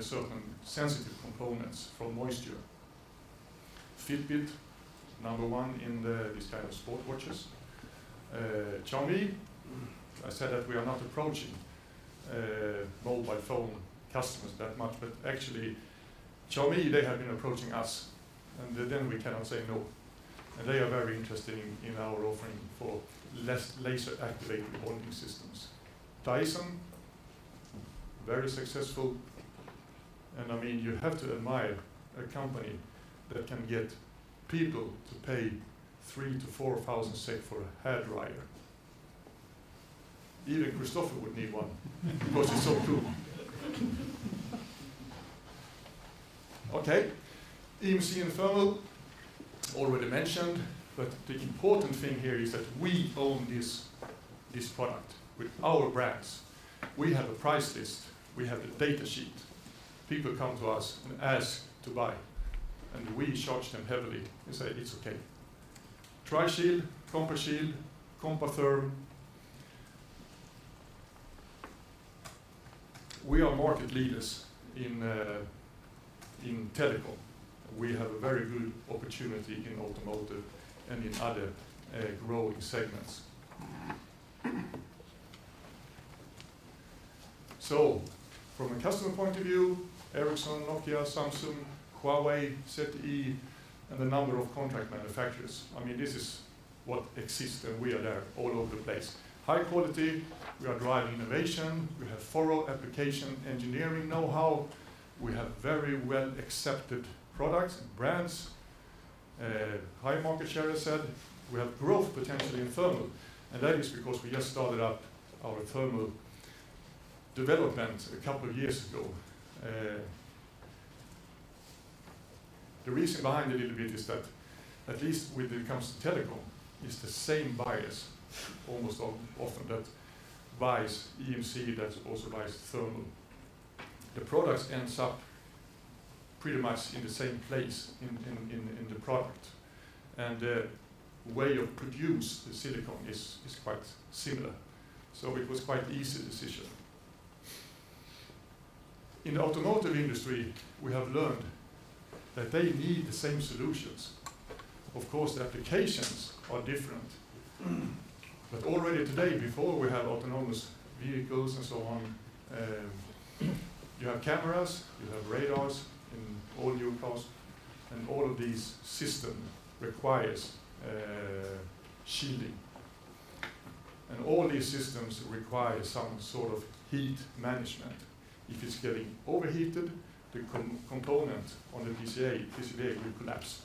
certain sensitive components from moisture. Fitbit, number 1 in these kind of sport watches. Xiaomi, I said that we are not approaching mobile phone customers that much. Actually, Xiaomi, they have been approaching us, we cannot say no. They are very interested in our offering for laser-activated bonding systems. Dyson. Very successful. You have to admire a company that can get people to pay 3,000-4,000 SEK for a hair dryer. Even Kristoffer would need one because he's so cool. Okay. EMC and thermal, already mentioned, but the important thing here is that we own this product with our brands. We have a price list, we have the data sheet. People come to us and ask to buy, and we charge them heavily and say, "It's okay." Trishield, Compashield, Compatherm. We are market leaders in telecom. We have a very good opportunity in automotive and in other growing segments. From a customer point of view, Ericsson, Nokia, Samsung, Huawei, ZTE, and a number of contract manufacturers, this is what exists, and we are there all over the place. High quality, we are driving innovation, we have thorough application engineering know-how, we have very well-accepted products and brands, high market share, as said. We have growth potentially in thermal, and that is because we just started up our thermal development a couple of years ago. The reason behind it a little bit is that at least when it comes to telecom, it's the same buyers almost often that buys EMC, that also buys thermal. The products end up pretty much in the same place in the product, and the way of produce the silicon is quite similar. It was quite easy decision. In the automotive industry, we have learned that they need the same solutions. Of course, the applications are different. Already today, before we have autonomous vehicles and so on, you have cameras, you have radars in all new cars, and all of these system requires shielding. All these systems require some sort of heat management. If it's getting overheated, the component on the PCA, this PCA will collapse,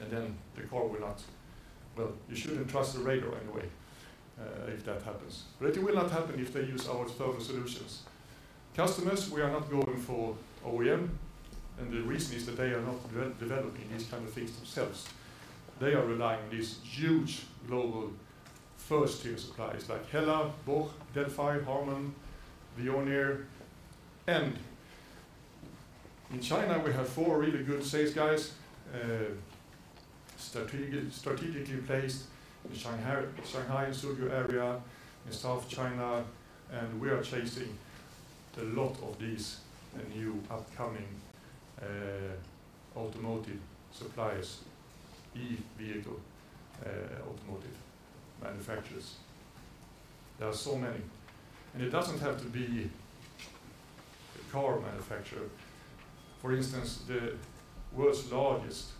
and then the car will not. Well, you shouldn't trust the radar anyway, if that happens. It will not happen if they use our thermal solutions. Customers, we are not going for OEM. The reason is that they are not developing these kind of things themselves. They are relying on these huge global first-tier suppliers like Hella, Bosch, Delphi, Harman, Veoneer. In China, we have four really good sales guys, strategically placed in Shanghai and Suzhou area, in South China, and we are chasing a lot of these new upcoming automotive suppliers, e-vehicle automotive manufacturers. There are so many. It doesn't have to be a car manufacturer. For instance, the world's largest,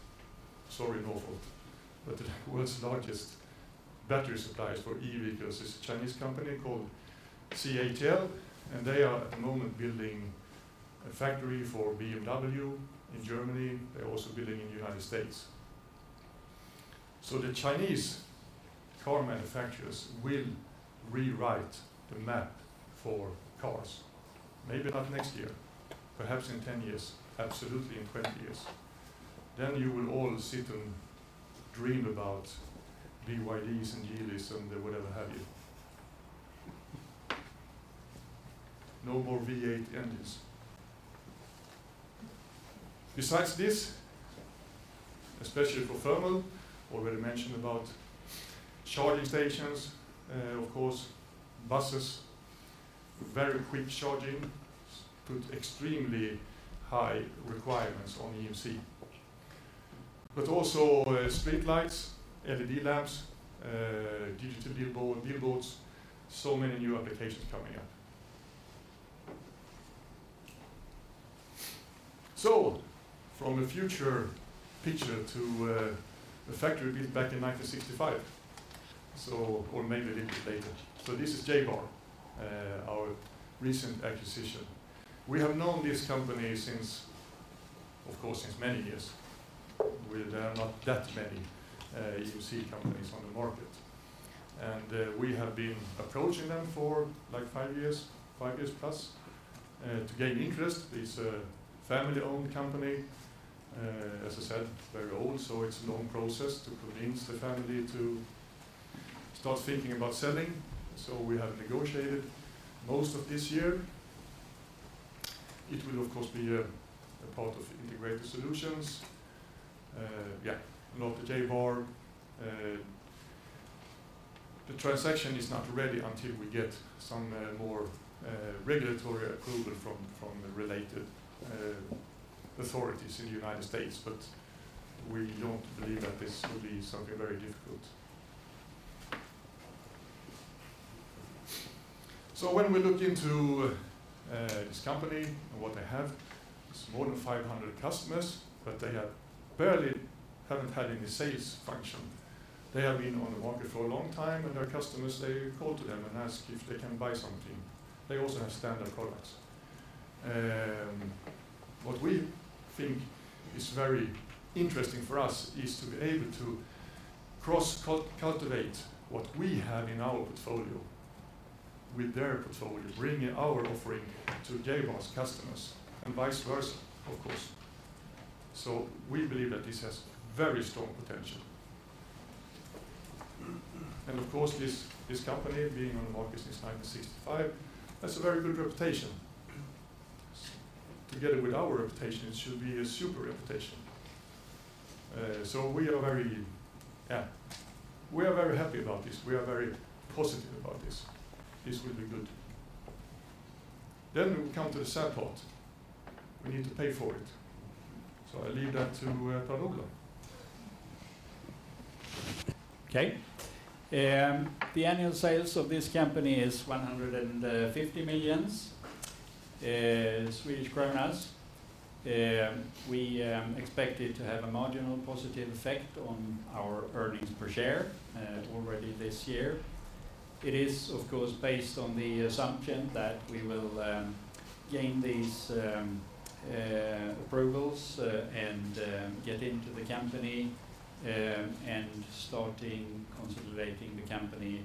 sorry, Northvolt, the world's largest battery suppliers for e-vehicles is a Chinese company called CATL. They are at the moment building a factory for BMW in Germany. They're also building in the U.S. The Chinese car manufacturers will rewrite the map for cars. Maybe not next year, perhaps in 10 years, absolutely in 20 years. You will all sit and dream about BYDs and Geelys and the what have you. No more V8 engines. Besides this, especially for thermal, already mentioned about charging stations, of course, buses, very quick charging put extremely high requirements on EMC. Also street lights, LED lamps, digital billboards, so many new applications coming up. From a future picture to a factory built back in 1965, or maybe a little bit later. This is Ja-Bar, our recent acquisition. We have known this company, of course, since many years. There are not that many EMC companies on the market. We have been approaching them for five years plus to gain interest. It's a family-owned company. As I said, it's very old, so it's a long process to convince the family to start thinking about selling. We have negotiated most of this year. It will, of course, be a part of Integrated Solutions. Nolato Jabar, the transaction is not ready until we get some more regulatory approval from the related authorities in the U.S., but we don't believe that this will be something very difficult. When we look into this company and what they have, it's more than 500 customers, but they barely haven't had any sales function. They have been on the market for a long time, and their customers, they call to them and ask if they can buy something. They also have standard products. What we think is very interesting for us is to be able to cross-cultivate what we have in our portfolio with their portfolio, bringing our offering to Jabar's customers and vice versa, of course. We believe that this has very strong potential. Of course, this company, being on the market since 1965, has a very good reputation. Together with our reputation, it should be a super reputation. We are very happy about this. We are very positive about this. This will be good. We come to the support. We need to pay for it. I leave that to Pablo. Okay. The annual sales of this company is SEK 150 million. We expect it to have a marginal positive effect on our earnings per share already this year. It is, of course, based on the assumption that we will gain these approvals and get into the company, and starting consolidating the company.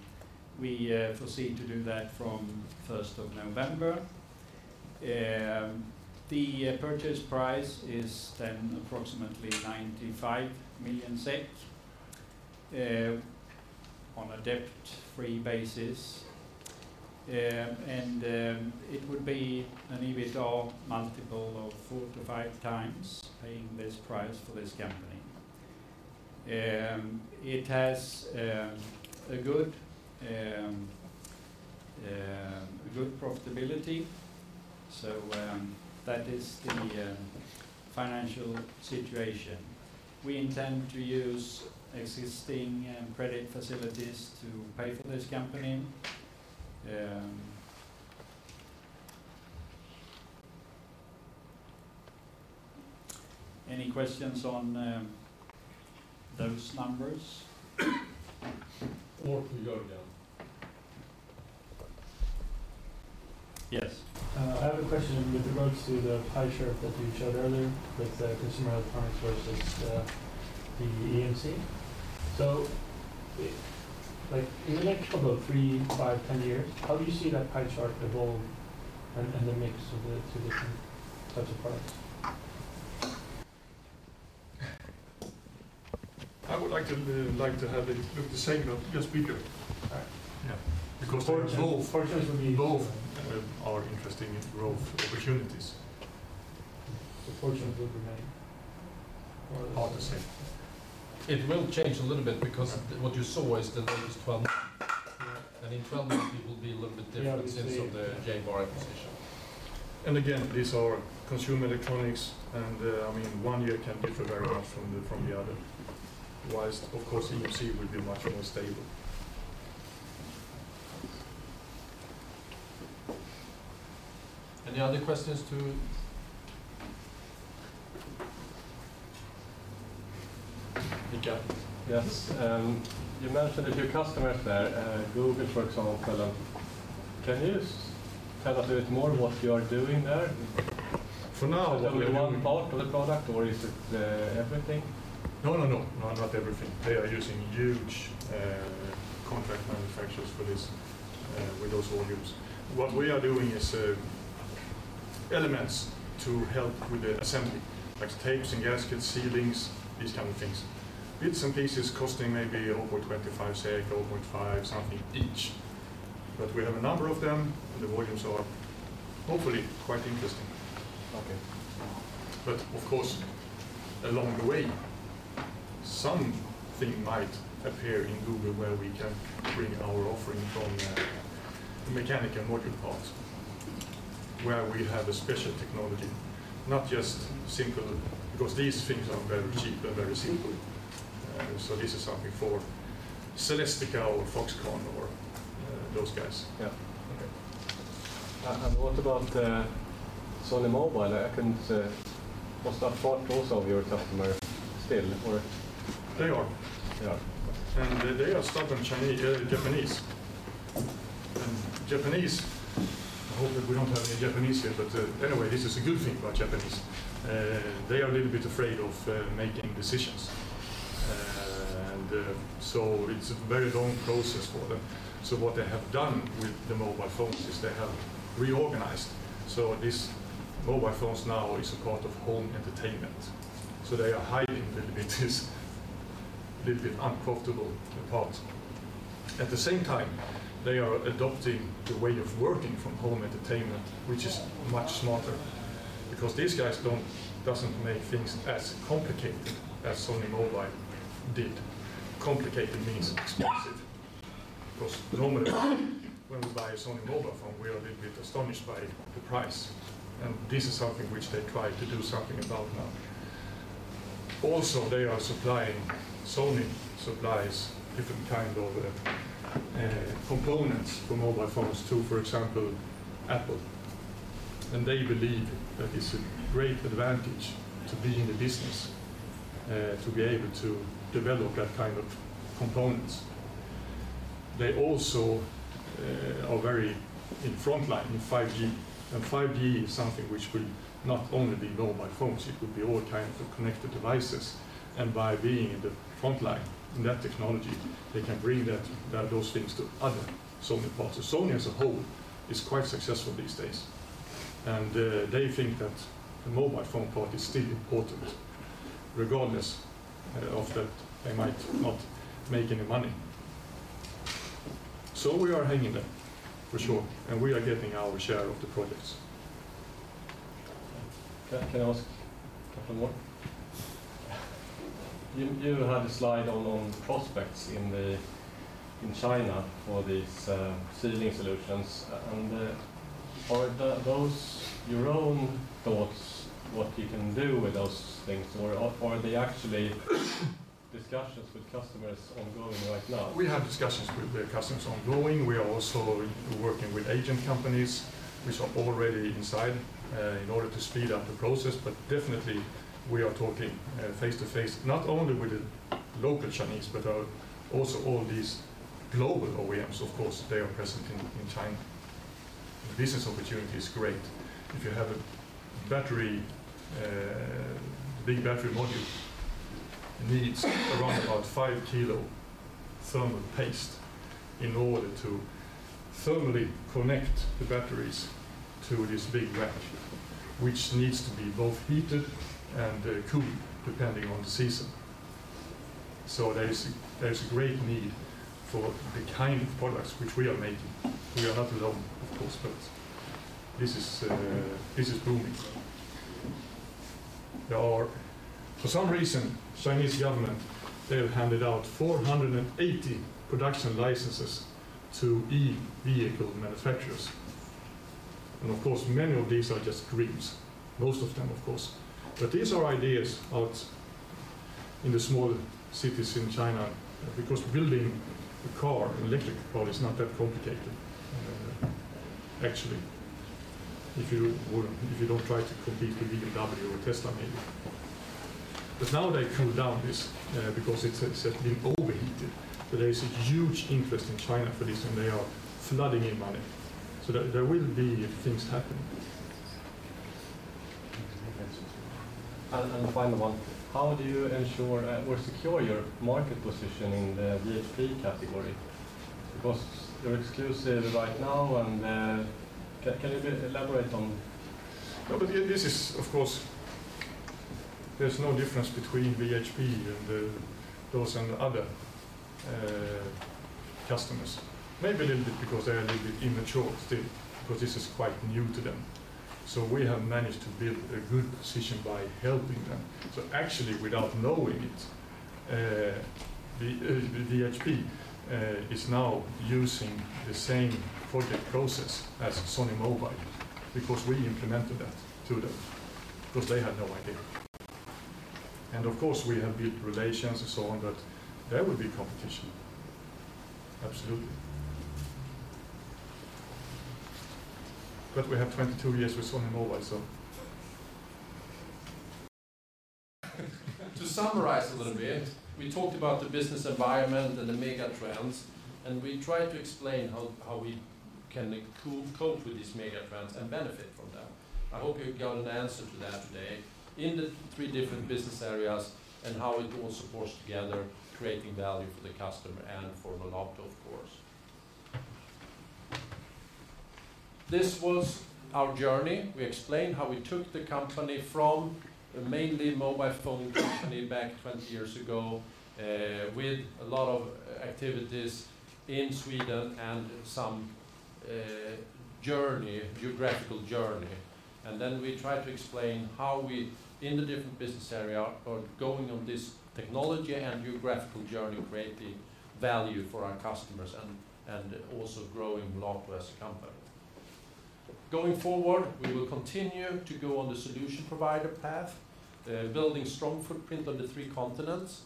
We foresee to do that from the 1st of November. The purchase price is approximately 95 million SEK on a debt-free basis. It would be an EBITDA multiple of four to five times paying this price for this company. It has a good profitability. That is the financial situation. We intend to use existing credit facilities to pay for this company. Any questions on those numbers? We go down. Yes. I have a question with regards to the pie chart that you showed earlier with the consumer electronics versus the EMC. In the next about three, five, 10 years, how do you see that pie chart evolve and the mix of the two different types of products? I would like to have it look the same, just bigger. Yeah. Because both Proportions will be- both are interesting growth opportunities. The proportions will remain- Are the same. It will change a little bit because what you saw is the latest 12 months. Yeah. In 12 months, it will be a little bit different since of the Ja-Bar acquisition. Again, these are consumer electronics, and one year can differ very much from the other. While, of course, EMC will be much more stable. Any other questions to Mikael? Yes. You mentioned a few customers there, Google, for example. Can you tell us a bit more what you are doing there? For now, Is it only one part of the product, or is it everything? No, not everything. They are using huge contract manufacturers for this, with those volumes. What we are doing is elements to help with the assembly, like tapes and gaskets, sealings, these kind of things. Bits and pieces costing maybe 0.25 SEK, 0.5 something, each. We have a number of them, and the volumes are hopefully quite interesting. Okay. Of course, along the way, something might appear in Google where we can bring our offering from the mechanic and module part, where we have a special technology. Not just simple, because these things are very cheap and very simple. This is something for Celestica or Foxconn or those guys. Yeah. Okay. What about Sony Mobile? I couldn't say, must have bought those of your customer still or? They are. They are. They are stuck on Japanese. Japanese, I hope that we don't have any Japanese here, but anyway, this is a good thing about Japanese. They are a little bit afraid of making decisions. It's a very long process for them. What they have done with the mobile phones is they have reorganized. This mobile phone now is a part of home entertainment. They are hiding a little bit, this little bit uncomfortable part. At the same time, they are adopting the way of working from home entertainment, which is much smarter because these guys doesn't make things as complicated as Sony Mobile did. Complicated means expensive. Normally when we buy a Sony Mobile phone, we are a little bit astonished by the price. This is something which they try to do something about now. Also, they are supplying, Sony supplies different kind of components for mobile phones too, for example, Apple. They believe that it's a great advantage to be in the business, to be able to develop that kind of components. They also are very in frontline in 5G, and 5G is something which will not only be mobile phones, it will be all kinds of connected devices. By being in the frontline in that technology, they can bring those things to other Sony parts. Sony as a whole is quite successful these days, and they think that the mobile phone part is still important, regardless of that they might not make any money. We are hanging in there, for sure, and we are getting our share of the projects. Can I ask a couple more? You had a slide on prospects in China for these sealing solutions. Are those your own thoughts, what you can do with those things, or are they actually discussions with customers ongoing right now? We have discussions with the customers ongoing. We are also working with agent companies which are already inside, in order to speed up the process. Definitely, we are talking face-to-face, not only with the local Chinese, but also all these global OEMs. Of course, they are present in China. The business opportunity is great. If you have a big battery module, it needs around about five kilo thermal paste in order to thermally connect the batteries to this big rack, which needs to be both heated and cooled depending on the season. There is a great need for the kind of products which we are making. We are not alone, of course, but this is booming. For some reason, Chinese government, they have handed out 480 production licenses to e-vehicle manufacturers. Of course, many of these are just dreams. Most of them, of course. These are ideas out in the smaller cities in China, because building a car, an electric car, is not that complicated, actually, if you don't try to compete with VW or Tesla, maybe. Now they cool down this, because it's been overheated. There is a huge interest in China for this, and they are flooding in money. There will be things happening. Thanks. Final one, how do you ensure or secure your market position in the VHP category? You're exclusive right now and can you elaborate on? This is, of course, there's no difference between VHP and those and the other customers. Maybe a little bit because they're a little bit immature still, because this is quite new to them. We have managed to build a good position by helping them. Actually, without knowing it, the VHP is now using the same project process as Sony Mobile, because we implemented that to them, because they had no idea. Of course, we have built relations and so on, but there will be competition. Absolutely. We have 22 years with Sony Mobile. To summarize a little bit, we talked about the business environment and the mega trends. We tried to explain how we can cope with these mega trends and benefit from them. I hope you got an answer to that today in the three different business areas and how it all supports together creating value for the customer and for Nolato, of course. This was our journey. We explained how we took the company from a mainly mobile phone company back 20 years ago with a lot of activities in Sweden and some geographical journey. We tried to explain how we, in the different business area, are going on this technology and geographical journey, creating value for our customers and also growing Nolato as a company. Going forward, we will continue to go on the solution provider path, building strong footprint on the three continents,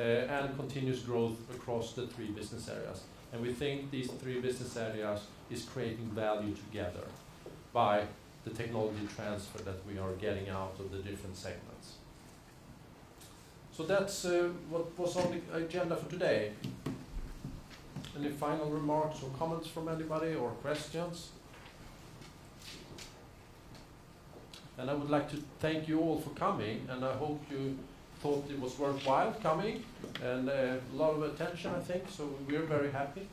and continuous growth across the three business areas. We think these three business areas is creating value together by the technology transfer that we are getting out of the different segments. That's what was on the agenda for today. Any final remarks or comments from anybody or questions? I would like to thank you all for coming, and I hope you thought it was worthwhile coming and a lot of attention, I think, so we're very happy.